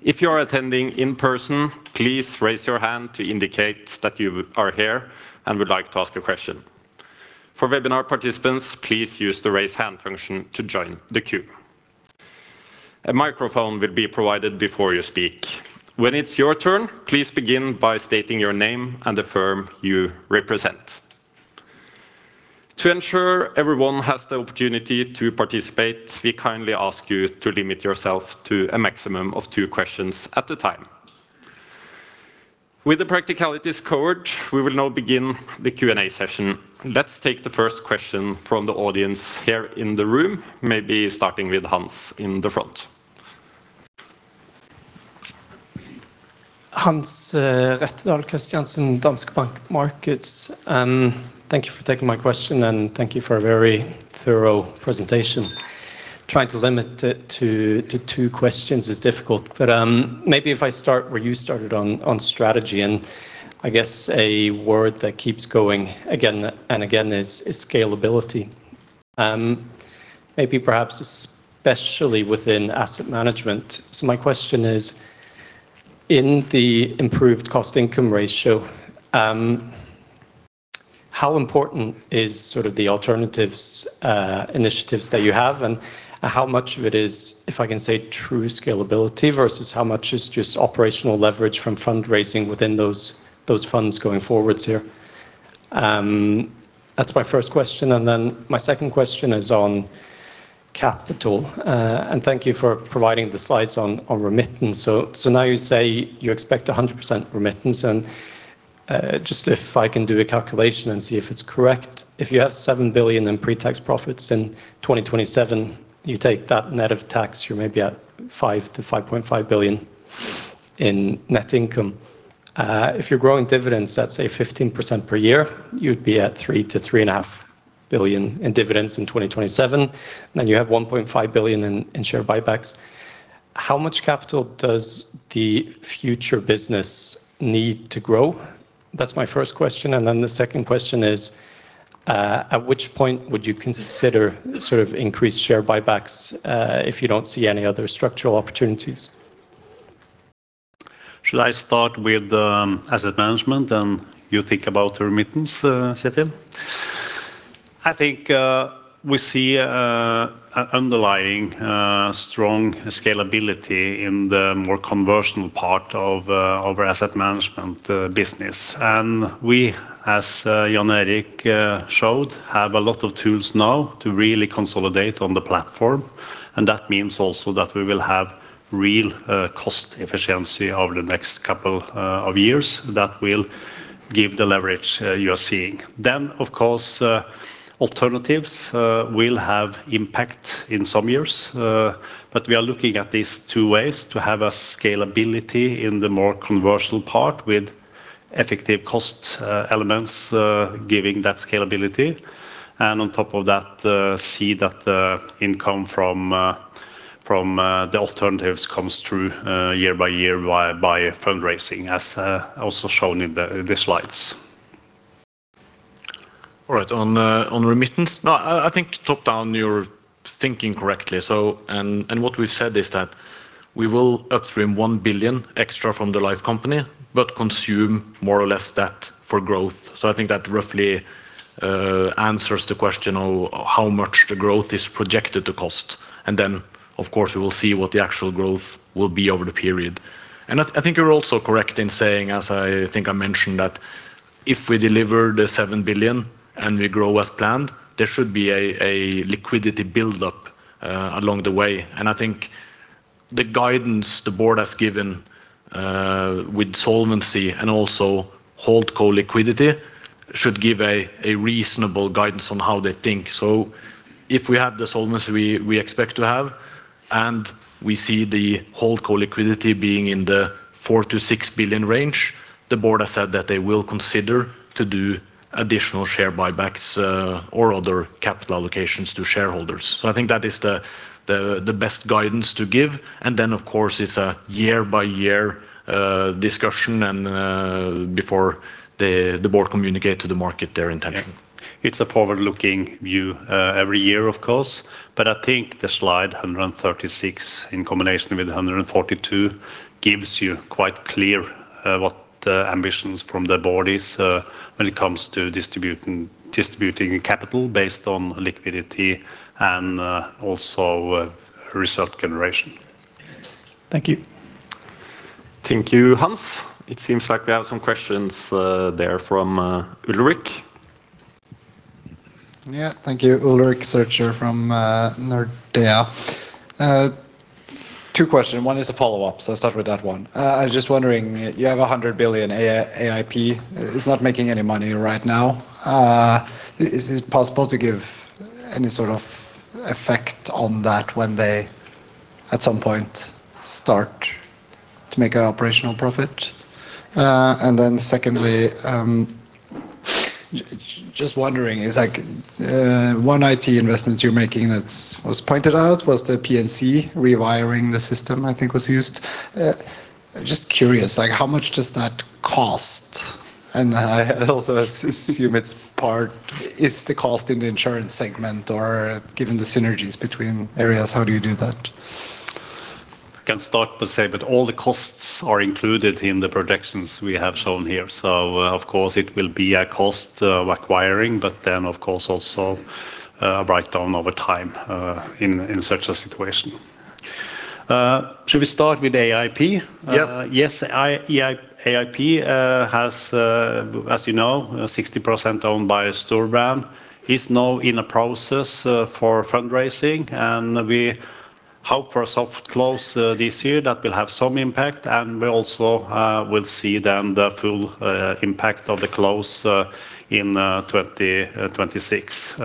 S11: If you are attending in person, please raise your hand to indicate that you are here and would like to ask a question. For webinar participants, please use the raise hand function to join the queue. A microphone will be provided before you speak. When it's your turn, please begin by stating your name and the firm you represent. To ensure everyone has the opportunity to participate, we kindly ask you to limit yourself to a maximum of two questions at a time. With the practicalities covered, we will now begin the Q&A session. Let's take the first question from the audience here in the room, maybe starting with Hans in the front.
S12: Hans Rettedal Christiansen, Danske Bank Markets. Thank you for taking my question, and thank you for a very thorough presentation. Trying to limit it to two questions is difficult, but maybe if I start where you started on strategy, and I guess a word that keeps going again and again is scalability. Maybe perhaps especially within asset management. So my question is, in the improved cost-income ratio, how important is sort of the alternatives initiatives that you have, and how much of it is, if I can say, true scalability versus how much is just operational leverage from fundraising within those funds going forwards here? That's my first question. And then my second question is on capital. And thank you for providing the slides on remittance. So now you say you expect 100% remittance. Just if I can do a calculation and see if it's correct. If you have 7 billion in pre-tax profits in 2027, you take that net of tax, you're maybe at 5 billion-5.5 billion in net income. If you're growing dividends, that's a 15% per year, you'd be at 3 billion-3.5 billion in dividends in 2027, and you have 1.5 billion in share buybacks. How much capital does the future business need to grow? That's my first question. And then the second question is, at which point would you consider sort of increased share buybacks if you don't see any other structural opportunities?
S3: Should I start with asset management and you think about remittance, Kjetil? I think we see an underlying strong scalability in the more conventional part of our asset management business. And we, as Jan Erik showed, have a lot of tools now to really consolidate on the platform. And that means also that we will have real cost efficiency over the next couple of years that will give the leverage you are seeing. Then, of course, alternatives will have impact in some years. But we are looking at these two ways to have a scalability in the more conventional part with effective cost elements giving that scalability. And on top of that, see that income from the alternatives comes through year by year by fundraising, as also shown in the slides.
S10: All right, on remittance, I think top-down you're thinking correctly. And what we've said is that we will upstream 1 billion extra from the life company, but consume more or less that for growth. I think that roughly answers the question of how much the growth is projected to cost. And then, of course, we will see what the actual growth will be over the period. And I think you're also correct in saying, as I think I mentioned, that if we deliver the 7 billion and we grow as planned, there should be a liquidity build-up along the way. And I think the guidance the board has given with solvency and also HoldCo liquidity should give a reasonable guidance on how they think. So if we have the solvency we expect to have and we see the HoldCo liquidity being in the 4 billion-6 billion range, the board has said that they will consider to do additional share buybacks or other capital allocations to shareholders. So I think that is the best guidance to give. And then, of course, it's a year-by-year discussion before the board communicates to the market their intention. It's a forward-looking view every year, of course. But I think the slide 136 in combination with 142 gives you quite clear what the ambitions from the board is when it comes to distributing capital based on liquidity and also result generation.
S12: Thank you.
S11: Thank you, Hans. It seems like we have some questions there from Ulrik.
S13: Yeah, thank you, Ulrik Zürcher from Nordea. Two questions. One is a follow-up, so I'll start with that one. I was just wondering, you have 100 billion AIP. It's not making any money right now. Is it possible to give any sort of effect on that when they at some point start to make an operational profit? And then secondly, just wondering, one IT investment you're making that was pointed out was the P&C rewiring the system, I think was used. Just curious, how much does that cost? And I also assume it's part, is the cost in the insurance segment or given the synergies between areas, how do you do that?
S10: I can start by saying that all the costs are included in the projections we have shown here. So, of course, it will be a cost of acquiring, but then, of course, also a breakdown over time in such a situation. Should we start with AIP? Yes, AIP has, as you know, 60% owned by Storebrand. It's now in a process for fundraising, and we hope for a soft close this year that will have some impact. And we also will see then the full impact of the close in 2026.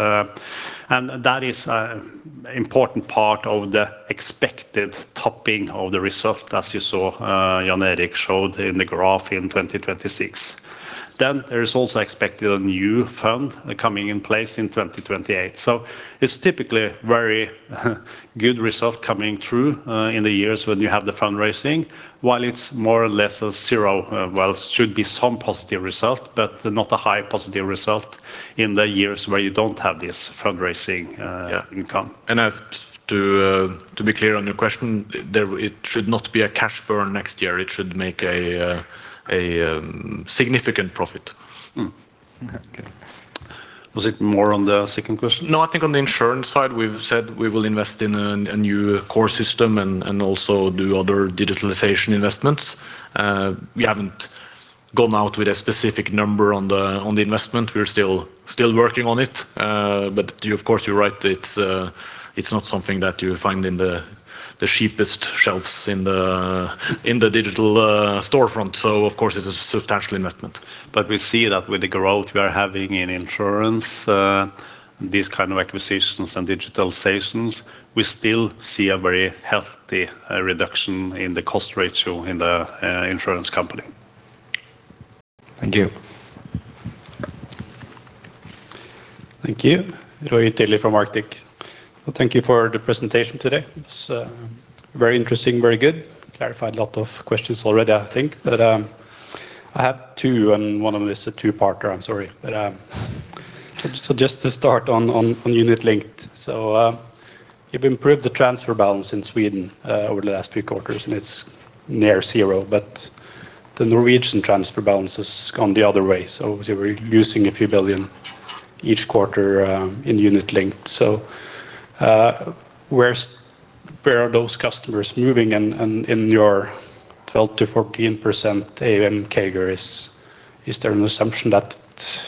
S10: And that is an important part of the expected topping of the result, as you saw Jan Erik showed in the graph in 2026. Then there is also expected a new fund coming in place in 2028. So it's typically a very good result coming through in the years when you have the fundraising, while it's more or less a zero, well, should be some positive result, but not a high positive result in the years where you don't have this fundraising income.
S13: And to be clear on your question, it should not be a cash burn next year. It should make a significant profit. Okay. Was it more on the second question?
S5: No, I think on the insurance side, we've said we will invest in a new core system and also do other digitalization investments. We haven't gone out with a specific number on the investment. We're still working on it. But of course, you're right, it's not something that you find in the cheapest shelves in the digital storefront. So, of course, it's a substantial investment. But we see that with the growth we are having in insurance, these kinds of acquisitions and digitalizations, we still see a very healthy reduction in the cost ratio in the insurance company.
S13: Thank you.
S14: Thank you. Roy Tilley from Arctic Securities. Thank you for the presentation today. It was very interesting, very good. Clarified a lot of questions already, I think. But I have two, and one of them is a two-parter. I'm sorry. So just to start on Unit Linked. So you've improved the transfer balance in Sweden over the last few quarters, and it's near zero. But the Norwegian transfer balance has gone the other way. So we're losing a few billion each quarter in Unit Linked. So where are those customers moving? And in your 12%-14% AUM CAGRs, is there an assumption that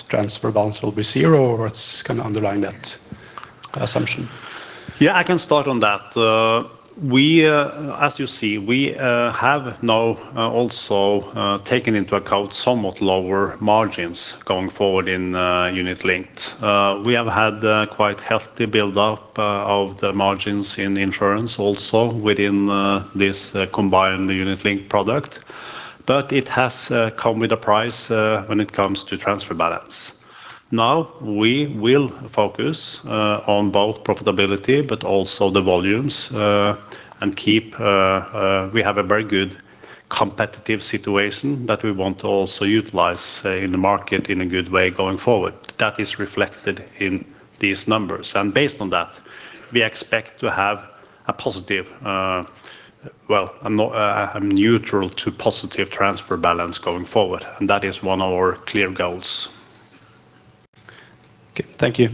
S14: transfer balance will be zero, or it's kind of underlying that assumption?
S5: Yeah, I can start on that. As you see, we have now also taken into account somewhat lower margins going forward in Unit Linked. We have had quite a healthy build-up of the margins in insurance also within this combined Unit Linked product. But it has come with a price when it comes to transfer balance. Now we will focus on both profitability, but also the volumes, and we have a very good competitive situation that we want to also utilize in the market in a good way going forward. That is reflected in these numbers. And based on that, we expect to have a positive, well, a neutral to positive transfer balance going forward. That is one of our clear goals.
S14: Okay, thank you.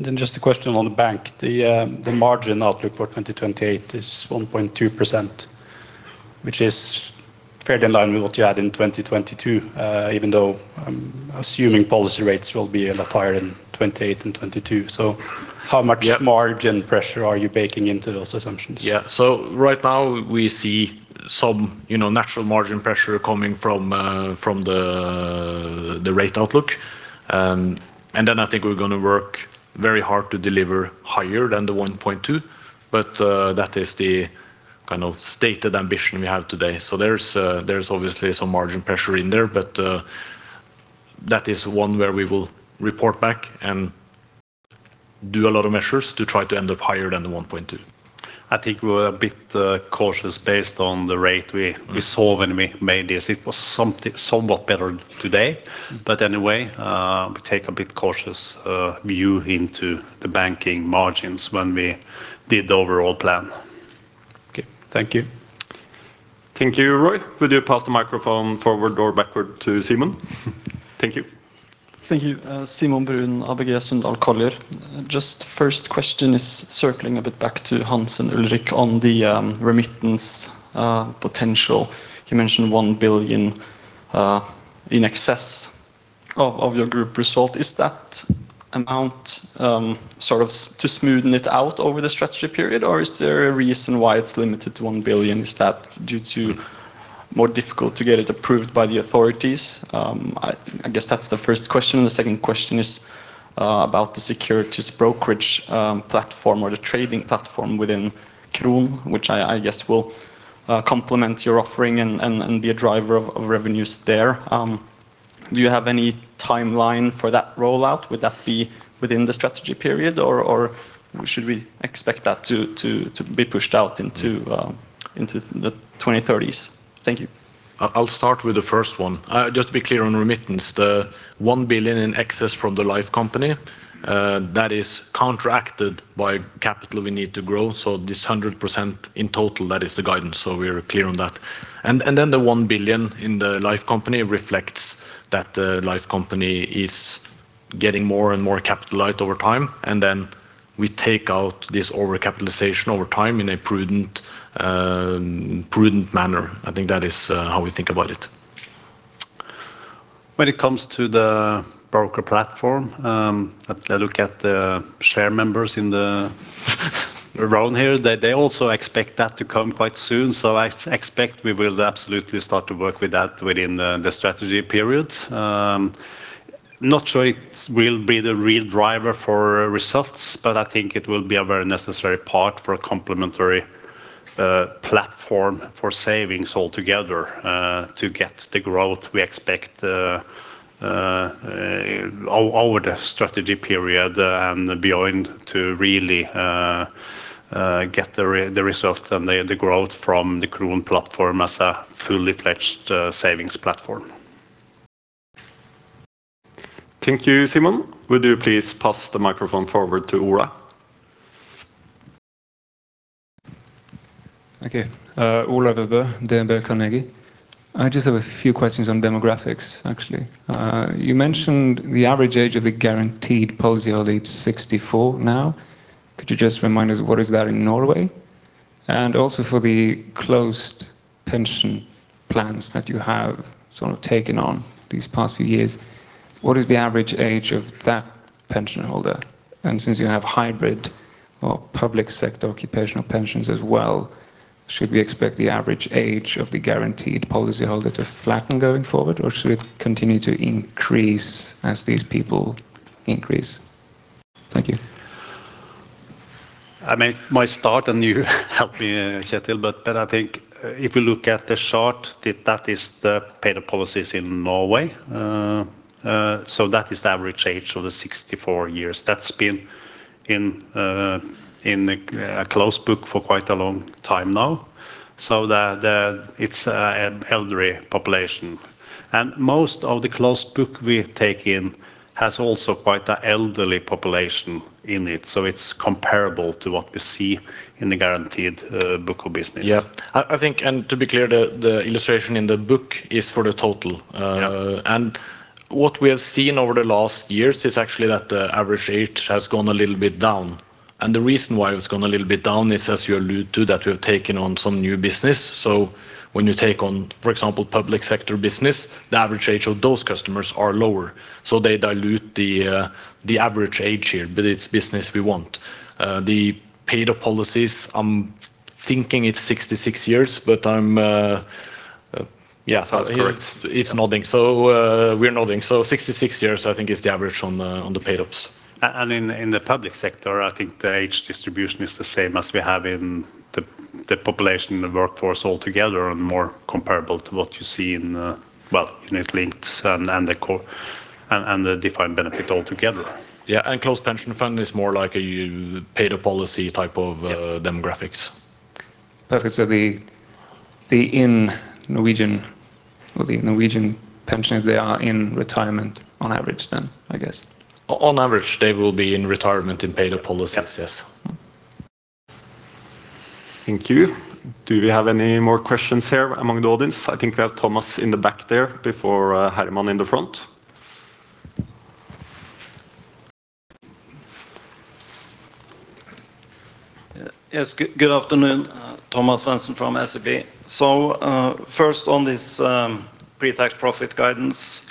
S14: Then just a question on the bank. The margin outlook for 2028 is 1.2%, which is fairly in line with what you had in 2022, even though I'm assuming policy rates will be a lot higher in 2028 and 2022. So how much margin pressure are you baking into those assumptions?
S5: Yeah, so right now we see some natural margin pressure coming from the rate outlook. Then I think we're going to work very hard to deliver higher than the 1.2%. But that is the kind of stated ambition we have today. So there's obviously some margin pressure in there, but that is one where we will report back and do a lot of measures to try to end up higher than the 1.2%.
S10: I think we were a bit cautious based on the rate we saw when we made this. It was somewhat better today. But anyway, we take a bit cautious view into the banking margins when we did the overall plan.
S14: Okay, thank you.
S11: Thank you, Roy. Would you pass the microphone forward or backward to Simon? Thank you.
S15: Thank you. Simon Brun, ABG Sundal Collier. Just first question is circling a bit back to Hans and Ulrik on the remittance potential. You mentioned 1 billion in excess of your group result. Is that amount sort of to smoothen it out over the strategy period, or is there a reason why it's limited to 1 billion? Is that due to more difficulty to get it approved by the authorities? I guess that's the first question. And the second question is about the securities brokerage platform or the trading platform within Kron, which I guess will complement your offering and be a driver of revenues there. Do you have any timeline for that rollout? Would that be within the strategy period, or should we expect that to be pushed out into the 2030s? Thank you.
S3: I'll start with the first one. Just to be clear on remittance, the 1 billion in excess from the life company, that is contracted by capital we need to grow. So this 100% in total, that is the guidance. So we're clear on that. And then the 1 billion in the life company reflects that the life company is getting more and more capitalized over time. And then we take out this overcapitalization over time in a prudent manner. I think that is how we think about it.
S4: When it comes to the broker platform, I look at the share members in the row here. They also expect that to come quite soon. So I expect we will absolutely start to work with that within the strategy period. Not sure it will be the real driver for results, but I think it will be a very necessary part for a complementary platform for savings altogether to get the growth we expect over the strategy period and beyond to really get the result and the growth from the Kron platform as a fully fledged savings platform.
S11: Thank you, Simon. Would you please pass the microphone forward to Ola?
S16: Okay. Ola Øvrebø, DNB Carnegie. I just have a few questions on demographics, actually. You mentioned the average age of the Guaranteed policyholder is 64 now. Could you just remind us what is that in Norway? And also for the closed pension plans that you have sort of taken on these past few years, what is the average age of that pension holder? And since you have hybrid or public sector occupational pensions as well, should we expect the average age of the Guaranteed policyholder to flatten going forward, or should it continue to increase as these people increase? Thank you.
S3: I may start, and you help me, Kjetil, but I think if we look at the chart, that is the paid-up policies in Norway. So that is the average age of 64 years. That's been in a closed book for quite a long time now. So it's an elderly population. And most of the closed book we take in has also quite an elderly population in it. So it's comparable to what we see in the Guaranteed book of business.
S10: Yeah, I think, and to be clear, the illustration in the book is for the total. And what we have seen over the last years is actually that the average age has gone a little bit down. And the reason why it's gone a little bit down is, as you alluded to, that we have taken on some new business. So when you take on, for example, public sector business, the average age of those customers is lower. So they dilute the average age here, but it's business we want. The paid-up policies, I'm thinking it's 66 years, but I'm, yeah, it's nodding. So we're nodding. So 66 years, I think, is the average on the paid-ups.
S4: And in the public sector, I think the age distribution is the same as we have in the population and the workforce altogether and more comparable to what you see in, well, Unit Linked and the Defined Benefit altogether. Yeah, and closed book is more like a paid-up policy type of demographics.
S16: Perfect. So then Norwegian pensioners, they are in retirement on average then, I guess.
S4: On average, they will be in retirement in paid-up policies, yes.
S11: Thank you. Do we have any more questions here among the audience? I think we have Thomas in the back there before Herman in the front.
S17: Yes, good afternoon. Thomas Svendsen from SEB. So first on this pre-tax profit guidance,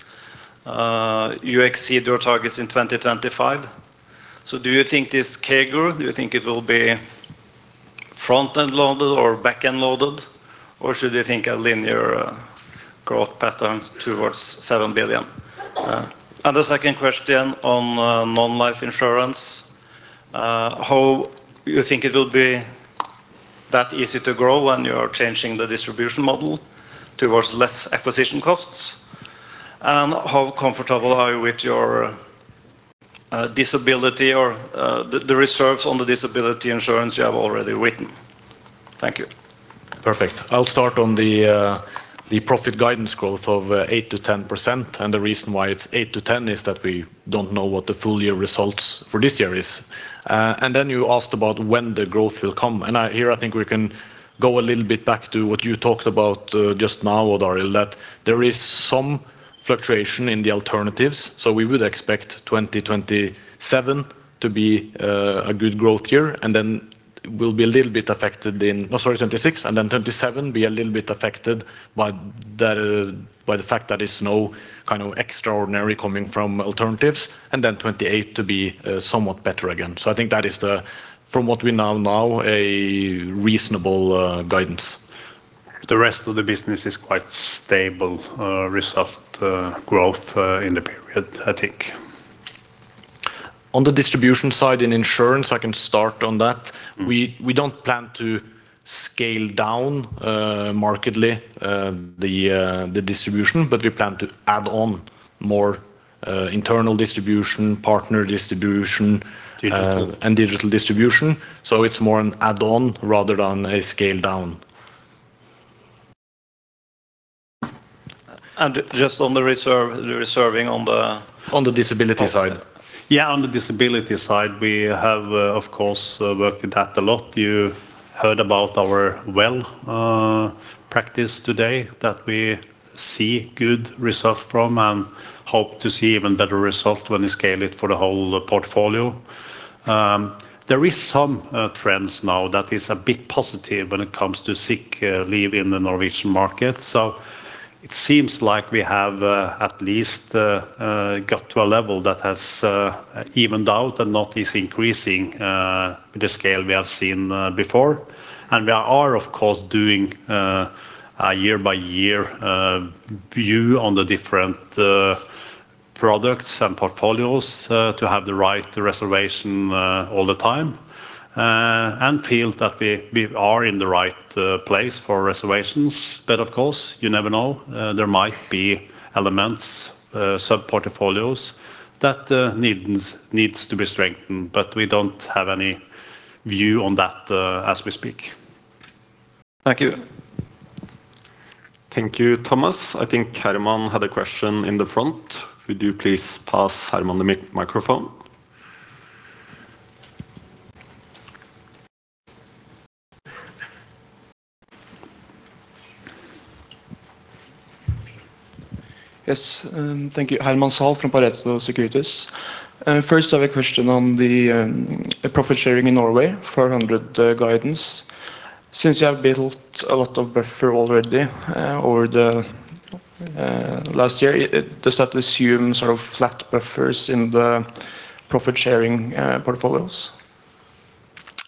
S17: you exceed your targets in 2025. So do you think this Kron, do you think it will be front-end loaded or back-end loaded, or should you think a linear growth pattern towards 7 billion? And the second question on non-life insurance, how do you think it will be that easy to grow when you are changing the distribution model towards less acquisition costs? And how comfortable are you with your disability or the reserves on the disability insurance you have already written? Thank you.
S3: Perfect. I'll start on the profit guidance growth of 8%-10%. And the reason why it's 8%-10% is that we don't know what the full year results for this year is. And then you asked about when the growth will come. And here, I think we can go a little bit back to what you talked about just now, Odd Arild, that there is some fluctuation in the alternatives. We would expect 2027 to be a good growth year. And then we'll be a little bit affected in - no, sorry, 2026. And then 2027 be a little bit affected by the fact that it's no kind of extraordinary coming from alternatives. And then 2028 to be somewhat better again. So I think that is, from what we know now, a reasonable guidance. The rest of the business is quite stable result growth in the period, I think.
S10: On the distribution side in insurance, I can start on that. We don't plan to scale down markedly the distribution, but we plan to add on more internal distribution, partner distribution. And digital distribution. So it's more an add-on rather than a scale down.
S5: And just on the reserving on the - on the disability side. Yeah, on the disability side, we have, of course, worked with that a lot. You heard about our well practice today that we see good result from and hope to see even better result when we scale it for the whole portfolio. There are some trends now that are a bit positive when it comes to sick leave in the Norwegian market, so it seems like we have at least got to a level that has evened out and not is increasing with the scale we have seen before, and we are, of course, doing a year-by-year view on the different products and portfolios to have the right reservation all the time and feel that we are in the right place for reservations, but of course, you never know. There might be elements, sub-portfolios that need to be strengthened, but we don't have any view on that as we speak.
S17: Thank you.
S11: Thank you, Thomas. I think Herman had a question in the front. Would you please pass Herman the microphone?
S18: Yes, thank you. Herman Zahl from Pareto Securities. First, I have a question on the profit sharing in Norway, 400 guidance. Since you have built a lot of buffer already over the last year, does that assume sort of flat buffers in the profit sharing portfolios?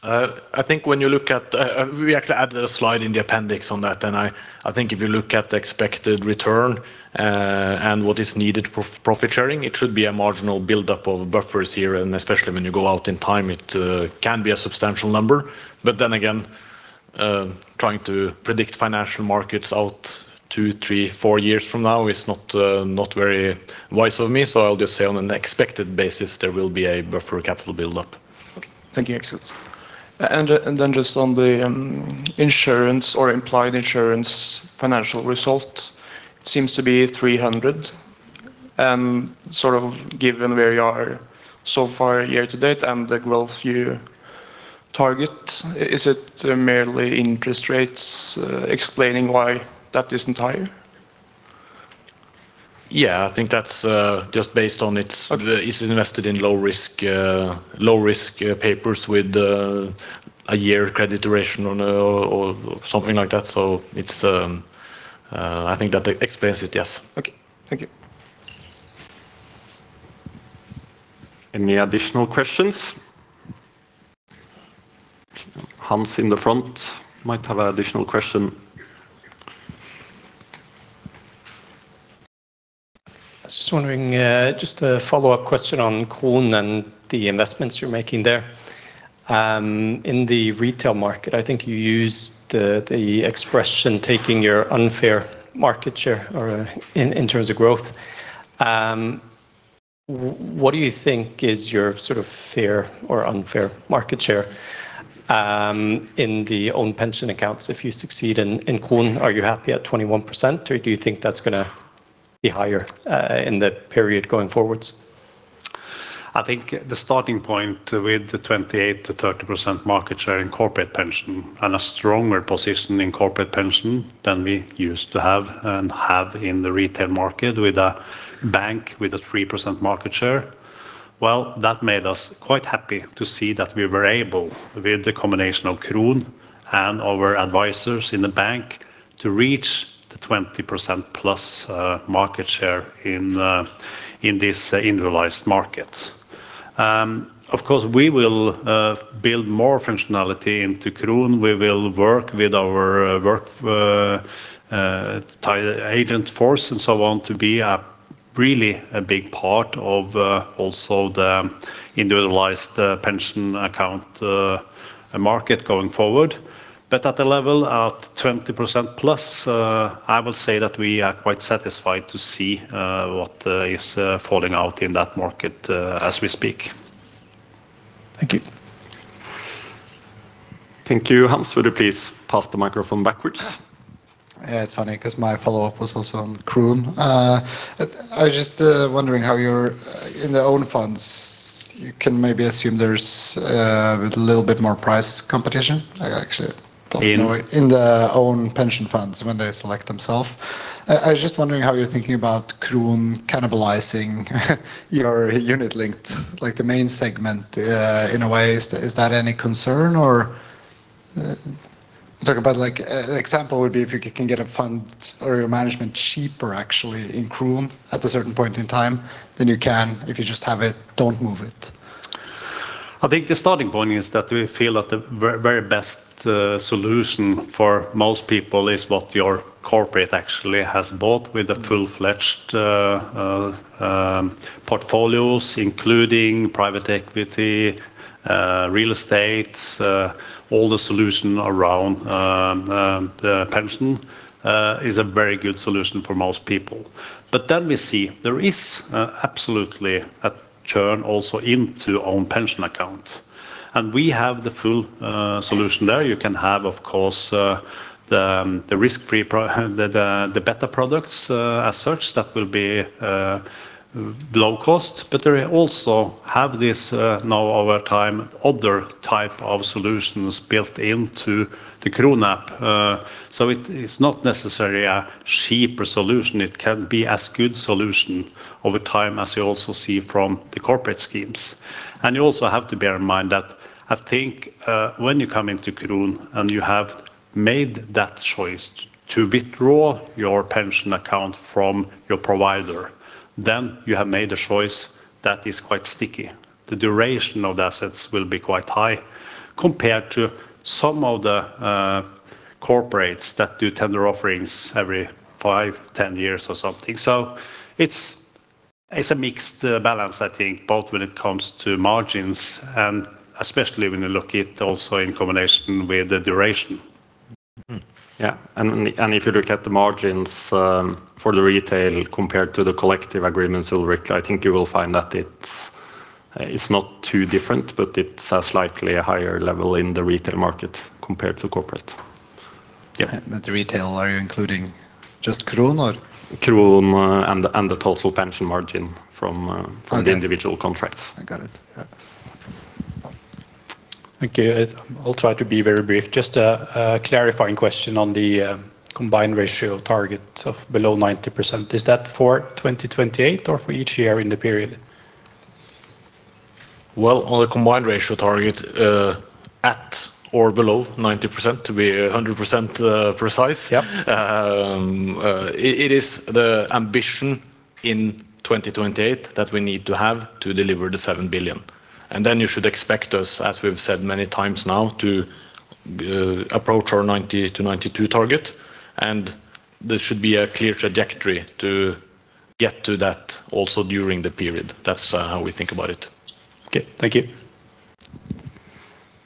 S10: I think when you look at, we actually added a slide in the appendix on that. And I think if you look at the expected return and what is needed for profit sharing, it should be a marginal buildup of buffers here. And especially when you go out in time, it can be a substantial number. But then again, trying to predict financial markets out two, three, four years from now is not very wise of me. So I'll just say on an expected basis, there will be a buffer capital buildup.
S18: Okay, thank you. Excellent. And then just on the insurance or implied insurance financial result, it seems to be 300. And sort of given where you are so far year to date and the growth you target, is it merely interest rates explaining why that isn't higher?
S10: Yeah, I think that's just based on it's invested in low-risk papers with a year credit duration or something like that. So I think that explains it, yes.
S18: Okay, thank you.
S11: Any additional questions? Hans in the front might have an additional question.
S12: I was just wondering, just a follow-up question on Kron and the investments you're making there. In the retail market, I think you used the expression taking your unfair market share in terms of growth. What do you think is your sort of fair or unfair market share in the Own Pension Accounts if you succeed in Kron? Are you happy at 21%, or do you think that's going to be higher in the period going forward?
S10: I think the starting point with the 28%-30% market share in corporate pension and a stronger position in corporate pension than we used to have and have in the retail market with a bank with a 3% market share. Well, that made us quite happy to see that we were able, with the combination of Kron and our advisors in the bank, to reach the 20% plus market share in this individualized market. Of course, we will build more functionality into Kron. We will work with our agent force and so on to be a really big part of also the individualized pension account market going forward. But at the level of 20%+, I will say that we are quite satisfied to see what is falling out in that market as we speak.
S12: Thank you.
S11: Thank you, Hans. Would you please pass the microphone backwards?
S13: Yeah, it's funny because my follow-up was also on Kron. I was just wondering how you're in the own funds, you can maybe assume there's a little bit more price competition, actually, in the own pension funds when they select themselves. I was just wondering how you're thinking about Kron cannibalizing your Unit Linked, like the main segment in a way. Is that any concern or talk about like an example would be if you can get a fund or your management cheaper actually in Kron at a certain point in time, then you can, if you just have it, don't move it.
S10: I think the starting point is that we feel that the very best solution for most people is what your corporate actually has bought with the full-fledged portfolios, including private equity, real estate, all the solution around the pension, is a very good solution for most people, but then we see there is absolutely a turn also into Own Pension Accounts, and we have the full solution there. You can have, of course, the risk-free, the better products as such that will be low cost, but they also have this now over time, other type of solutions built into the Kron app, so it's not necessarily a cheaper solution. It can be as good a solution over time as you also see from the corporate schemes. And you also have to bear in mind that I think when you come into Kron and you have made that choice to withdraw your pension account from your provider, then you have made a choice that is quite sticky. The duration of the assets will be quite high compared to some of the corporates that do tender offerings every five, 10 years or something. So it's a mixed balance, I think, both when it comes to margins and especially when you look at also in combination with the duration.
S5: Yeah, and if you look at the margins for the retail compared to the collective agreements, Ulrik, I think you will find that it's not too different, but it's a slightly higher level in the retail market compared to corporate.
S13: Yeah, but the retail, are you including just Kron or?
S10: Kron and the total pension margin from the individual contracts.
S13: I got it.
S14: Thank you. I'll try to be very brief. Just a clarifying question on the combined ratio target of below 90%. Is that for 2028 or for each year in the period?
S10: Well, on the combined ratio target at or below 90% to be 100% precise, it is the ambition in 2028 that we need to have to deliver the 7 billion. And then you should expect us, as we've said many times now, to approach our 90%-92% target. And there should be a clear trajectory to get to that also during the period. That's how we think about it.
S14: Okay, thank you.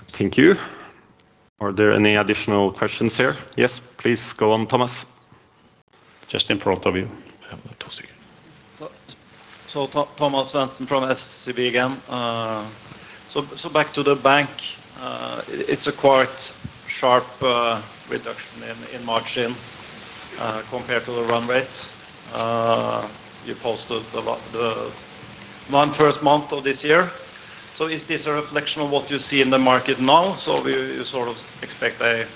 S11: Thank you. Are there any additional questions here? Yes, please go on, Thomas. Just in front of you.
S17: So Thomas Svendsen from SEB again. So back to the bank, it's a quite sharp reduction in margin compared to the run rate. You posted the non-first month of this year. So is this a reflection of what you see in the market now? So you sort of expect a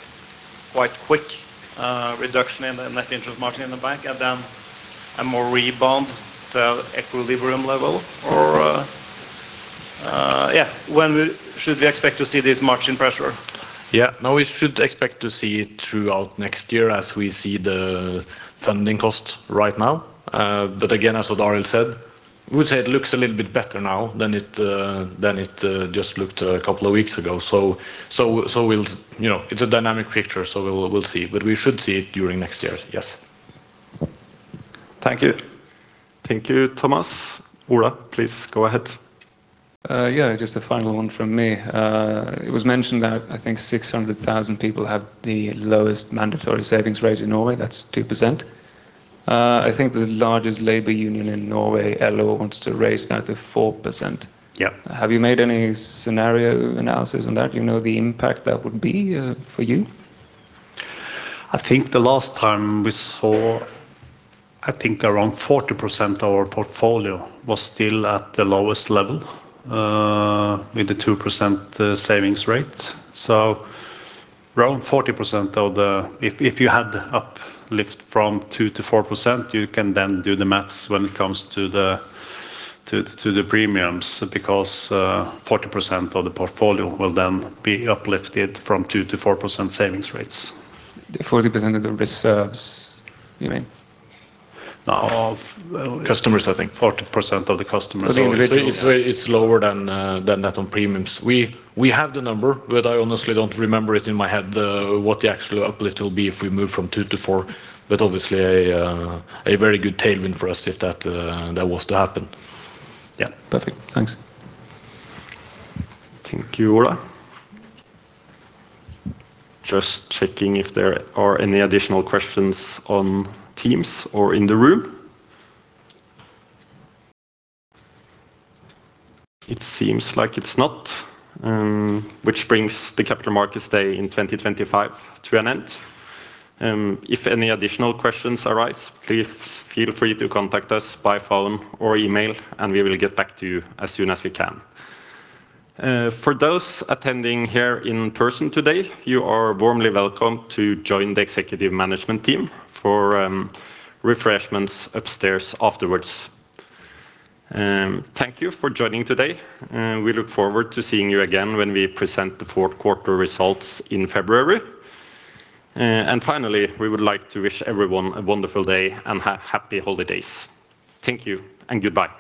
S17: quite quick reduction in the net interest margin in the bank and then a more rebound to equilibrium level or yeah, when should we expect to see this margin pressure?
S3: Yeah, no, we should expect to see it throughout next year as we see the funding cost right now. But again, as Odd Arild said, we would say it looks a little bit better now than it just looked a couple of weeks ago. So it's a dynamic picture, so we'll see. But we should see it during next year, yes.
S17: Thank you.
S11: Thank you, Thomas. Ola, please go ahead.
S16: Yeah, just a final one from me. It was mentioned that I think 600,000 people have the lowest mandatory savings rate in Norway. That's 2%. I think the largest labor union in Norway, LO, wants to raise that to 4%. Have you made any scenario analysis on that? Do you know the impact that would be for you?
S10: I think the last time we saw, I think around 40% of our portfolio was still at the lowest level with the 2% savings rate. So around 40% of the, if you had uplift from 2%-4%, you can then do the math when it comes to the premiums because 40% of the portfolio will then be uplifted from 2%-4% savings rates. 40% of the reserves, you mean?
S17: No, customers, I think 40% of the customers.
S10: It's lower than that on premiums. We have the number, but I honestly don't remember it in my head what the actual uplift will be if we move from 2%-4%. But obviously, a very good tailwind for us if that was to happen.
S16: Yeah, perfect. Thanks.
S2: Thank you, Ola. Just checking if there are any additional questions on Teams or in the room. It seems like it's not, which brings the Capital Markets Day in 2025 to an end. If any additional questions arise, please feel free to contact us by phone or email, and we will get back to you as soon as we can. For those attending here in person today, you are warmly welcome to join the executive management team for refreshments upstairs afterwards. Thank you for joining today. We look forward to seeing you again when we present the fourth quarter results in February. And finally, we would like to wish everyone a wonderful day and happy holidays. Thank you and goodbye.